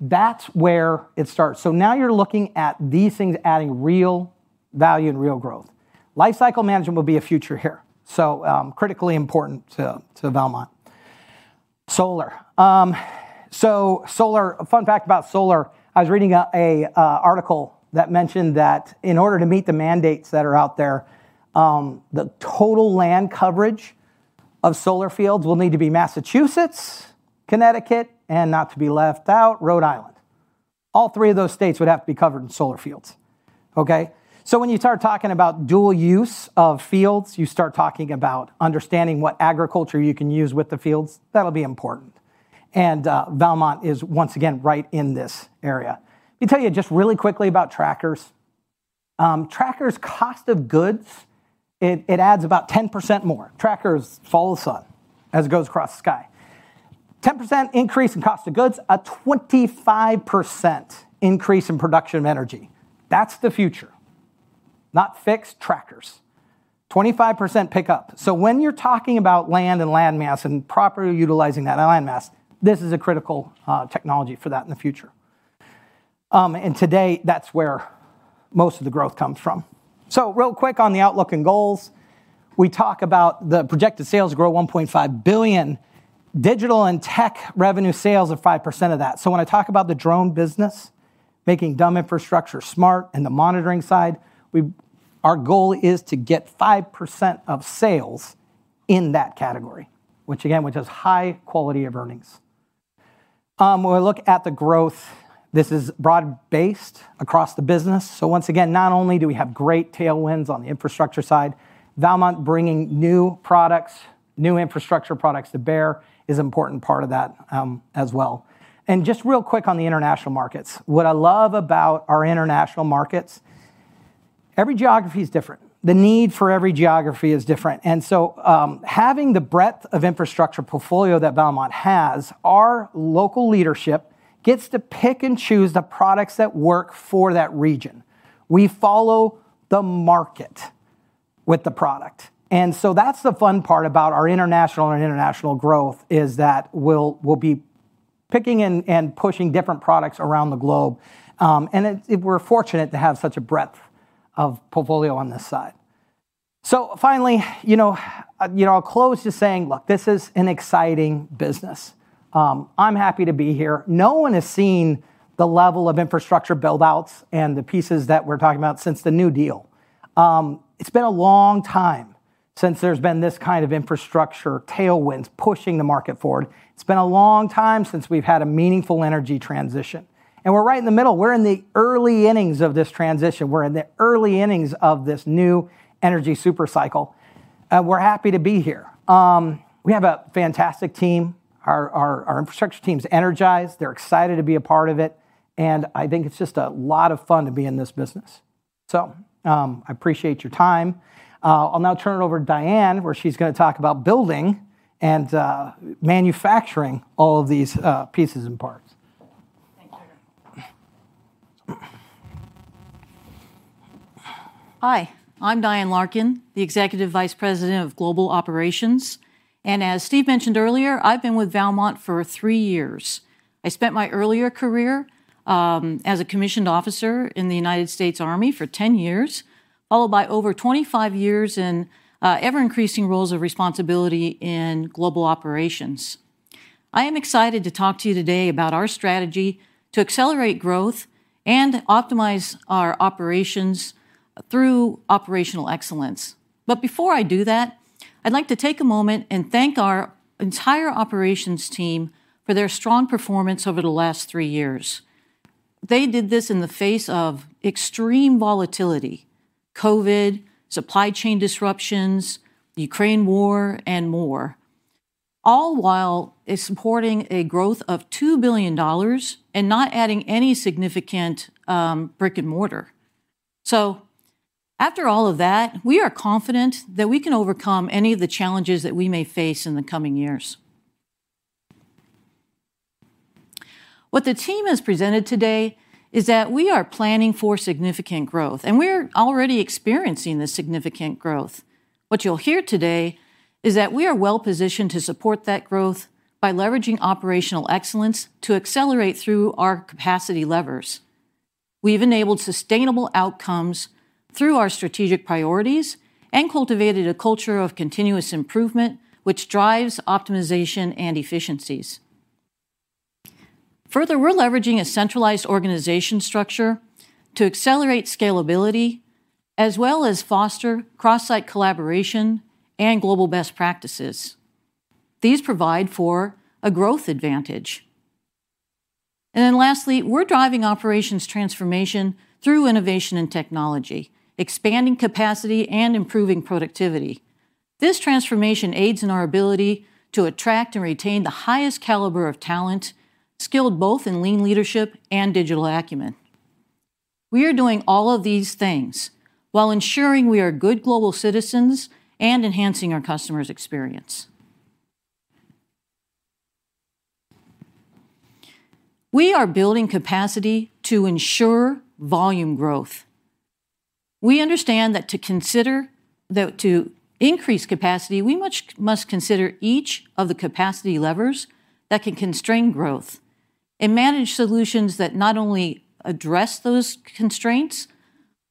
S15: That's where it starts. Now you're looking at these things adding real value and real growth. Life cycle management will be a future here, so critically important to Valmont. Solar. Fun fact about solar. I was reading an article that mentioned that in order to meet the mandates that are out there, the total land coverage of solar fields will need to be Massachusetts, Connecticut, and not to be left out, Rhode Island. All three of those states would have to be covered in solar fields. Okay? When you start talking about dual use of fields, you start talking about understanding what agriculture you can use with the fields. That'll be important. Valmont is once again right in this area. Let me tell you just really quickly about trackers. Trackers' cost of goods, it adds about 10% more. Trackers follow the sun as it goes across the sky. 10% increase in cost of goods, a 25% increase in production of energy. That's the future. Not fixed, trackers. 25% pickup. When you're talking about land and land mass and properly utilizing that land mass, this is a critical technology for that in the future. Today, that's where most of the growth comes from. Real quick on the outlook and goals. We talk about the projected sales grow $1.5 billion. Digital and tech revenue sales are 5% of that. When I talk about the drone business, making dumb infrastructure smart and the monitoring side, our goal is to get 5% of sales in that category, which again, which is high quality of earnings. When we look at the growth, this is broad-based across the business. Once again, not only do we have great tailwinds on the infrastructure side, Valmont bringing new products, new infrastructure products to bear is important part of that as well. Just real quick on the international markets. What I love about our international markets, every geography is different. The need for every geography is different. Having the breadth of infrastructure portfolio that Valmont has, our local leadership gets to pick and choose the products that work for that region. We follow the market with the product. That's the fun part about our international and international growth is that we'll be picking and pushing different products around the globe. We're fortunate to have such a breadth of portfolio on this side. Finally, you know, you know, I'll close just saying, look, this is an exciting business. I'm happy to be here. No one has seen the level of infrastructure build-outs and the pieces that we're talking about since the New Deal. It's been a long time since there's been this kind of infrastructure tailwinds pushing the market forward. It's been a long time since we've had a meaningful energy transition. We're right in the middle. We're in the early innings of this transition. We're in the early innings of this new energy super cycle. We're happy to be here. We have a fantastic team. Our infrastructure team's energized. They're excited to be a part of it. I think it's just a lot of fun to be in this business. I appreciate your time. I'll now turn it over to Diane, where she's gonna talk about building and manufacturing all of these pieces and parts.
S16: Thank you. Hi, I'm Diane Larkin, the Executive Vice President of Global Operations. As Steve mentioned earlier, I've been with Valmont for three years. I spent my earlier career as a commissioned officer in the United States Army for 10 years, followed by over 25 years in ever-increasing roles of responsibility in global operations. I am excited to talk to you today about our strategy to accelerate growth and optimize our operations through operational excellence. Before I do that, I'd like to take a moment and thank our entire operations team for their strong performance over the last three years. They did this in the face of extreme volatility, COVID, supply chain disruptions, the Ukraine war, and more, all while supporting a growth of $2 billion and not adding any significant brick and mortar. After all of that, we are confident that we can overcome any of the challenges that we may face in the coming years. What the team has presented today is that we are planning for significant growth, and we're already experiencing this significant growth. What you'll hear today is that we are well-positioned to support that growth by leveraging operational excellence to accelerate through our capacity levers. We've enabled sustainable outcomes through our strategic priorities and cultivated a culture of continuous improvement, which drives optimization and efficiencies. Further, we're leveraging a centralized organization structure to accelerate scalability as well as foster cross-site collaboration and global best practices. These provide for a growth advantage. Lastly, we're driving operations transformation through innovation and technology, expanding capacity and improving productivity. This transformation aids in our ability to attract and retain the highest caliber of talent, skilled both in lean leadership and digital acumen. We are doing all of these things while ensuring we are good global citizens and enhancing our customers' experience. We are building capacity to ensure volume growth. We understand that to increase capacity, we must consider each of the capacity levers that can constrain growth and manage solutions that not only address those constraints,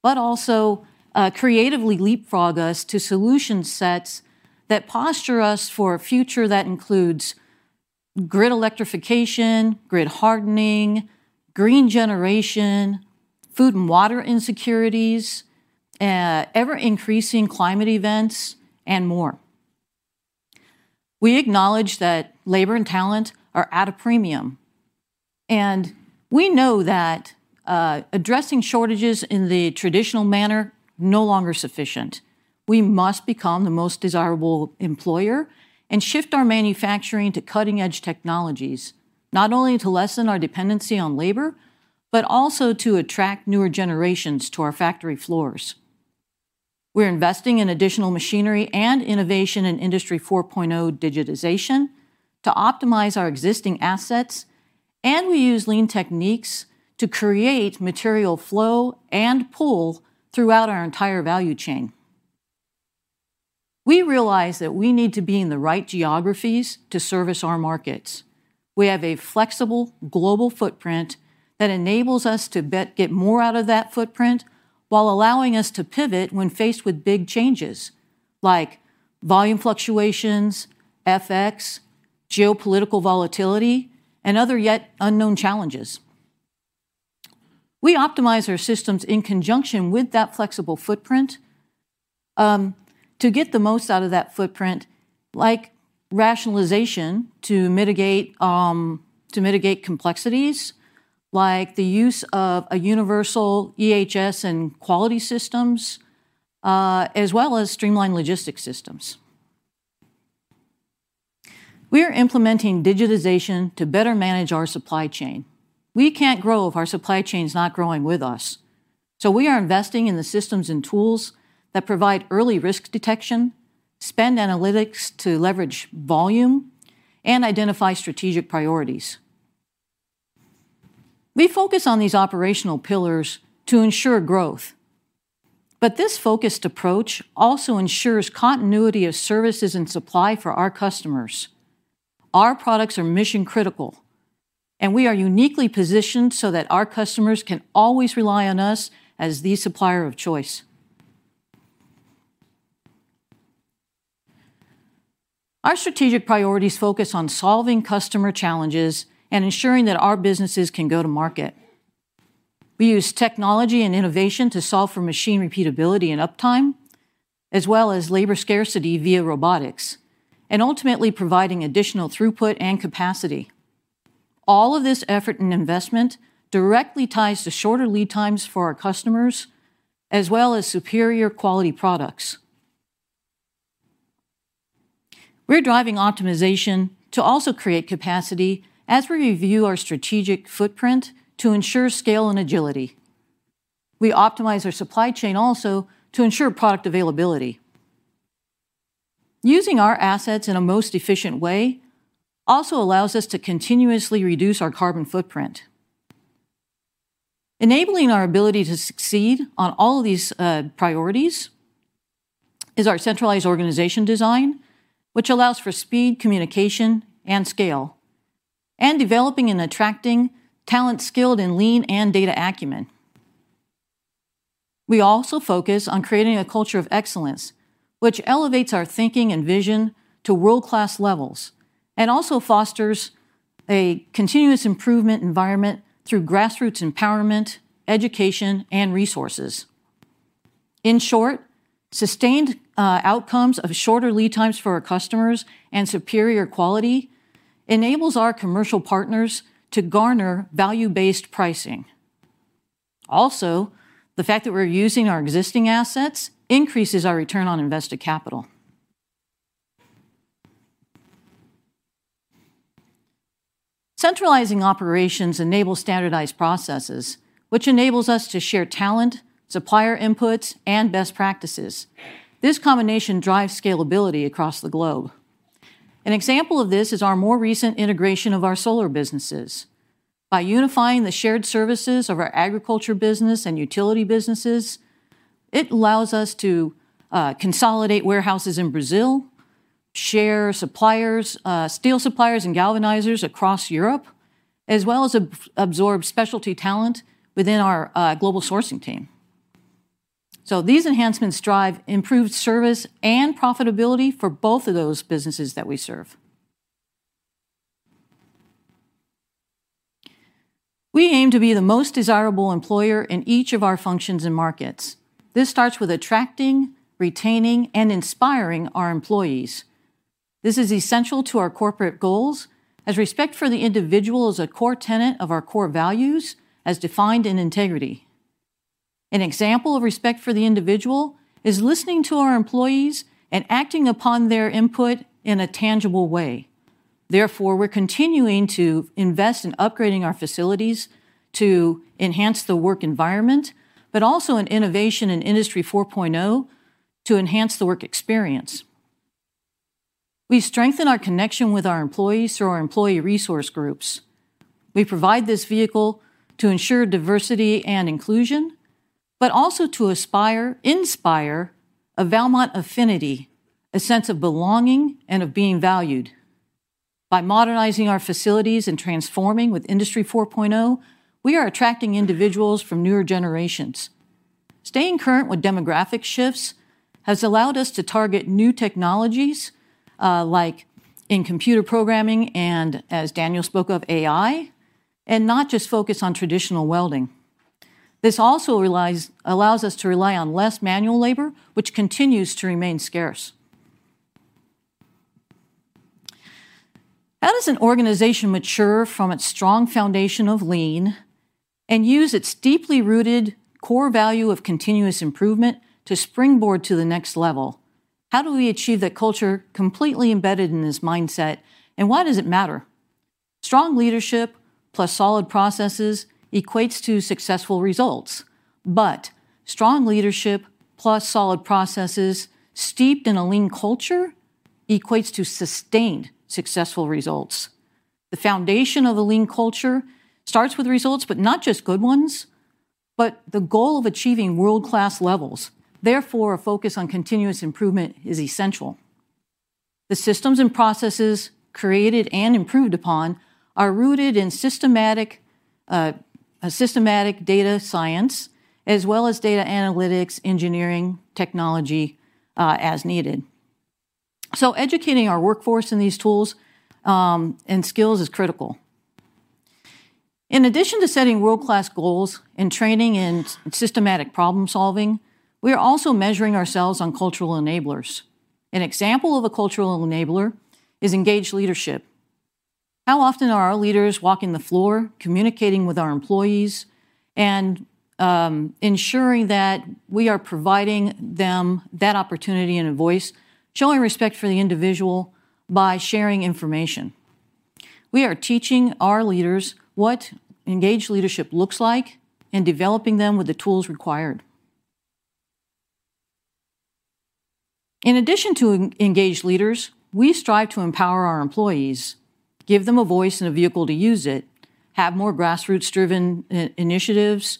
S16: but also creatively leapfrog us to solution sets that posture us for a future that includes grid electrification, grid hardening, green generation, food and water insecurities, ever-increasing climate events, and more. We acknowledge that labor and talent are at a premium, and we know that addressing shortages in the traditional manner no longer sufficient. We must become the most desirable employer and shift our manufacturing to cutting-edge technologies, not only to lessen our dependency on labor, but also to attract newer generations to our factory floors. We're investing in additional machinery and innovation in Industry 4.0 digitization to optimize our existing assets. We use lean techniques to create material flow and pull throughout our entire value chain. We realize that we need to be in the right geographies to service our markets. We have a flexible global footprint that enables us to get more out of that footprint while allowing us to pivot when faced with big changes, like volume fluctuations, FX, geopolitical volatility, and other yet unknown challenges. We optimize our systems in conjunction with that flexible footprint, to get the most out of that footprint, like rationalization to mitigate, to mitigate complexities, like the use of a universal EHS and quality systems, as well as streamline logistics systems. We are implementing digitization to better manage our supply chain. We can't grow if our supply chain is not growing with us, so we are investing in the systems and tools that provide early risk detection, spend analytics to leverage volume, and identify strategic priorities. We focus on these operational pillars to ensure growth. This focused approach also ensures continuity of services and supply for our customers. Our products are mission-critical, and we are uniquely positioned so that our customers can always rely on us as the supplier of choice. Our strategic priorities focus on solving customer challenges and ensuring that our businesses can go to market. We use technology and innovation to solve for machine repeatability and uptime, as well as labor scarcity via robotics, and ultimately providing additional throughput and capacity. All of this effort and investment directly ties to shorter lead times for our customers, as well as superior quality products. We're driving optimization to also create capacity as we review our strategic footprint to ensure scale and agility. We optimize our supply chain also to ensure product availability. Using our assets in a most efficient way also allows us to continuously reduce our carbon footprint. Enabling our ability to succeed on all of these priorities is our centralized organization design, which allows for speed, communication, and scale, and developing and attracting talent skilled in lean and data acumen. We also focus on creating a culture of excellence, which elevates our thinking and vision to world-class levels and also fosters a continuous improvement environment through grassroots empowerment, education, and resources. In short, sustained outcomes of shorter lead times for our customers and superior quality enables our commercial partners to garner value-based pricing. The fact that we're using our existing assets increases our return on invested capital. Centralizing operations enables standardized processes, which enables us to share talent, supplier inputs, and best practices. This combination drives scalability across the globe. An example of this is our more recent integration of our solar businesses. By unifying the shared services of our agriculture business and utility businesses, it allows us to consolidate warehouses in Brazil, share suppliers, steel suppliers and galvanizers across Europe, as well as absorb specialty talent within our global sourcing team. These enhancements drive improved service and profitability for both of those businesses that we serve. We aim to be the most desirable employer in each of our functions and markets. This starts with attracting, retaining, and inspiring our employees. This is essential to our corporate goals as respect for the individual is a core tenet of our core values as defined in integrity. An example of respect for the individual is listening to our employees and acting upon their input in a tangible way. We're continuing to invest in upgrading our facilities to enhance the work environment, but also in innovation and Industry 4.0 to enhance the work experience. We strengthen our connection with our employees through our employee resource groups. We provide this vehicle to ensure diversity and inclusion, but also to inspire a Valmont affinity, a sense of belonging and of being valued. By modernizing our facilities and transforming with Industry 4.0, we are attracting individuals from newer generations. Staying current with demographic shifts has allowed us to target new technologies, like in computer programming and, as Daniel spoke of, AI, and not just focus on traditional welding. This also allows us to rely on less manual labor, which continues to remain scarce. How does an organization mature from its strong foundation of lean and use its deeply rooted core value of continuous improvement to springboard to the next level? How do we achieve that culture completely embedded in this mindset, and why does it matter? Strong leadership plus solid processes equates to successful results. Strong leadership plus solid processes steeped in a lean culture equates to sustained successful results. The foundation of the lean culture starts with results, but not just good ones. The goal of achieving world-class levels, therefore, a focus on continuous improvement is essential. The systems and processes created and improved upon are rooted in a systematic data science as well as data analytics, engineering, technology, as needed. Educating our workforce in these tools, and skills is critical. In addition to setting world-class goals and training in systematic problem-solving, we are also measuring ourselves on cultural enablers. An example of a cultural enabler is engaged leadership. How often are our leaders walking the floor, communicating with our employees, and, ensuring that we are providing them that opportunity and a voice, showing respect for the individual by sharing information? We are teaching our leaders what engaged leadership looks like and developing them with the tools required. In addition to engaged leaders, we strive to empower our employees, give them a voice and a vehicle to use it, have more grassroots-driven initiatives,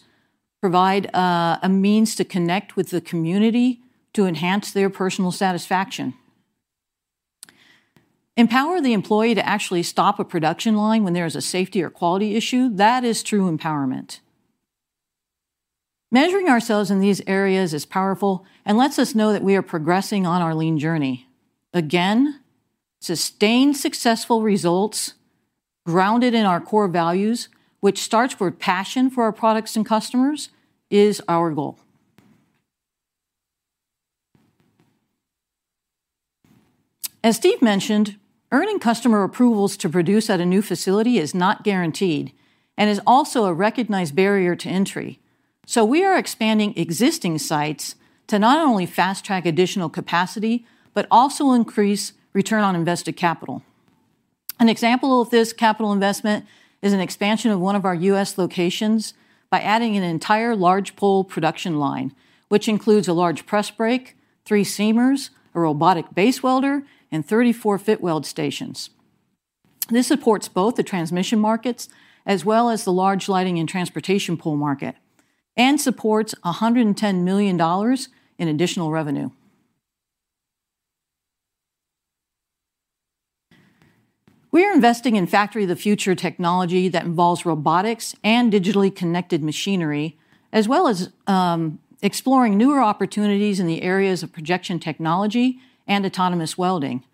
S16: provide a means to connect with the community to enhance their personal satisfaction. Empower the employee to actually stop a production line when there is a safety or quality issue, that is true empowerment. Measuring ourselves in these areas is powerful and lets us know that we are progressing on our lean journey. Again, sustained successful results grounded in our core values, which starts with passion for our products and customers, is our goal. As Steve mentioned, earning customer approvals to produce at a new facility is not guaranteed and is also a recognized barrier to entry. We are expanding existing sites to not only fast-track additional capacity, but also increase return on invested capital. An example of this capital investment is an expansion of one of our U.S. locations by adding an entire large pole production line, which includes a large press brake, three seamers, a robotic base welder, and 34 fit weld stations. This supports both the transmission markets as well as the large lighting and transportation pole market and supports $110 million in additional revenue. We are investing in factory of the future technology that involves robotics and digitally connected machinery, as well as exploring newer opportunities in the areas of projection technology and autonomous welding.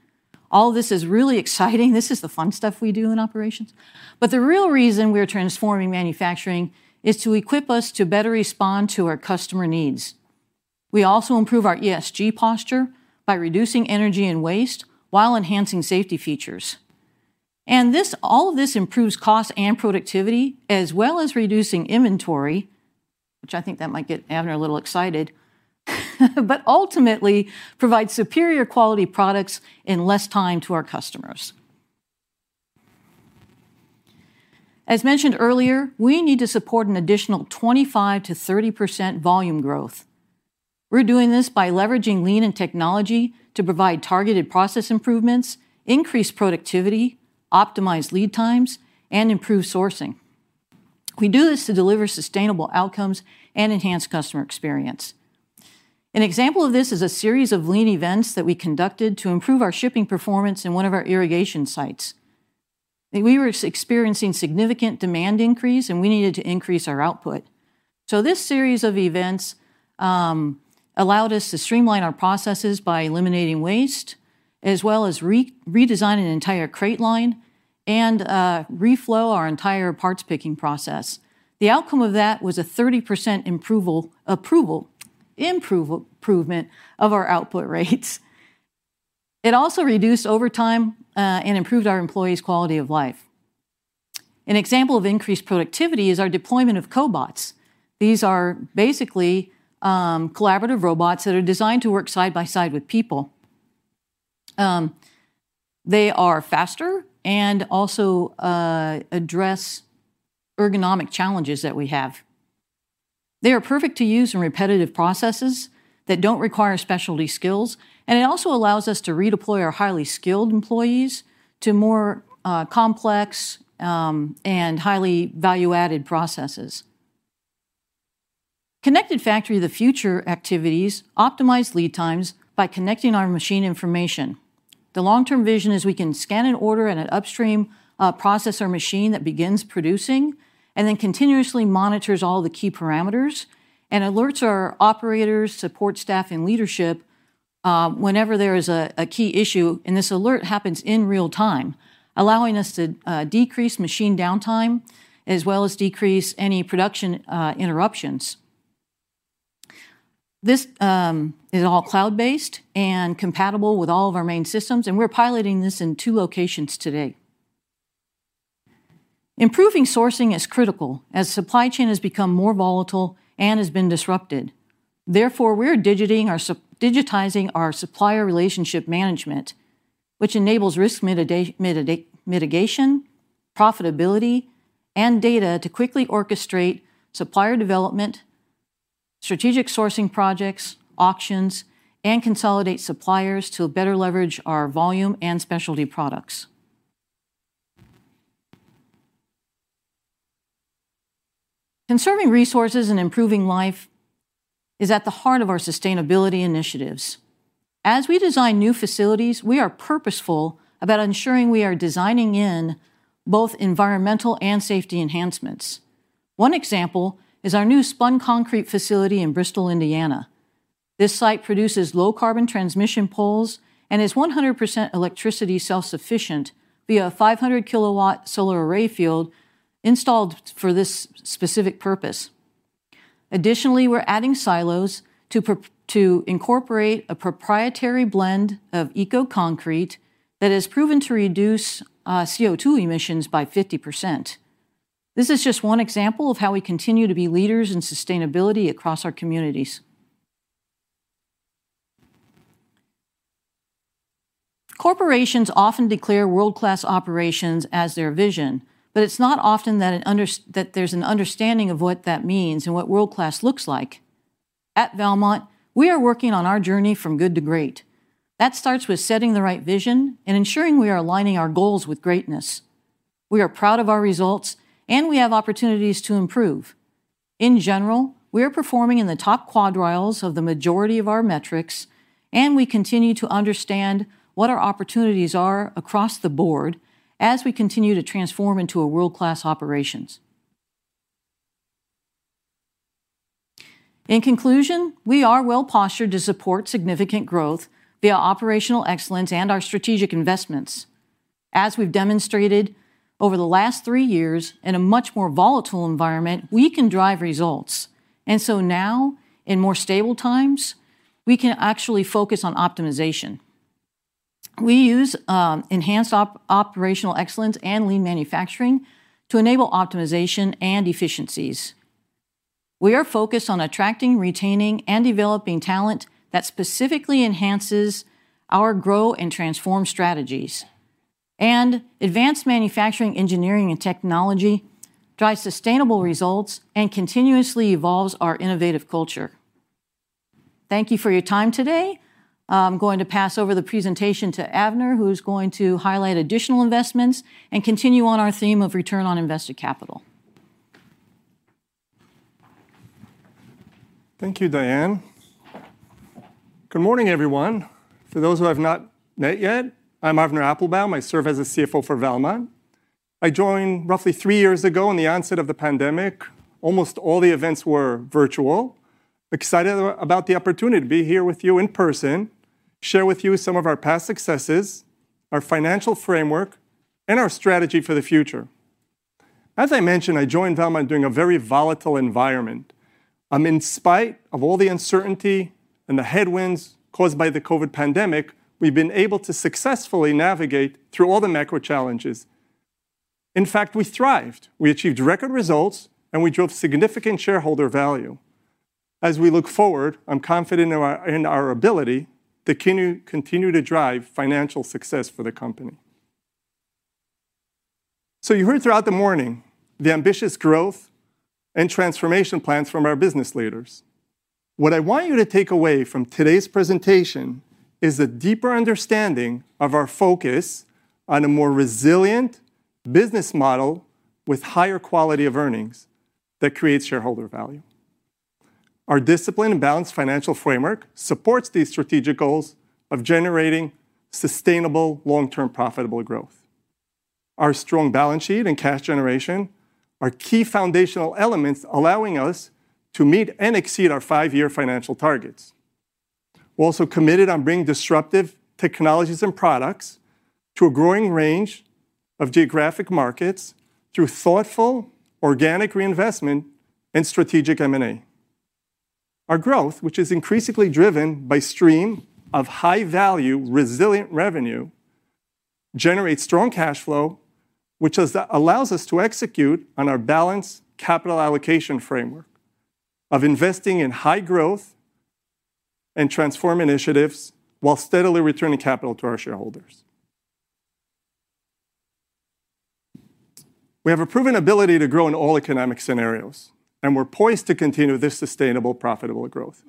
S16: All this is really exciting. This is the fun stuff we do in operations. The real reason we are transforming manufacturing is to equip us to better respond to our customer needs. We also improve our ESG posture by reducing energy and waste while enhancing safety features. All of this improves cost and productivity as well as reducing inventory, which I think that might get Avner a little excited, but ultimately provides superior quality products in less time to our customers. As mentioned earlier, we need to support an additional 25% to 30% volume growth. We're doing this by leveraging lean and technology to provide targeted process improvements, increase productivity, optimize lead times, and improve sourcing. We do this to deliver sustainable outcomes and enhance customer experience. An example of this is a series of lean events that we conducted to improve our shipping performance in one of our irrigation sites. We were experiencing significant demand increase, we needed to increase our output. This series of events allowed us to streamline our processes by eliminating waste as well as redesign an entire crate line and reflow our entire parts picking process. The outcome of that was a 30% improvement of our output rates. It also reduced overtime and improved our employees' quality of life. An example of increased productivity is our deployment of cobots. These are basically collaborative robots that are designed to work side by side with people. They are faster and also address ergonomic challenges that we have. They are perfect to use in repetitive processes that don't require specialty skills, and it also allows us to redeploy our highly skilled employees to more complex and highly value-added processes. Connected factory of the future activities optimize lead times by connecting our machine information. The long-term vision is we can scan an order at an upstream process or machine that begins producing and then continuously monitors all the key parameters and alerts our operators, support staff, and leadership whenever there is a key issue. This alert happens in real time, allowing us to decrease machine downtime as well as decrease any production interruptions. This is all cloud-based and compatible with all of our main systems, and we're piloting this in two locations today. Improving sourcing is critical as supply chain has become more volatile and has been disrupted. Therefore, we're digitizing our supplier relationship management, which enables risk mitigation, profitability, and data to quickly orchestrate supplier development, strategic sourcing projects, auctions, and consolidate suppliers to better leverage our volume and specialty products. Conserving resources and improving life is at the heart of our sustainability initiatives. As we design new facilities, we are purposeful about ensuring we are designing in both environmental and safety enhancements. One example is our new spun concrete facility in Bristol, Indiana. This site produces low carbon transmission poles and is 100% electricity self-sufficient via a 500 kilowatt solar array field installed for this specific purpose. Additionally, we're adding silos to incorporate a proprietary blend of eco-concrete that has proven to reduce CO2 emissions by 50%. This is just one example of how we continue to be leaders in sustainability across our communities. Corporations often declare world-class operations as their vision, but it's not often that an understanding of what that means and what world-class looks like. At Valmont, we are working on our journey from good to great. That starts with setting the right vision and ensuring we are aligning our goals with greatness. We are proud of our results, and we have opportunities to improve. In general, we are performing in the top quartiles of the majority of our metrics, and we continue to understand what our opportunities are across the board as we continue to transform into a world-class operations. In conclusion, we are well-postured to support significant growth via operational excellence and our strategic investments. As we've demonstrated over the last three years in a much more volatile environment, we can drive results. Now, in more stable times, we can actually focus on optimization. We use enhanced operational excellence and lean manufacturing to enable optimization and efficiencies. We are focused on attracting, retaining, and developing talent that specifically enhances our grow and transform strategies. Advanced manufacturing, engineering, and technology drive sustainable results and continuously evolves our innovative culture. Thank you for your time today. I'm going to pass over the presentation to Avner, who's going to highlight additional investments and continue on our theme of return on invested capital.
S17: Thank you, Diane. Good morning, everyone. For those who I've not met yet, I'm Avner Applbaum. I serve as a CFO for Valmont. I joined roughly three years ago on the onset of the pandemic. Almost all the events were virtual. Excited about the opportunity to be here with you in person, share with you some of our past successes, our financial framework, and our strategy for the future. As I mentioned, I joined Valmont during a very volatile environment. In spite of all the uncertainty and the headwinds caused by the COVID pandemic, we've been able to successfully navigate through all the macro challenges. In fact, we thrived. We achieved record results. We drove significant shareholder value. As we look forward, I'm confident in our ability to continue to drive financial success for the company. You heard throughout the morning the ambitious growth and transformation plans from our business leaders. What I want you to take away from today's presentation is a deeper understanding of our focus on a more resilient business model with higher quality of earnings that creates shareholder value. Our discipline and balanced financial framework supports these strategic goals of generating sustainable long-term profitable growth. Our strong balance sheet and cash generation are key foundational elements allowing us to meet and exceed our five year financial targets. We're also committed on bringing disruptive technologies and products to a growing range of geographic markets through thoughtful organic reinvestment and strategic M&A. Our growth, which is increasingly driven by stream of high value, resilient revenue, generates strong cash flow, which allows us to execute on our balanced capital allocation framework of investing in high growth and transform initiatives while steadily returning capital to our shareholders. We have a proven ability to grow in all economic scenarios, and we're poised to continue this sustainable, profitable growth.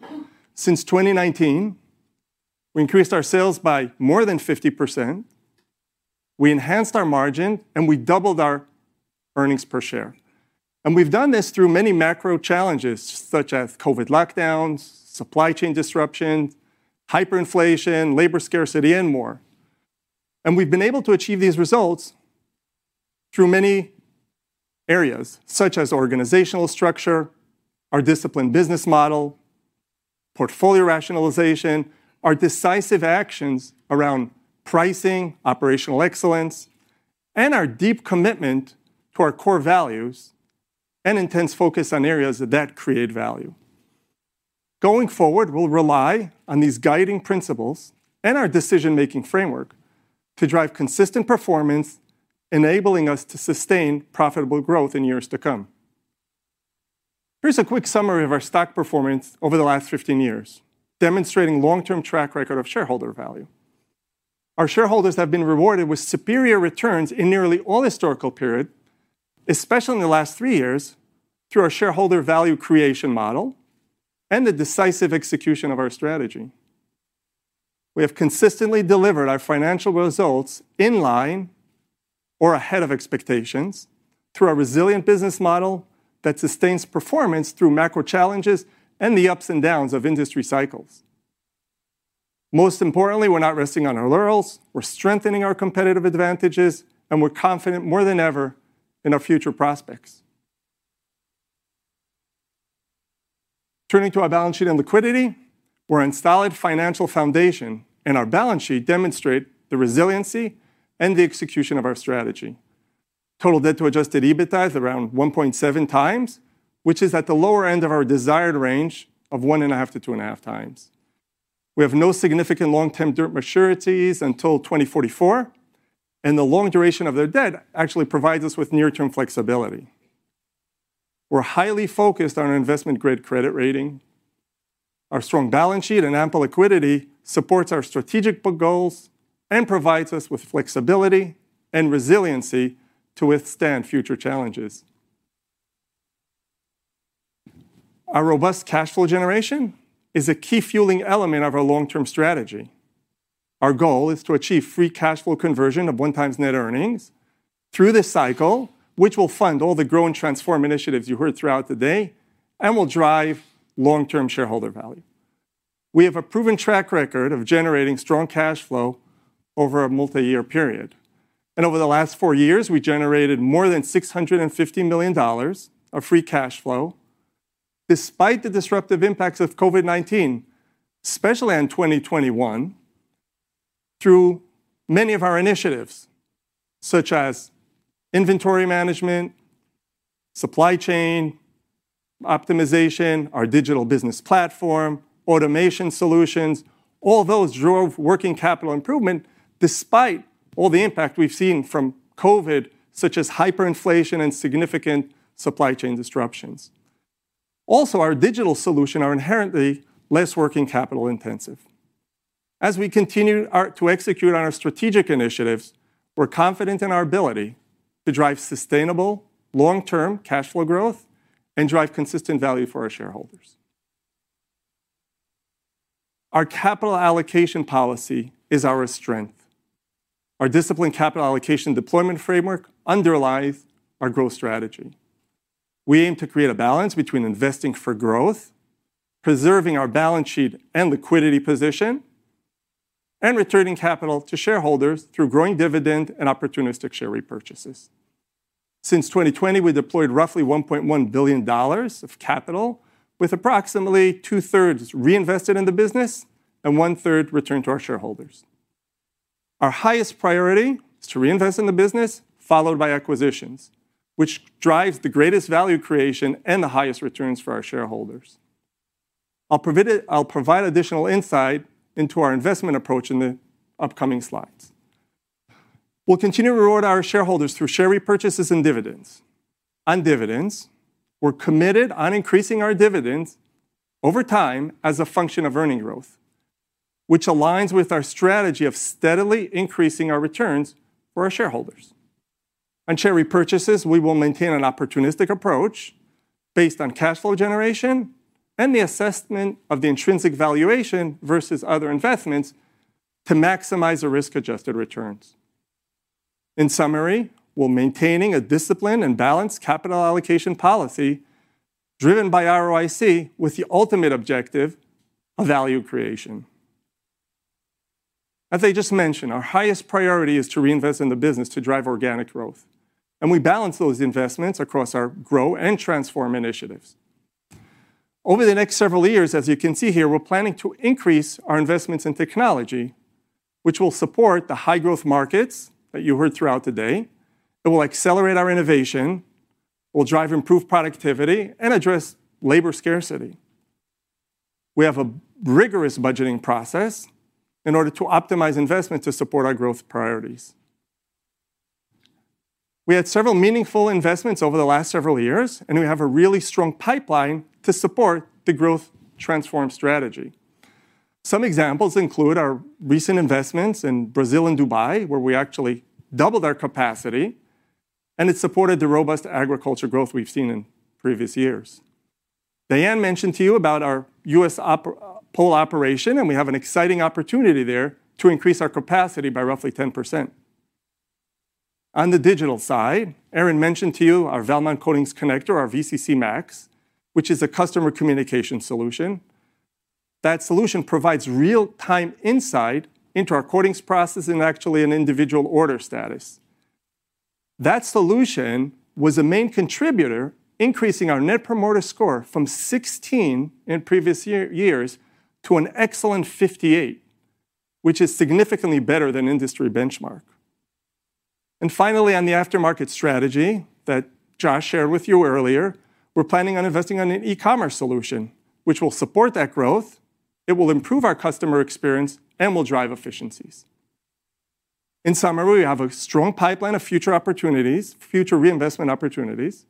S17: Since 2019, we increased our sales by more than 50%, we enhanced our margin, and we doubled our earnings per share. We've done this through many macro challenges, such as COVID lockdowns, supply chain disruptions, hyperinflation, labor scarcity, and more. We've been able to achieve these results through many areas, such as organizational structure, our disciplined business model, portfolio rationalization, our decisive actions around pricing, operational excellence, and our deep commitment to our core values and intense focus on areas that create value. Going forward, we'll rely on these guiding principles and our decision-making framework to drive consistent performance, enabling us to sustain profitable growth in years to come. Here's a quick summary of our stock performance over the last 15 years, demonstrating long-term track record of shareholder value. Our shareholders have been rewarded with superior returns in nearly all historical period, especially in the last three years, through our shareholder value creation model and the decisive execution of our strategy. We have consistently delivered our financial results in line or ahead of expectations through our resilient business model that sustains performance through macro challenges and the ups and downs of industry cycles. Most importantly, we're not resting on our laurels. We're strengthening our competitive advantages. We're confident more than ever in our future prospects. Turning to our balance sheet and liquidity, we're on solid financial foundation. Our balance sheet demonstrate the resiliency and the execution of our strategy. Total debt to adjusted EBITDA is around 1.7 times, which is at the lower end of our desired range of one and a half to two and a half times. We have no significant long-term debt maturities until 2044, and the long duration of their debt actually provides us with near-term flexibility. We're highly focused on an investment-grade credit rating. Our strong balance sheet and ample liquidity supports our strategic goals and provides us with flexibility and resiliency to withstand future challenges. Our robust cash flow generation is a key fueling element of our long-term strategy. Our goal is to achieve free cash flow conversion of 1 times net earnings through this cycle, which will fund all the Grow and Transform initiatives you heard throughout the day and will drive long-term shareholder value. We have a proven track record of generating strong cash flow over a multi-year period. Over the last four years, we generated more than $650 million of free cash flow despite the disruptive impacts of COVID-19, especially in 2021, through many of our initiatives, such as inventory management, supply chain optimization, our digital business platform, automation solutions. All those drove working capital improvement despite all the impact we've seen from COVID, such as hyperinflation and significant supply chain disruptions. Also, our digital solution are inherently less working capital intensive. As we continue to execute on our strategic initiatives, we're confident in our ability to drive sustainable long-term cash flow growth and drive consistent value for our shareholders. Our capital allocation policy is our strength. Our disciplined capital allocation deployment framework underlies our growth strategy. We aim to create a balance between investing for growth, preserving our balance sheet and liquidity position, and returning capital to shareholders through growing dividend and opportunistic share repurchases. Since 2020, we deployed roughly $1.1 billion of capital with approximately two-thirds reinvested in the business and one-third returned to our shareholders. Our highest priority is to reinvest in the business followed by acquisitions, which drives the greatest value creation and the highest returns for our shareholders. I'll provide additional insight into our investment approach in the upcoming slides. We'll continue to reward our shareholders through share repurchases and dividends. On dividends, we're committed on increasing our dividends over time as a function of earning growth, which aligns with our strategy of steadily increasing our returns for our shareholders. On share repurchases, we will maintain an opportunistic approach based on cash flow generation and the assessment of the intrinsic valuation versus other investments to maximize the risk-adjusted returns. In summary, we're maintaining a disciplined and balanced capital allocation policy driven by ROIC with the ultimate objective of value creation. As I just mentioned, our highest priority is to reinvest in the business to drive organic growth, and we balance those investments across our Grow and Transform initiatives. Over the next several years, as you can see here, we're planning to increase our investments in technology, which will support the high-growth markets that you heard throughout today. It will accelerate our innovation, will drive improved productivity, and address labor scarcity. We have a rigorous budgeting process in order to optimize investment to support our growth priorities. We had several meaningful investments over the last several years, and we have a really strong pipeline to support the growth transform strategy. Some examples include our recent investments in Brazil and Dubai, where we actually doubled our capacity, and it supported the robust agriculture growth we've seen in previous years. Diane mentioned to you about our U.S. pole operation, and we have an exciting opportunity there to increase our capacity by roughly 10%. On the digital side, Aaron mentioned to you our Valmont Coatings Connector, our VCC MAX, which is a customer communication solution. That solution provides real-time insight into our coatings process and actually an individual order status. That solution was a main contributor, increasing our Net Promoter Score from 16 in previous years to an excellent 58, which is significantly better than industry benchmark. Finally, on the aftermarket strategy that Josh shared with you earlier, we're planning on investing on an e-commerce solution, which will support that growth. It will improve our customer experience and will drive efficiencies. In summary, we have a strong pipeline of future opportunities, future reinvestment opportunities,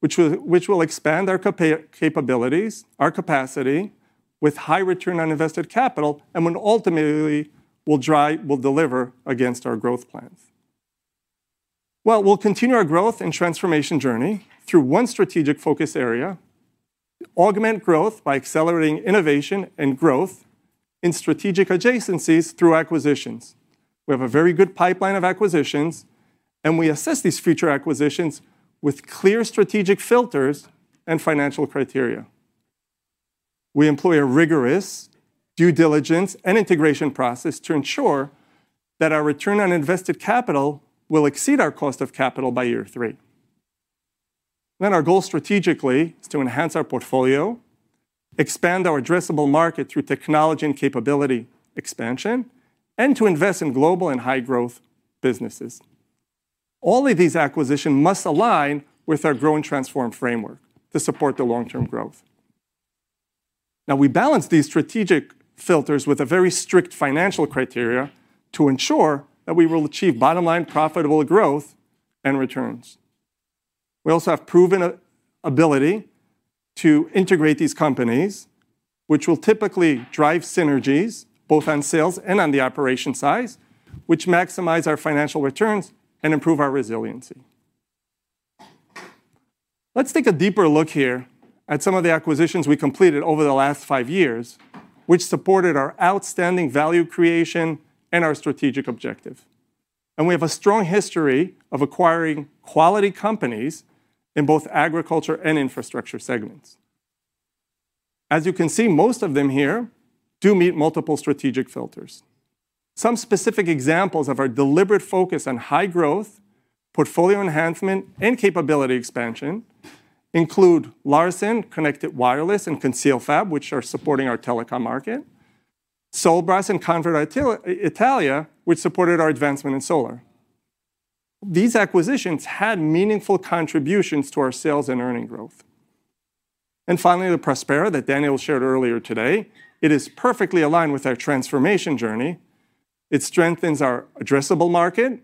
S17: which will expand our capabilities, our capacity with high return on invested capital, and will ultimately deliver against our growth plans. Well, we'll continue our growth and transformation journey through one strategic focus area, augment growth by accelerating innovation and growth in strategic adjacencies through acquisitions. We have a very good pipeline of acquisitions, and we assess these future acquisitions with clear strategic filters and financial criteria. We employ a rigorous due diligence and integration process to ensure that our return on invested capital will exceed our cost of capital by year three. Our goal strategically is to enhance our portfolio, expand our addressable market through technology and capability expansion, and to invest in global and high-growth businesses. All of these acquisition must align with our Grow and Transform framework to support the long-term growth. We balance these strategic filters with a very strict financial criteria to ensure that we will achieve bottom-line profitable growth and returns. We also have proven a ability to integrate these companies, which will typically drive synergies both on sales and on the operations side, which maximize our financial returns and improve our resiliency. Let's take a deeper look here at some of the acquisitions we completed over the last five years, which supported our outstanding value creation and our strategic objective. We have a strong history of acquiring quality companies in both agriculture and infrastructure segments. As you can see, most of them here do meet multiple strategic filters. Some specific examples of our deliberate focus on high growth, portfolio enhancement, and capability expansion include Larson, Connect-It Wireless, and ConcealFab, which are supporting our telecom market, Solbras and Convert Italia, which supported our advancement in solar. These acquisitions had meaningful contributions to our sales and earning growth. Finally, the Prospera that Daniel shared earlier today, it is perfectly aligned with our transformation journey. It strengthens our addressable market,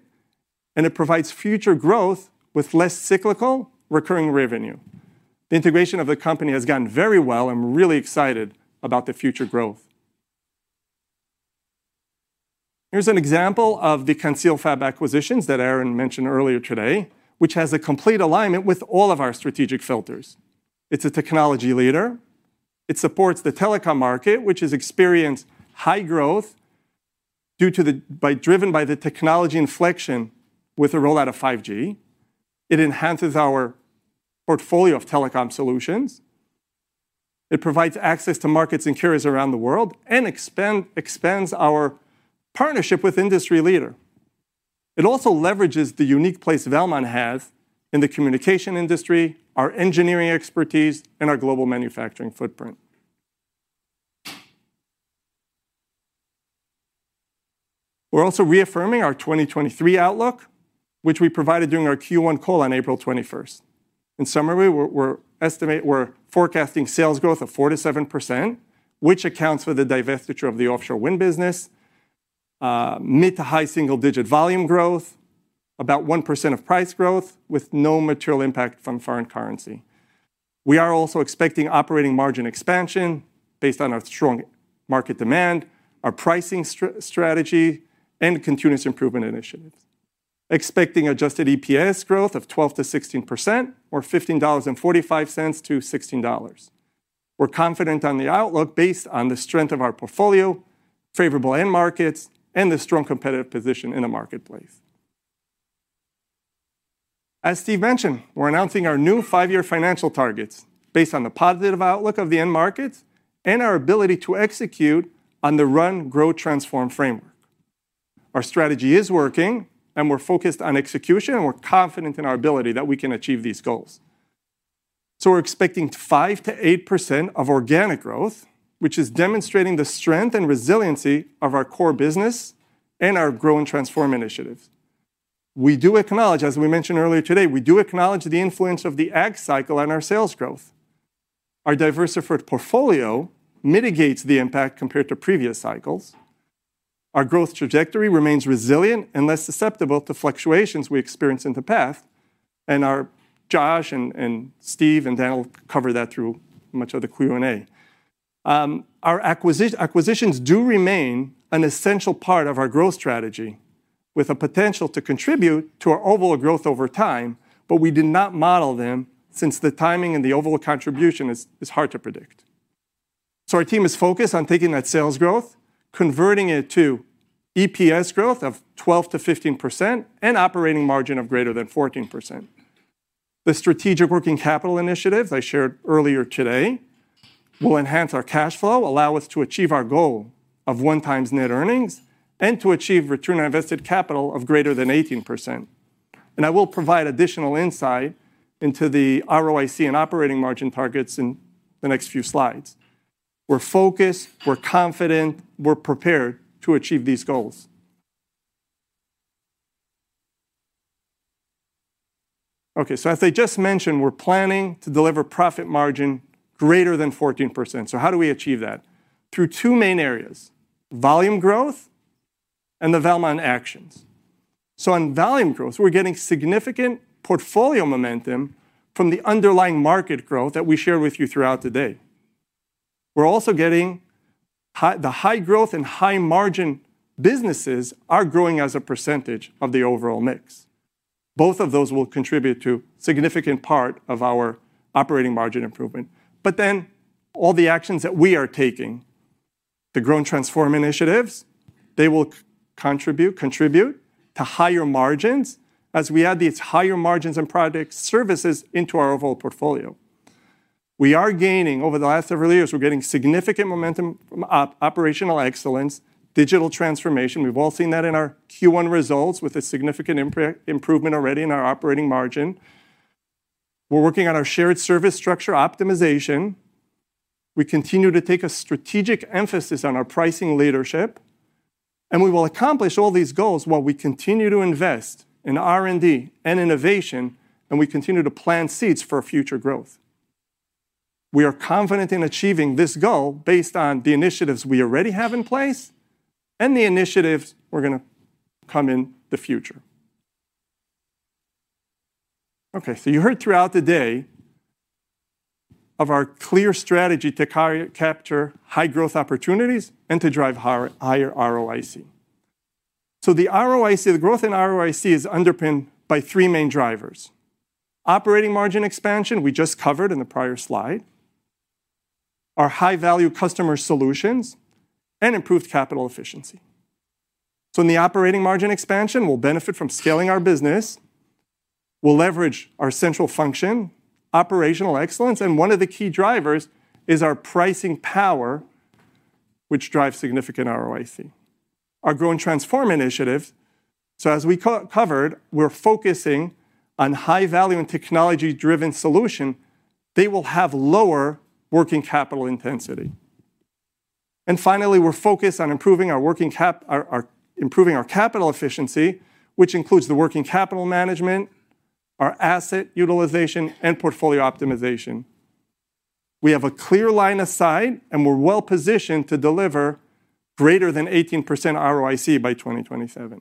S17: it provides future growth with less cyclical recurring revenue. The integration of the company has gone very well, we're really excited about the future growth. Here's an example of the ConcealFab acquisitions that Aaron mentioned earlier today, which has a complete alignment with all of our strategic filters. It's a technology leader. It supports the telecom market, which has experienced high growth due to the driven by the technology inflection with the rollout of 5G. It enhances our portfolio of telecom solutions. It provides access to markets and carriers around the world and expands our partnership with industry leader. It also leverages the unique place Valmont has in the communication industry, our engineering expertise, and our global manufacturing footprint. We're also reaffirming our 2023 outlook, which we provided during our Q1 call on 21st April. In summary, we're forecasting sales growth of 4%-7%, which accounts for the divestiture of the offshore wind business, mid to high single-digit volume growth, about 1% of price growth with no material impact from foreign currency. We are also expecting operating margin expansion based on our strong market demand, our pricing strategy, and continuous improvement initiatives. Expecting adjusted EPS growth of 12%-16% or $15.45-$16.00. We're confident on the outlook based on the strength of our portfolio, favorable end markets, and the strong competitive position in the marketplace. As Steve mentioned, we're announcing our new five year financial targets based on the positive outlook of the end markets and our ability to execute on the Run, Grow, Transform framework. Our strategy is working. We're focused on execution, and we're confident in our ability that we can achieve these goals. We're expecting 5%-8% of organic growth, which is demonstrating the strength and resiliency of our core business and our Grow and Transform initiatives. We do acknowledge, as we mentioned earlier today, we do acknowledge the influence of the ag cycle on our sales growth. Our diversified portfolio mitigates the impact compared to previous cycles. Our growth trajectory remains resilient and less susceptible to fluctuations we experience in the path. Our Josh and Steve and Daniel will cover that through much of the Q&A. Our acquisitions do remain an essential part of our growth strategy with a potential to contribute to our overall growth over time, but we did not model them since the timing and the overall contribution is hard to predict. Our team is focused on taking that sales growth, converting it to EPS growth of 12%-15% and operating margin of greater than 14%. The strategic working capital initiatives I shared earlier today will enhance our cash flow, allow us to achieve our goal of 1 times net earnings, and to achieve return on invested capital of greater than 18%. I will provide additional insight into the ROIC and operating margin targets in the next few slides. We're focused, we're confident, we're prepared to achieve these goals. As I just mentioned, we're planning to deliver profit margin greater than 14%. How do we achieve that? Through two main areas, volume growth and the Valmont actions. On volume growth, we're getting significant portfolio momentum from the underlying market growth that we shared with you throughout the day. We're also getting the high growth and high margin businesses are growing as a percentage of the overall mix. Both of those will contribute to significant part of our operating margin improvement. All the actions that we are taking, the Grow and Transform initiatives, they will contribute to higher margins as we add these higher margins and product services into our overall portfolio. Over the last several years, we're getting significant momentum from operational excellence, digital transformation. We've all seen that in our Q1 results with a significant improvement already in our operating margin. We're working on our shared service structure optimization. We continue to take a strategic emphasis on our pricing leadership. We will accomplish all these goals while we continue to invest in R&D and innovation. We continue to plant seeds for our future growth. We are confident in achieving this goal based on the initiatives we already have in place and the initiatives we're going to come in the future. Okay, you heard throughout the day of our clear strategy to capture high growth opportunities and to drive higher ROIC. The ROIC, the growth in ROIC is underpinned by three main drivers: operating margin expansion we just covered in the prior slide, our high-value customer solutions, and improved capital efficiency. In the operating margin expansion, we'll benefit from scaling our business. We'll leverage our central function, operational excellence, and one of the key drivers is our pricing power, which drives significant ROIC. Our Grow and Transform initiatives, so as we co-covered, we're focusing on high-value and technology-driven solution. They will have lower working capital intensity. Finally, we're focused on improving our improving our capital efficiency, which includes the working capital management, our asset utilization, and portfolio optimization. We have a clear line of sight, and we're well-positioned to deliver greater than 18% ROIC by 2027.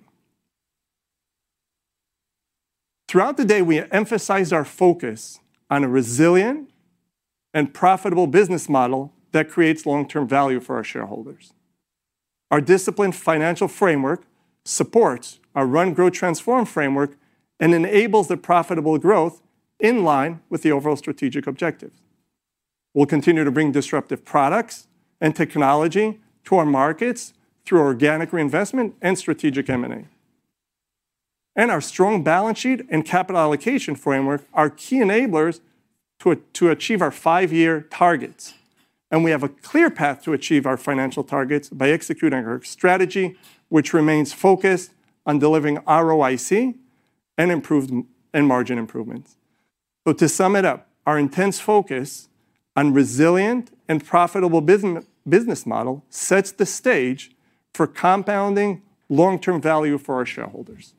S17: Throughout the day, we emphasized our focus on a resilient and profitable business model that creates long-term value for our shareholders. Our disciplined financial framework supports our Run, Grow, Transform framework and enables the profitable growth in line with the overall strategic objective. We'll continue to bring disruptive products and technology to our markets through organic reinvestment and strategic M&A. Our strong balance sheet and capital allocation framework are key enablers to achieve our five year targets, and we have a clear path to achieve our financial targets by executing our strategy, which remains focused on delivering ROIC and margin improvements. To sum it up, our intense focus on resilient and profitable business model sets the stage for compounding long-term value for our shareholders.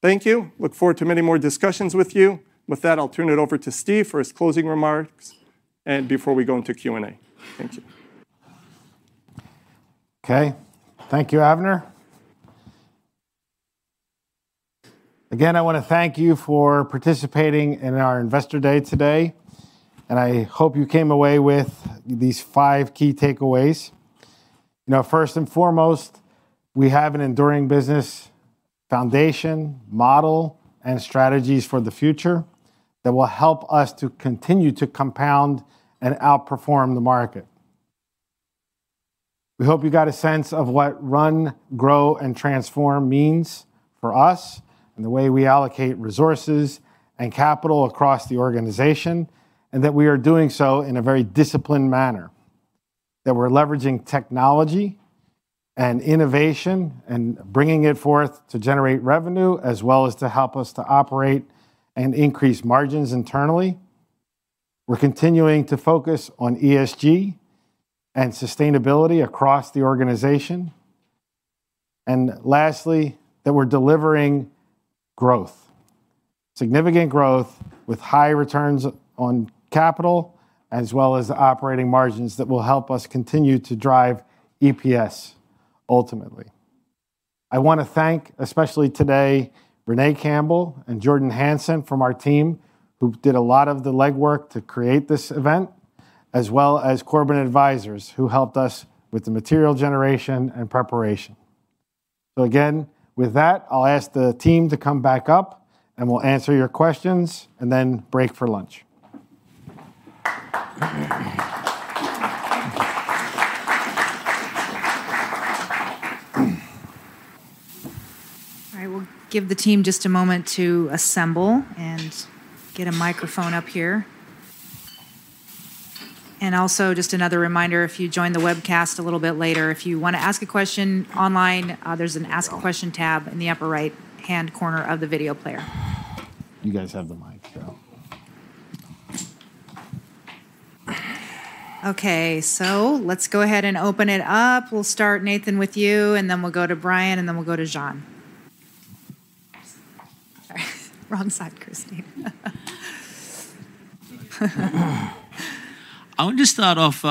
S17: Thank you. Look forward to many more discussions with you. With that, I'll turn it over to Steve for his closing remarks and before we go into Q&A. Thank you.
S3: Okay. Thank you, Avner. Again, I wanna thank you for participating in our Investor Day today, and I hope you came away with these five key takeaways. You know, first and foremost, we have an enduring business foundation, model, and strategies for the future that will help us to continue to compound and outperform the market. We hope you got a sense of what Run, Grow, and Transform means for us and the way we allocate resources and capital across the organization, and that we are doing so in a very disciplined manner. That we're leveraging technology and innovation and bringing it forth to generate revenue as well as to help us to operate and increase margins internally. We're continuing to focus on ESG and sustainability across the organization. Lastly, that we're delivering growth, significant growth with high returns on capital as well as operating margins that will help us continue to drive EPS ultimately. I wanna thank, especially today, Renee Campbell and Jordan Hansen from our team, who did a lot of the legwork to create this event, as well as Corbin Advisors, who helped us with the material generation and preparation. Again, with that, I'll ask the team to come back up, and we'll answer your questions and then break for lunch.
S1: All right. We'll give the team just a moment to assemble and get a microphone up here. Also, just another reminder, if you joined the webcast a little bit later, if you wanna ask a question online, there's an Ask a Question tab in the upper right-hand corner of the video player.
S3: You guys have the mic, so..
S1: Okay. Let's go ahead and open it up. We'll start, Nathan, with you, and then we'll go to Brian, and then we'll go to John. Sorry. Wrong side, Christine.
S7: I want to start off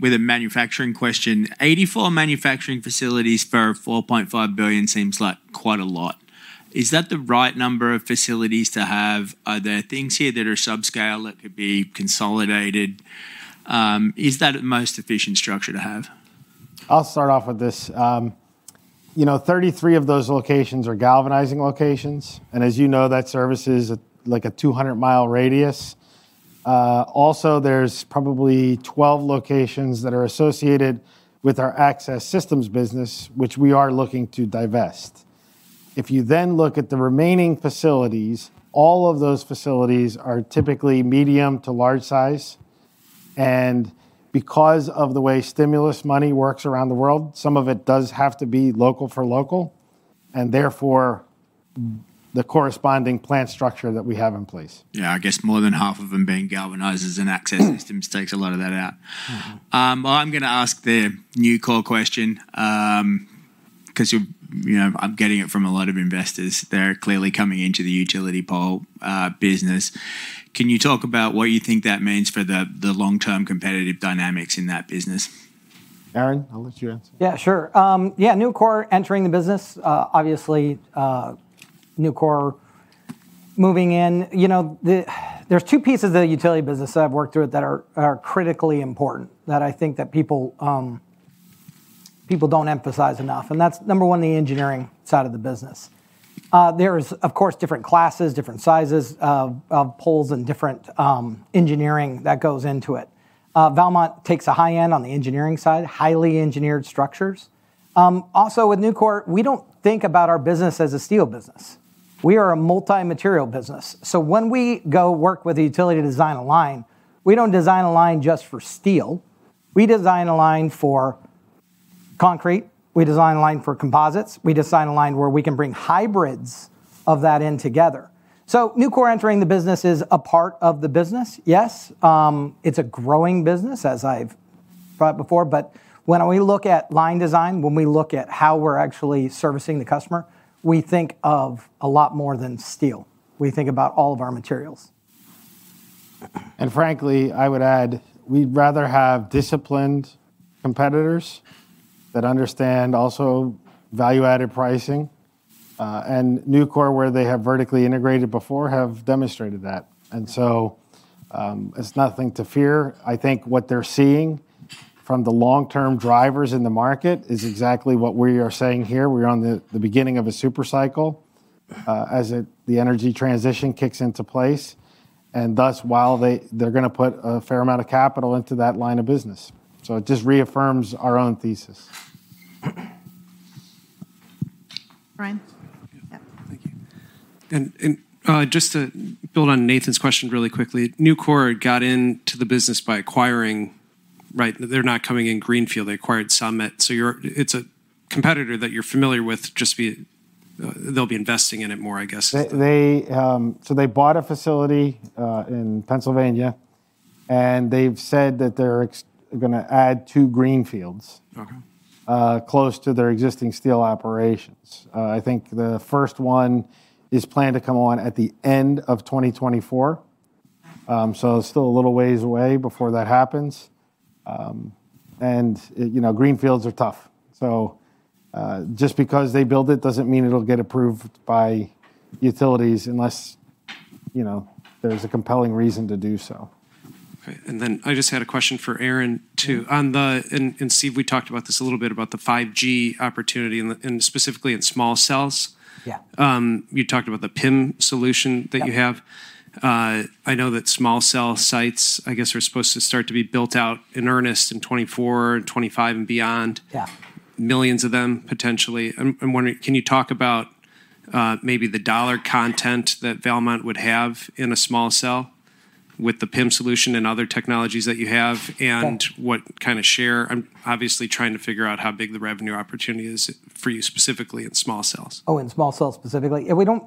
S7: with a manufacturing question. 84 manufacturing facilities for $4.5 billion seems like quite a lot. Is that the right number of facilities to have? Are there things here that are subscale that could be consolidated? Is that the most efficient structure to have?
S3: I'll start off with this. You know, 33 of those locations are galvanizing locations. As you know, that services a, like a 200-mile radius. Also there's probably 12 locations that are associated with our access systems business, which we are looking to divest. If you look at the remaining facilities, all of those facilities are typically medium to large size. Because of the way stimulus money works around the world, some of it does have to be local for local, and therefore the corresponding plant structure that we have in place.
S7: Yeah. I guess more than half of them being galvanizers and access systems takes a lot of that out. I'm gonna ask the Nucor question, 'cause you're, you know, I'm getting it from a lot of investors. They're clearly coming into the utility pole business. Can you talk about what you think that means for the long-term competitive dynamics in that business?
S3: Aaron, I'll let you answer.
S15: Yeah, sure. Yeah, Nucor entering the business, obviously, Nucor moving in. You know, There's two pieces of the utility business that I've worked through that are critically important that I think that people don't emphasize enough, and that's, number one, the engineering side of the business. There is, of course, different classes, different sizes of poles and different engineering that goes into it. Valmont takes a high end on the engineering side, highly engineered structures. Also with Nucor, we don't think about our business as a steel business. We are a multi-material business. When we go work with a utility to design a line, we don't design a line just for steel, we design a line for concrete, we design a line for composites, we design a line where we can bring hybrids of that in together. Nucor entering the business is a part of the business, yes. It's a growing business, as I've brought up before. When we look at line design, when we look at how we're actually servicing the customer, we think of a lot more than steel. We think about all of our materials.
S3: Frankly, I would add, we'd rather have disciplined competitors that understand also value-added pricing. Nucor, where they have vertically integrated before, have demonstrated that. It's nothing to fear. I think what they're seeing from the long-term drivers in the market is exactly what we are saying here. We're on the beginning of a super cycle, as the energy transition kicks into place. Thus, while they're gonna put a fair amount of capital into that line of business. It just reaffirms our own thesis.
S1: Brian. Yeah.
S10: Thank you. Just to build on Nathan's question really quickly, Nucor got into the business by acquiring, right? They're not coming in greenfield, they acquired Summit. It's a competitor that you're familiar with, they'll be investing in it more, I guess.
S3: They bought a facility, in Pennsylvania, and they've said that they're gonna add 2 greenfields.
S10: Okay
S3: .Close to their existing steel operations. I think the first one is planned to come on at the end of 2024. Still a little ways away before that happens. You know, greenfields are tough. Just because they build it doesn't mean it'll get approved by utilities unless, you know, there's a compelling reason to do so.
S10: Okay. Then I just had a question for Aaron too.
S15: Yeah.
S10: Steve, we talked about this a little bit about the 5G opportunity and specifically in small cells.
S15: Yeah.
S10: You talked about the PIM solution that you have.
S15: Yeah.
S10: I know that small cell sites, I guess, are supposed to start to be built out in earnest in 2024 and 2025 and beyond.
S15: Yeah.
S10: Millions of them, potentially. I'm wondering, can you talk about, maybe the dollar content that Valmont would have in a small cell with the PIM solution and other technologies that you have?
S15: Sure
S10: What kind of share? I'm obviously trying to figure out how big the revenue opportunity is for you specifically in small cells.
S15: In small cells specifically. Yeah, we don't.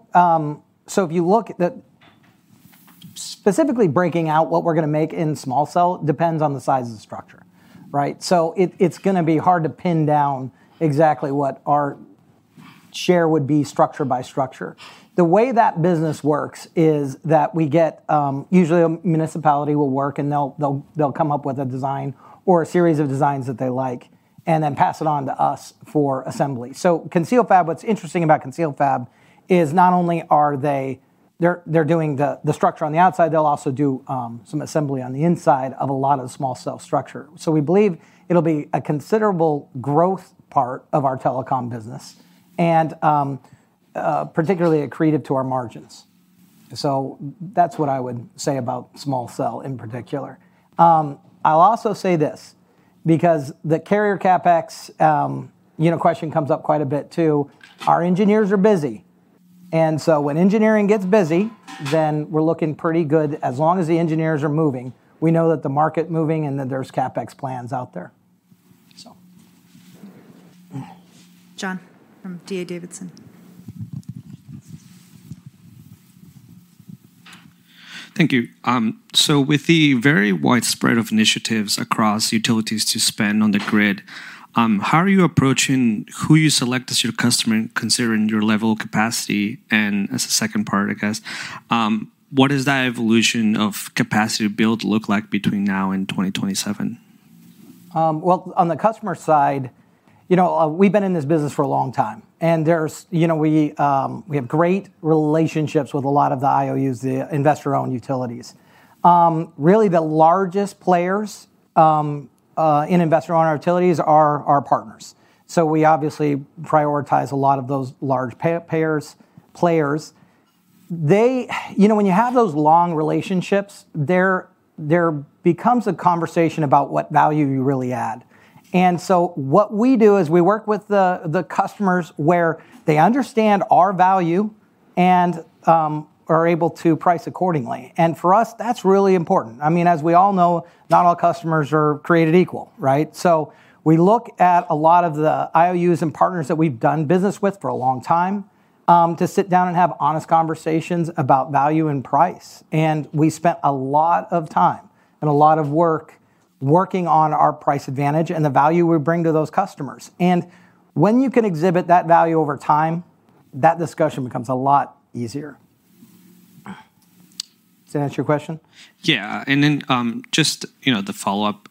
S15: Specifically breaking out what we're gonna make in small cell depends on the size of the structure, right? It's gonna be hard to pin down exactly what our share would be structure by structure. The way that business works is that we get, usually a municipality will work and they'll come up with a design or a series of designs that they like, then pass it on to us for assembly. ConcealFab, what's interesting about ConcealFab is not only are they doing the structure on the outside, they'll also do some assembly on the inside of a lot of the small cell structure. We believe it'll be a considerable growth part of our telecom business and particularly accretive to our margins. That's what I would say about small cell in particular. I'll also say this, because the carrier CapEx, you know, question comes up quite a bit too. Our engineers are busy, when engineering gets busy, then we're looking pretty good. As long as the engineers are moving, we know that the market moving and that there's CapEx plans out there.
S1: John from D.A. Davidson.
S12: Thank you. With the very wide spread of initiatives across utilities to spend on the grid, how are you approaching who you select as your customer considering your level of capacity? As a second part, I guess, what does that evolution of capacity build look like between now and 2027?
S15: Well, on the customer side, you know, we've been in this business for a long time, and there's, you know, we have great relationships with a lot of the IOUs, the investor-owned utilities. Really the largest players in investor-owned utilities are our partners. We obviously prioritize a lot of those large players. You know, when you have those long relationships, there becomes a conversation about what value you really add. What we do is we work with the customers where they understand our value and are able to price accordingly. For us, that's really important. I mean, as we all know, not all customers are created equal, right? We look at a lot of the IOUs and partners that we've done business with for a long time, to sit down and have honest conversations about value and price. We spent a lot of time and a lot of work working on our price advantage and the value we bring to those customers. When you can exhibit that value over time, that discussion becomes a lot easier. Does that answer your question?
S12: Yeah. Just, you know, the follow-up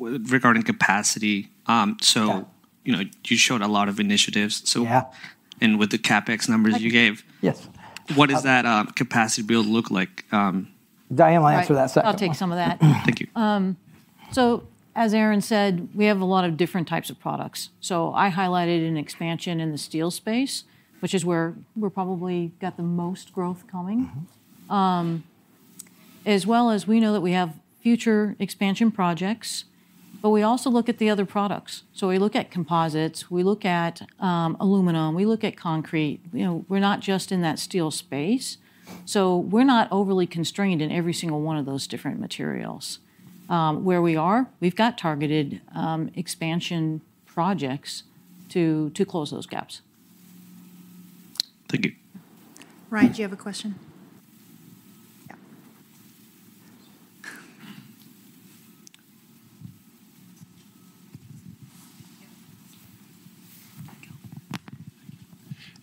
S12: regarding capacity.
S15: Yeah
S12: you know, you showed a lot of initiatives.
S15: Yeah
S12: With the CapEx numbers.
S15: Yes
S12: what does that, capacity build look like,
S15: Diane will answer that second.
S16: Right. I'll take some of that.
S12: Thank you.
S16: As Aaron said, we have a lot of different types of products. I highlighted an expansion in the steel space, which is where we're probably got the most growth coming. As well as we know that we have future expansion projects, we also look at the other products. We look at composites, we look at aluminum, we look at concrete. You know, we're not just in that steel space. We're not overly constrained in every single one of those different materials. Where we are, we've got targeted expansion projects to close those gaps.
S12: Thank you.
S1: Ryan, do you have a question? Yeah.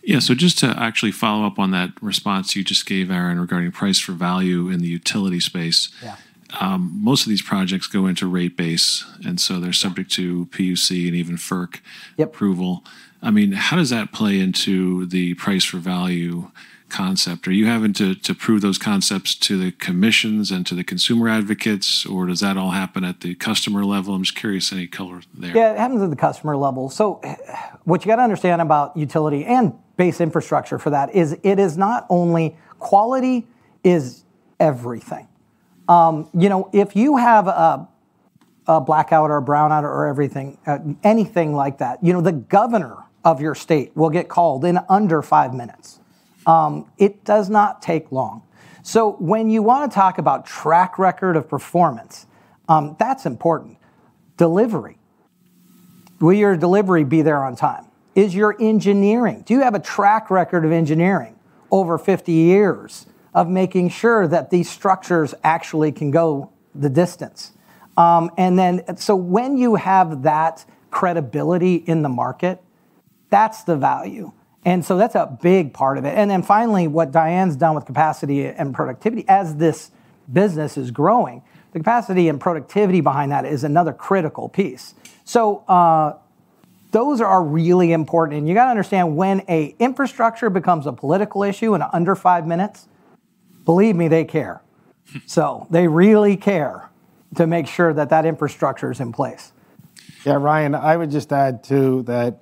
S8: Yeah. Just to actually follow up on that response you just gave, Aaron, regarding price for value in the utility space.
S15: Yeah.
S8: Most of these projects go into rate base, and so they're subject to PUC and even FERC.
S15: Yep
S8: Approval. I mean, how does that play into the price for value concept? Are you having to prove those concepts to the commissions and to the consumer advocates, or does that all happen at the customer level? I'm just curious, any color there.
S15: Yeah, it happens at the customer level. What you gotta understand about utility and base infrastructure for that is it is not only quality is everything. If you have a blackout or a brownout or everything, anything like that, you know, the governor of your state will get called in under 5 minutes. It does not take long. When you wanna talk about track record of performance, that's important. Delivery. Will your delivery be there on time? Do you have a track record of engineering over 50 years of making sure that these structures actually can go the distance? When you have that credibility in the market, that's the value. That's a big part of it. Finally, what Diane's done with capacity and productivity as this business is growing, the capacity and productivity behind that is another critical piece. Those are really important. You gotta understand when an infrastructure becomes a political issue in under five minutes, believe me, they care. They really care to make sure that that infrastructure is in place.
S3: Ryan, I would just add too that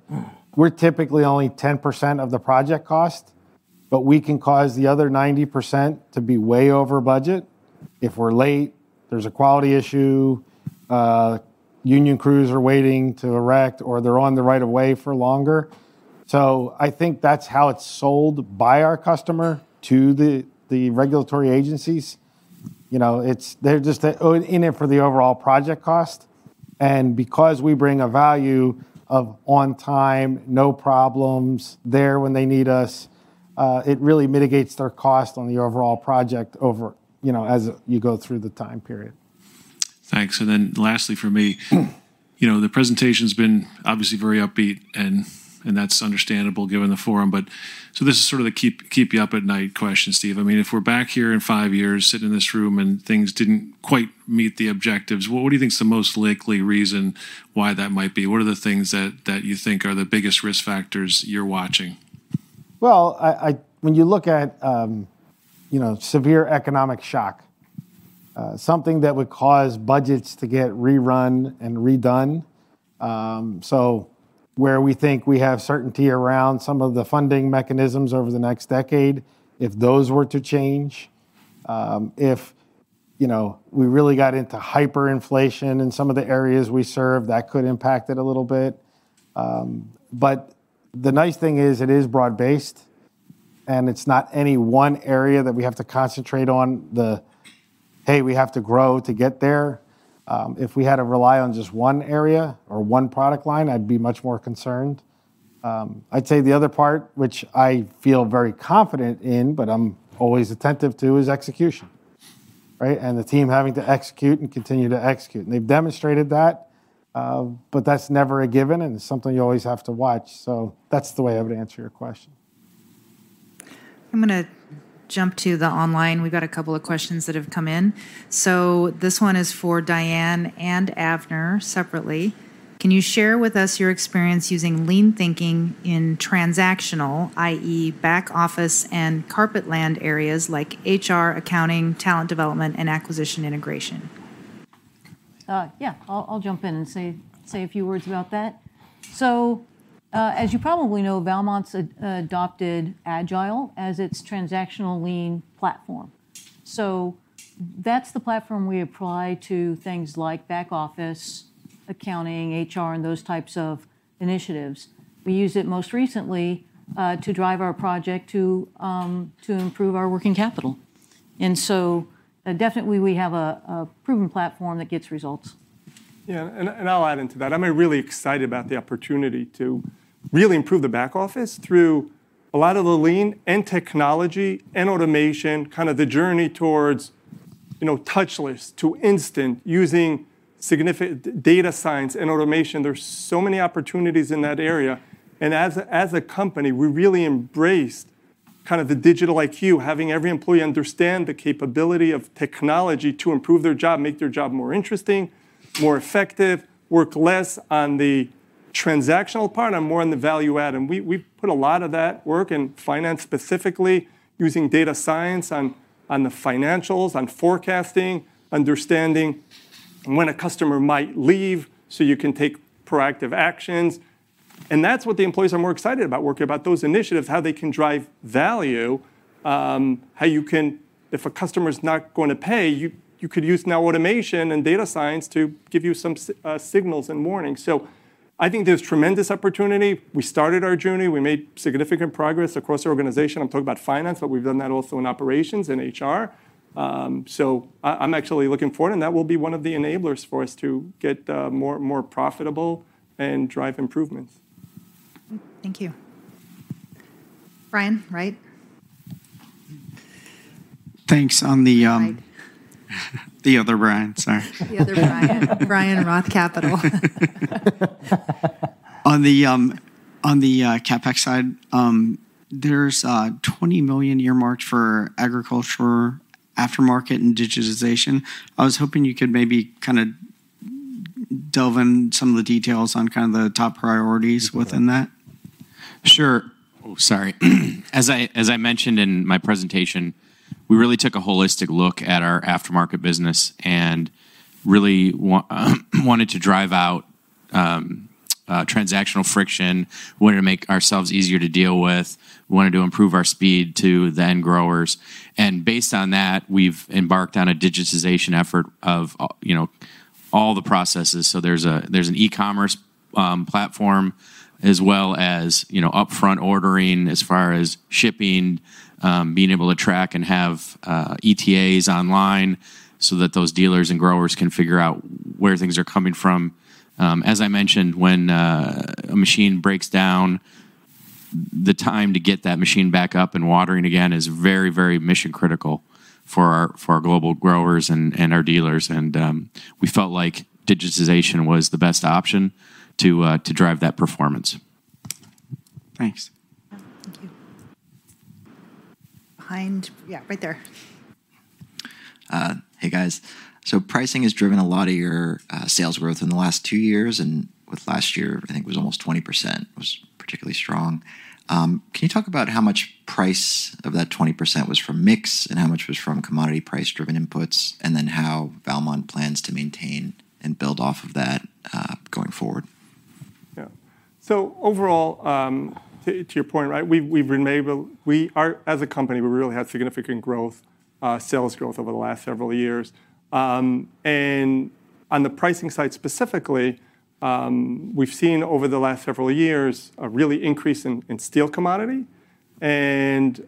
S3: we're typically only 10% of the project cost, but we can cause the other 90% to be way over budget if we're late, there's a quality issue, union crews are waiting to erect, or they're on the right of way for longer. I think that's how it's sold by our customer to the regulatory agencies. You know, they're just in it for the overall project cost. Because we bring a value of on time, no problems, there when they need us, it really mitigates their cost on the overall project over, you know, as you go through the time period.
S8: Thanks. Lastly for me, you know, the presentation's been obviously very upbeat and that's understandable given the forum. This is sort of the keep you up at night question, Steve. I mean, if we're back here in five years sitting in this room and things didn't quite meet the objectives, what do you think is the most likely reason why that might be? What are the things that you think are the biggest risk factors you're watching?
S3: Well, when you look at, you know, severe economic shock, something that would cause budgets to get rerun and redone. Where we think we have certainty around some of the funding mechanisms over the next decade, if those were to change, if, you know, we really got into hyperinflation in some of the areas we serve, that could impact it a little bit. The nice thing is it is broad-based, and it's not any one area that we have to concentrate on the, "Hey, we have to grow to get there." If we had to rely on just one area or one product line, I'd be much more concerned. I'd say the other part, which I feel very confident in but I'm always attentive to, is execution, right? The team having to execute and continue to execute. They've demonstrated that, but that's never a given, and it's something you always have to watch. That's the way I would answer your question.
S1: I'm gonna jump to the online. We've got a couple of questions that have come in. This one is for Diane and Avner separately. Can you share with us your experience using lean thinking in transactional, i.e., back office and carpet land areas like HR, accounting, talent development, and acquisition integration?
S16: Yeah, I'll jump in and say a few words about that. As you probably know, Valmont's adopted Agile as its transactional Lean platform. That's the platform we apply to things like back office, accounting, HR, and those types of initiatives. We used it most recently to drive our project to improve our working capital. Definitely we have a proven platform that gets results.
S17: Yeah. I'll add into that. I'm really excited about the opportunity to really improve the back office through a lot of the Lean and technology and automation, kind of the journey towards, you know, touchless to instant using significant data science and automation. There's so many opportunities in that area. As a company, we really embraced kind of the digital IQ, having every employee understand the capability of technology to improve their job, make their job more interesting, more effective, work less on the transactional part and more on the value add. We put a lot of that work in finance, specifically using data science on the financials, on forecasting, understanding when a customer might leave so you can take proactive actions. That's what the employees are more excited about working about those initiatives, how they can drive value, how you can if a customer's not going to pay you could use now automation and data science to give you some signals and warnings. I think there's tremendous opportunity. We started our journey. We made significant progress across the organization. I'm talking about finance, but we've done that also in operations and HR. I'm actually looking forward, and that will be one of the enablers for us to get more profitable and drive improvements.
S16: Thank you. Brian Wright.
S13: Thanks. On the,
S16: Brian.
S13: The other Brian, sorry.
S16: The other Brian. Brian, Roth Capital.
S13: On the, on the CapEx side, there's a $20 million earmarked for agriculture aftermarket and digitization. I was hoping you could maybe kinda delve in some of the details on kind of the top priorities within that.
S4: Sure. Sorry. As I mentioned in my presentation, we really took a holistic look at our aftermarket business and really wanted to drive out transactional friction. We wanted to make ourselves easier to deal with. We wanted to improve our speed to the end growers. Based on that, we've embarked on a digitization effort of, you know, all the processes. There's an e-commerce platform as well as, you know, upfront ordering as far as shipping, being able to track and have ETAs online so that those dealers and growers can figure out where things are coming from. As I mentioned, when a machine breaks down, the time to get that machine back up and watering again is very, very mission-critical for our global growers and our dealers. We felt like digitization was the best option to drive that performance.
S13: Thanks.
S16: Yeah. Thank you. Behind yeah, right there.
S7: Hey, guys. Pricing has driven a lot of your sales growth in the last two years, and with last year, I think it was almost 20%, was particularly strong. Can you talk about how much price of that 20% was from mix and how much was from commodity price-driven inputs, and then how Valmont plans to maintain and build off of that going forward?
S17: Yeah. overall, to your point, right? As a company, we really had significant growth, sales growth over the last several years. And on the pricing side, specifically, we've seen over the last several years a really increase in steel commodity. And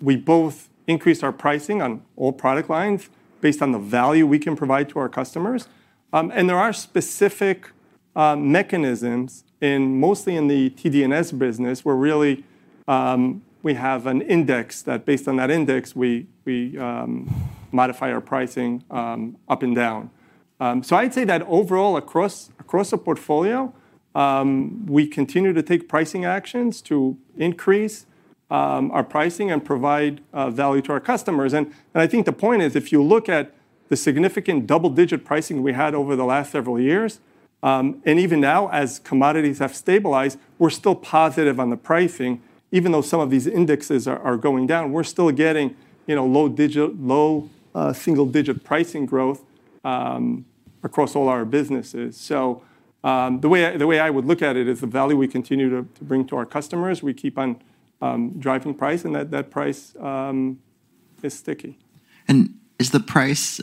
S17: we both increased our pricing on all product lines based on the value we can provide to our customers. And there are specific mechanisms in, mostly in the T&D business, where really, we have an index that based on that index, we modify our pricing up and down. I'd say that overall across the portfolio, we continue to take pricing actions to increase our pricing and provide value to our customers. I think the point is, if you look at the significant double-digit pricing we had over the last several years, even now as commodities have stabilized, we're still positive on the pricing. Even though some of these indexes are going down, we're still getting, you know, low single-digit pricing growth across all our businesses. The way I would look at it is the value we continue to bring to our customers. We keep on driving price, and that price is sticky.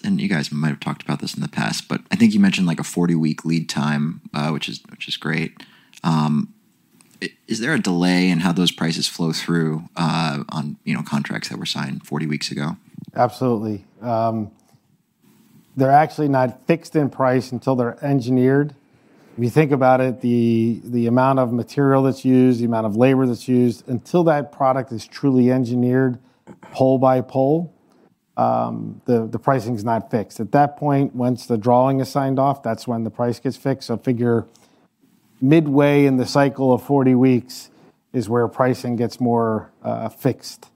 S7: You guys might have talked about this in the past, but I think you mentioned like a 40-week lead time, which is great. Is there a delay in how those prices flow through, on, you know, contracts that were signed 40 weeks ago?
S3: Absolutely. They're actually not fixed in price until they're engineered. If you think about it, the amount of material that's used, the amount of labor that's used, until that product is truly engineered pole by pole, the pricing's not fixed. At that point, once the drawing is signed off, that's when the price gets fixed. Figure midway in the cycle of 40 weeks is where pricing gets more fixed.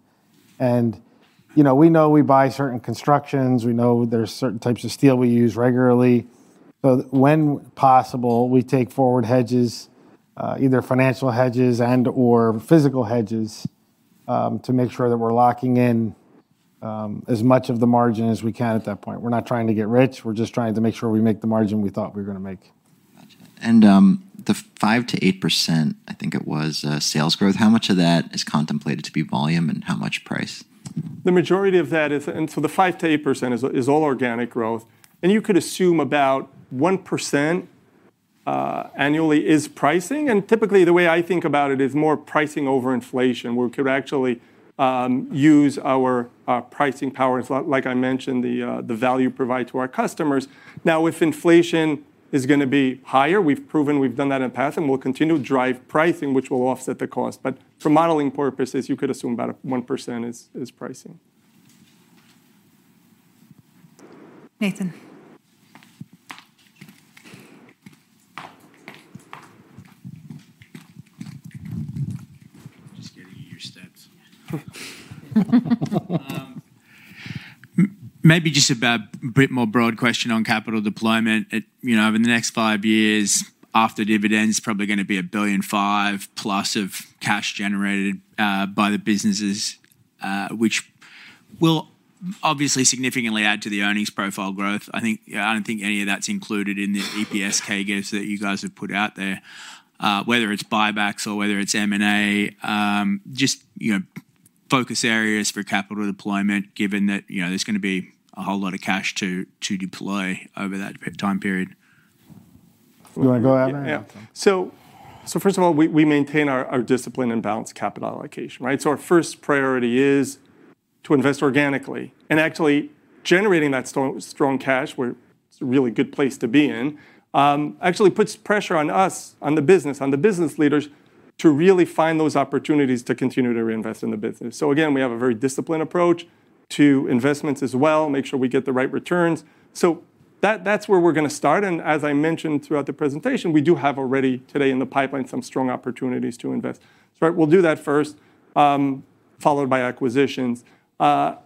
S3: You know, we know we buy certain constructions. We know there's certain types of steel we use regularly. When possible, we take forward hedges, either financial hedges and/or physical hedges.
S17: To make sure that we're locking in as much of the margin as we can at that point. We're not trying to get rich, we're just trying to make sure we make the margin we thought we were gonna make.
S7: Gotcha. The 5%-8%, I think it was, sales growth, how much of that is contemplated to be volume and how much price?
S17: The majority of that is all organic growth, the 5%-8% is all organic growth, you could assume about 1% annually is pricing. Typically, the way I think about it is more pricing over inflation, where we could actually use our pricing power. It's like I mentioned, the value provided to our customers. Now, if inflation is gonna be higher, we've proven we've done that in the past, and we'll continue to drive pricing, which will offset the cost. For modeling purposes, you could assume about 1% is pricing.
S15: Nathan.
S7: Just getting you your stats.
S15: Yeah.
S11: Maybe just about a bit more broad question on capital deployment. It, you know, over the next five years after dividends, probably gonna be $1.5 billion+ of cash generated by the businesses, which will obviously significantly add to the earnings profile growth. I think, yeah, I don't think any of that's included in the EPS CAGRs that you guys have put out there. Whether it's buybacks or whether it's M&A, just, you know, focus areas for capital deployment, given that, you know, there's gonna be a whole lot of cash to deploy over that time period.
S17: You wanna go, Aaron?
S15: Yeah. First of all, we maintain our discipline and balance capital allocation, right. Our first priority is to invest organically and actually generating that strong cash where it's a really good place to be in, actually puts pressure on us, on the business leaders to really find those opportunities to continue to reinvest in the business. Again, we have a very disciplined approach to investments as well, make sure we get the right returns. That's where we're gonna start. As I mentioned throughout the presentation, we do have already today in the pipeline some strong opportunities to invest. Right, we'll do that first, followed by acquisitions. That's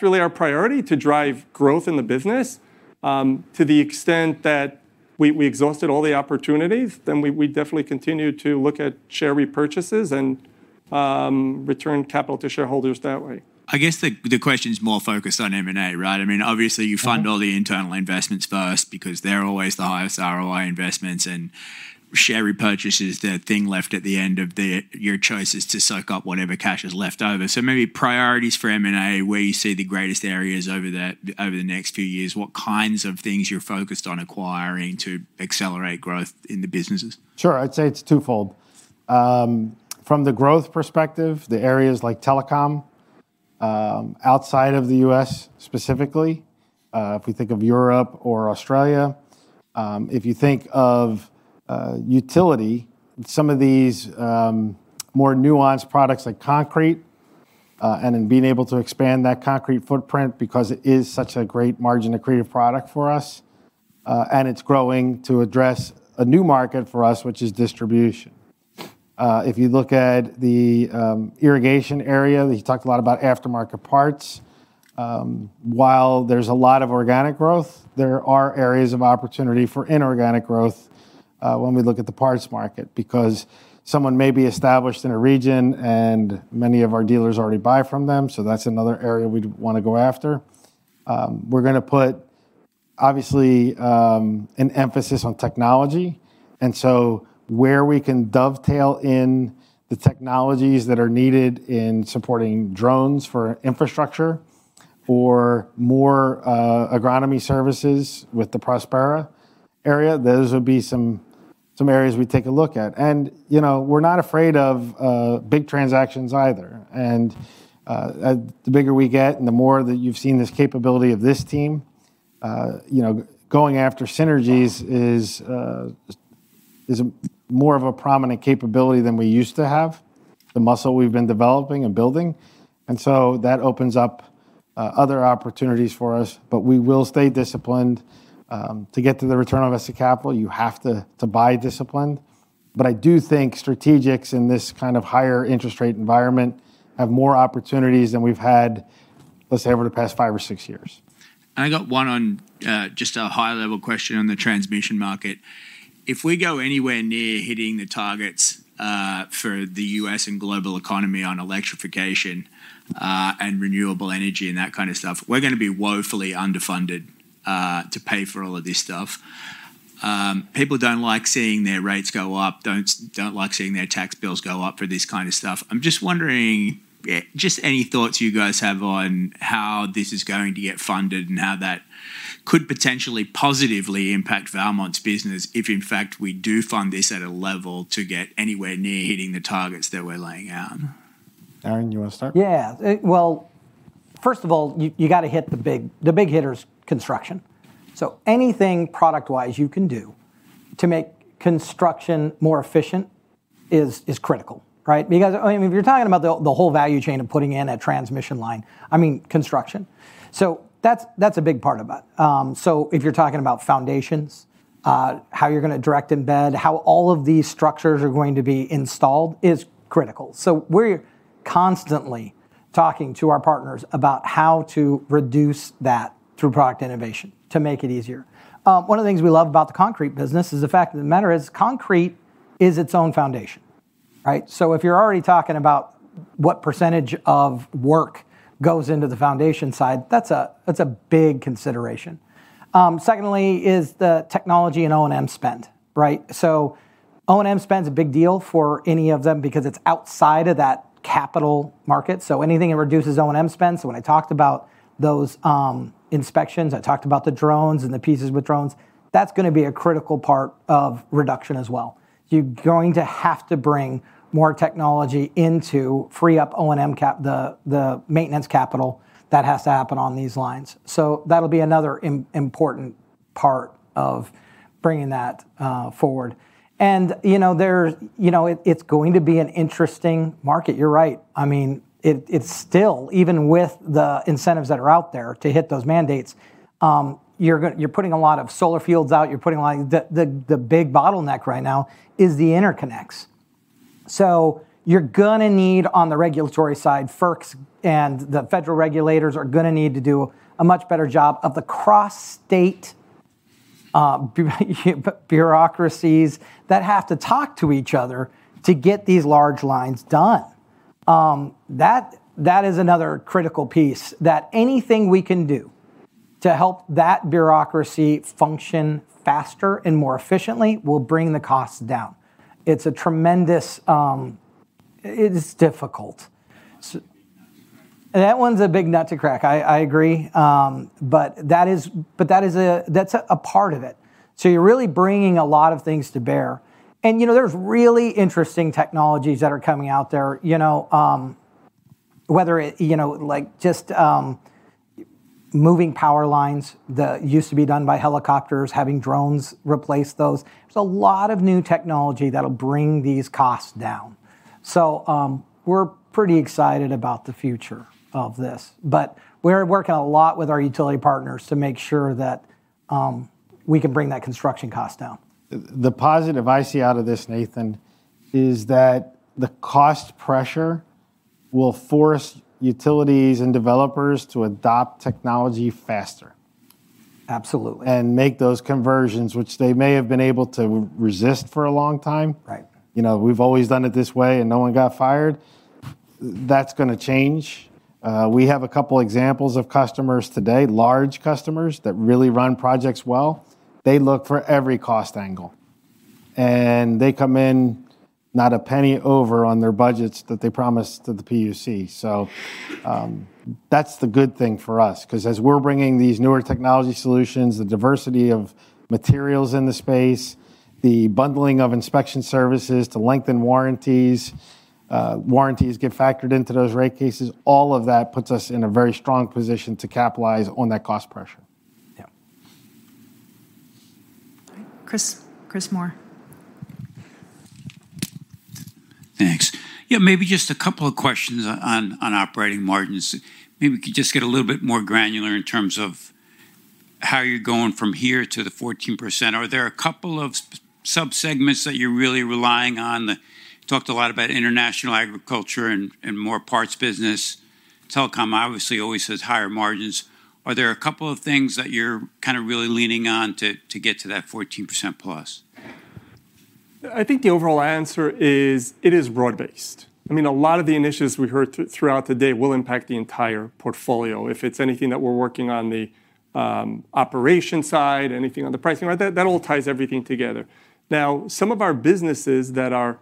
S15: really our priority to drive growth in the business, to the extent that we exhausted all the opportunities, we definitely continue to look at share repurchases and return capital to shareholders that way. I guess the question is more focused on M&A, right? I mean, obviously you fund all the internal investments first because they're always the highest ROI investments and share repurchases, the thing left at the end of the, your choices to soak up whatever cash is left over. Maybe priorities for M&A, where you see the greatest areas over the next few years, what kinds of things you're focused on acquiring to accelerate growth in the businesses?
S3: Sure. I'd say it's twofold. From the growth perspective, the areas like telecom, outside of the U.S. specifically, if we think of Europe or Australia, if you think of utility, some of these more nuanced products like concrete, and in being able to expand that concrete footprint because it is such a great margin accretive product for us, and it's growing to address a new market for us, which is distribution. If you look at the irrigation area that you talked a lot about aftermarket parts, while there's a lot of organic growth, there are areas of opportunity for inorganic growth, when we look at the parts market, because someone may be established in a region and many of our dealers already buy from them, so that's another area we'd wanna go after. We're gonna put obviously an emphasis on technology, and so where we can dovetail in the technologies that are needed in supporting drones for infrastructure or more agronomy services with the Prospera area, those would be some areas we take a look at. You know, we're not afraid of big transactions either. The bigger we get and the more that you've seen this capability of this team, you know, going after synergies is more of a prominent capability than we used to have, the muscle we've been developing and building. That opens up other opportunities for us. We will stay disciplined to get to the return on asset capital, you have to buy disciplined. I do think strategics in this kind of higher interest rate environment have more opportunities than we've had, let's say, over the past five or six years.
S11: I got one on, just a high level question on the transmission market. If we go anywhere near hitting the targets for the U.S. and global economy on electrification, and renewable energy and that kind of stuff, we're gonna be woefully underfunded to pay for all of this stuff. People don't like seeing their rates go up, don't like seeing their tax bills go up for this kind of stuff. I'm just wondering, just any thoughts you guys have on how this is going to get funded and how that could potentially positively impact Valmont's business if in fact we do fund this at a level to get anywhere near hitting the targets that we're laying out.
S17: Aaron, you wanna start?
S15: Well, first of all, you gotta hit the big, the big hitters construction. Anything product-wise you can do to make construction more efficient is critical, right? Because I mean, if you're talking about the whole value chain of putting in a transmission line, I mean, construction. That's a big part about it. If you're talking about foundations, how you're gonna direct embed, how all of these structures are going to be installed is critical. We're constantly talking to our partners about how to reduce that through product innovation to make it easier. One of the things we love about the concrete business is the fact of the matter is concrete is its own foundation, right? If you're already talking about what percentage of work goes into the foundation side, that's a big consideration. secondly is the technology and O&M spend, right? O&M spend's a big deal for any of them because it's outside of that capital market, so anything that reduces O&M spend. When I talked about those inspections, I talked about the drones and the pieces with drones, that's gonna be a critical part of reduction as well. You're going to have to bring more technology into free up the maintenance capital that has to happen on these lines. That'll be another important part of bringing that forward. You know, there, you know, it's going to be an interesting market. You're right. I mean, it's still, even with the incentives that are out there to hit those mandates, you're putting a lot of solar fields out, you're putting a lot of... The big bottleneck right now is the interconnects. You're gonna need on the regulatory side, FERC and the federal regulators are gonna need to do a much better job of the cross-state bureaucracies that have to talk to each other to get these large lines done. That is another critical piece that anything we can do to help that bureaucracy function faster and more efficiently will bring the costs down. It's a tremendous. It is difficult. That one's a big nut to crack. I agree, that is a, that's a part of it. You're really bringing a lot of things to bear. You know, there's really interesting technologies that are coming out there, you know, whether it, you know, like just moving power lines that used to be done by helicopters, having drones replace those. There's a lot of new technology that'll bring these costs down. We're pretty excited about the future of this. We're working a lot with our utility partners to make sure that we can bring that construction cost down.
S3: The positive I see out of this, Nathan, is that the cost pressure will force utilities and developers to adopt technology faster.
S15: Absolutely.
S3: Make those conversions which they may have been able to resist for a long time.
S15: Right.
S3: You know, we've always done it this way and no one got fired. That's gonna change. We have a couple examples of customers today, large customers that really run projects well. They look for every cost angle, and they come in not a penny over on their budgets that they promised to the PUC. That's the good thing for us 'cause as we're bringing these newer technology solutions, the diversity of materials in the space, the bundling of inspection services to lengthen warranties get factored into those rate cases. All of that puts us in a very strong position to capitalize on that cost pressure.
S15: Yeah.
S1: Chris Moore.
S18: Thanks. Yeah, maybe just a couple of questions on operating margins. Maybe we could just get a little bit more granular in terms of how you're going from here to the 14%. Are there a couple of subsegments that you're really relying on? You talked a lot about international agriculture and more parts business. Telecom obviously always has higher margins. Are there a couple of things that you're kinda really leaning on to get to that 14% plus?
S17: I think the overall answer is, it is broad-based. I mean, a lot of the initiatives we heard throughout the day will impact the entire portfolio. If it's anything that we're working on the operation side, anything on the pricing side, that all ties everything together. Some of our businesses that are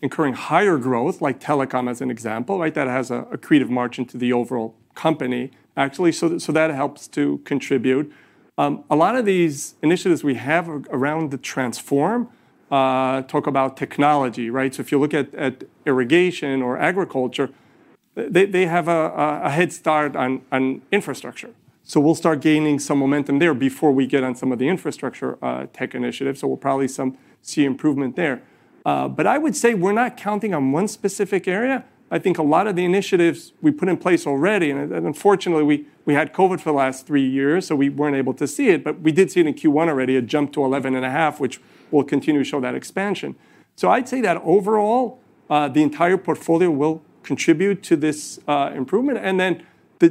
S17: incurring higher growth, like telecom as an example, right? That has a accretive margin to the overall company, actually. That helps to contribute. A lot of these initiatives we have around the Transform talk about technology, right? If you look at irrigation or agriculture, they have a head start on infrastructure. We'll start gaining some momentum there before we get on some of the infrastructure tech initiatives. We'll probably see improvement there. I would say we're not counting on one specific area. I think a lot of the initiatives we put in place already, and unfortunately, we had COVID for the last 3 years, so we weren't able to see it, but we did see it in Q1 already. It jumped to 11.5%, which will continue to show that expansion. I'd say that overall, the entire portfolio will contribute to this improvement.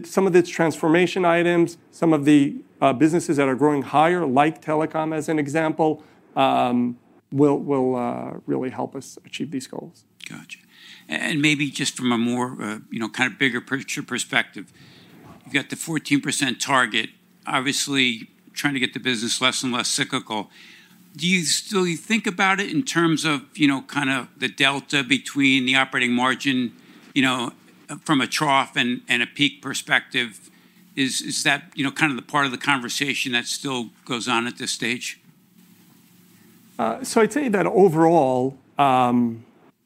S17: Some of these transformation items, some of the businesses that are growing higher, like telecom as an example, will really help us achieve these goals.
S18: Gotcha. Maybe just from a more, you know, kind of bigger picture perspective, you've got the 14% target, obviously trying to get the business less and less cyclical. Do you still think about it in terms of, you know, kinda the delta between the operating margin, you know, from a trough and a peak perspective? Is that, you know, kind of the part of the conversation that still goes on at this stage?
S17: I'd say that overall,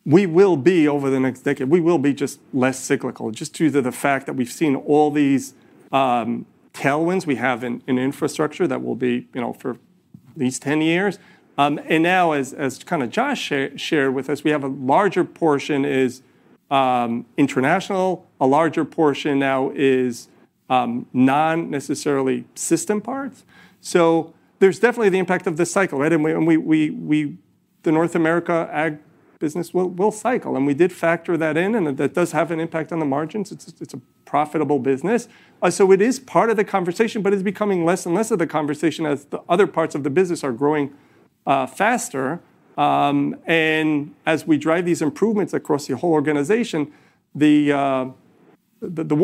S17: we will be over the next decade, we will be just less cyclical just due to the fact that we've seen all these tailwinds we have in infrastructure that will be, you know, for at least 10 years. Now as kind of Josh shared with us, we have a larger portion is international, a larger portion now is non-necessarily system parts. There's definitely the impact of this cycle, right? We-The North America ag business will cycle, and we did factor that in, and that does have an impact on the margins. It's just it's a profitable business. It is part of the conversation, but it's becoming less and less of the conversation as the other parts of the business are growing faster. As we drive these improvements across the whole organization, the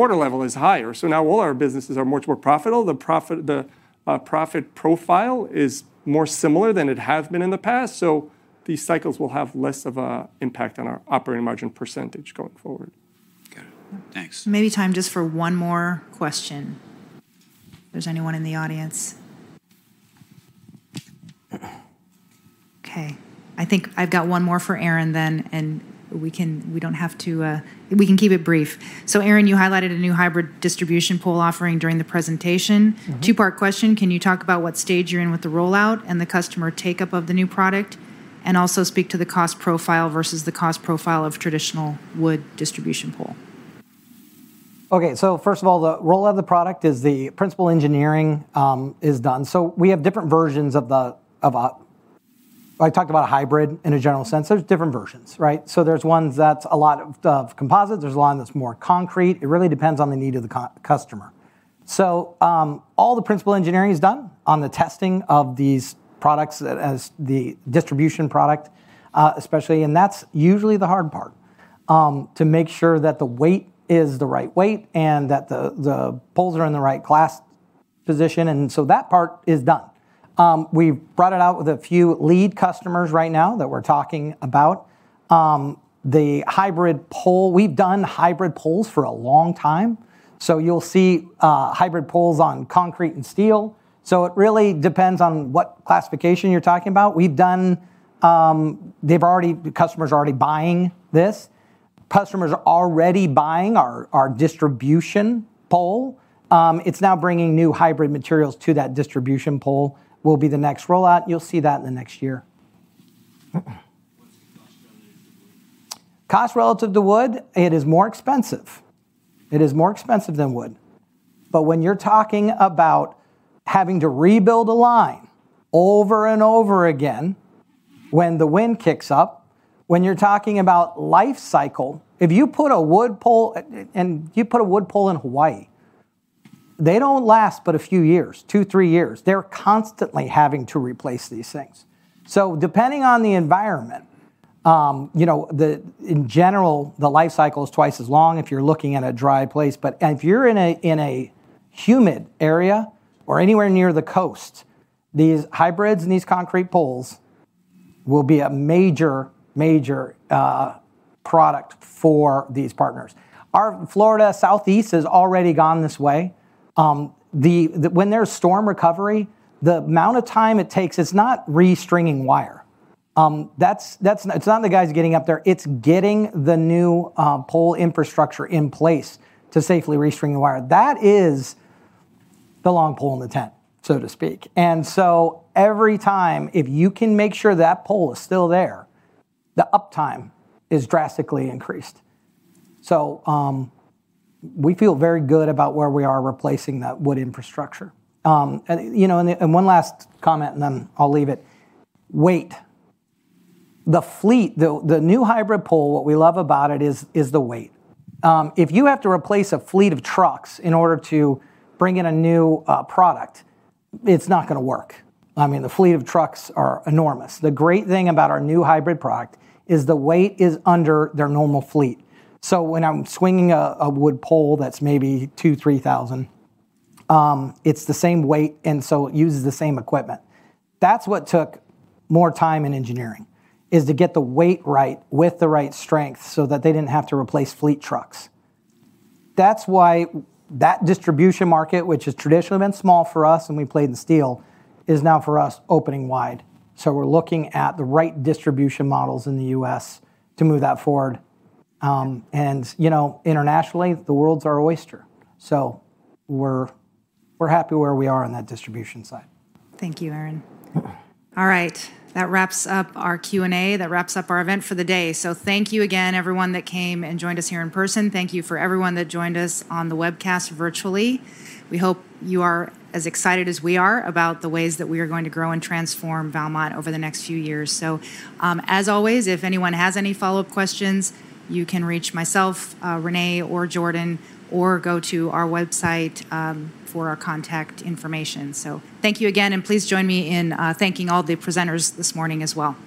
S17: water level is higher. Now all our businesses are much more profitable. The profit profile is more similar than it has been in the past, so these cycles will have less of an impact on our operating margin percentage going forward.
S15: Got it. Thanks.
S1: Maybe time just for one more question, if there's anyone in the audience. Okay. I think I've got one more for Aaron then, and we don't have to. We can keep it brief. Aaron, you highlighted a new hybrid distribution pole offering during the presentation. Two-part question. Can you talk about what stage you're in with the rollout and the customer take-up of the new product, and also speak to the cost profile versus the cost profile of traditional wood distribution pole?
S15: Okay, first of all, the rollout of the product is the principal engineering is done. We have different versions. I talked about a hybrid in a general sense. There's different versions, right? There's ones that's a lot of composites, there's a lot that's more concrete. It really depends on the need of the customer. All the principal engineering is done on the testing of these products as the distribution product, especially, and that's usually the hard part to make sure that the weight is the right weight and that the poles are in the right class position, that part is done. We've brought it out with a few lead customers right now that we're talking about. The hybrid pole, we've done hybrid poles for a long time. You'll see hybrid poles on concrete and steel. It really depends on what classification you're talking about. We've done. The customer's already buying this. Customers are already buying our distribution pole. It's now bringing new hybrid materials to that distribution pole will be the next rollout. You'll see that in the next year. What's the cost relative to wood? Cost relative to wood, it is more expensive. It is more expensive than wood. When you're talking about having to rebuild a line over and over again when the wind kicks up, when you're talking about life cycle, if you put a wood pole, you put a wood pole in Hawaii, they don't last but a few years, two, three years. They're constantly having to replace these things. Depending on the environment, you know, the, in general, the life cycle is twice as long if you're looking at a dry place. If you're in a, in a humid area or anywhere near the coast, these hybrids and these concrete poles will be a major product for these partners. Our Florida Southeast has already gone this way. When there's storm recovery, the amount of time it takes, it's not re-stringing wire. It's not the guys getting up there. It's getting the new pole infrastructure in place to safely re-string the wire. That is the long pole in the tent, so to speak. Every time, if you can make sure that pole is still there, the uptime is drastically increased. We feel very good about where we are replacing that wood infrastructure. You know, one last comment, and then I'll leave it. Weight. The fleet, the new hybrid pole, what we love about it is the weight. If you have to replace a fleet of trucks in order to bring in a new product, it's not gonna work. I mean, the fleet of trucks are enormous. The great thing about our new hybrid product is the weight is under their normal fleet. When I'm swinging a wood pole that's maybe 2,000-3,000, it's the same weight, and so it uses the same equipment. That's what took more time in engineering, is to get the weight right with the right strength so that they didn't have to replace fleet trucks. That's why that distribution market, which has traditionally been small for us when we played in steel, is now for us opening wide. We're looking at the right distribution models in the U.S. to move that forward. You know, internationally, the world's our oyster. We're, we're happy where we are on that distribution side. Thank you, Aaron. All right. That wraps up our Q&A. That wraps up our event for the day. Thank you again, everyone that came and joined us here in person. Thank you for everyone that joined us on the webcast virtually. We hope you are as excited as we are about the ways that we are going to grow and transform Valmont over the next few years. As always, if anyone has any follow-up questions, you can reach myself, Renee or Jordan, or go to our website for our contact information. Thank you again, and please join me in thanking all the presenters this morning as well.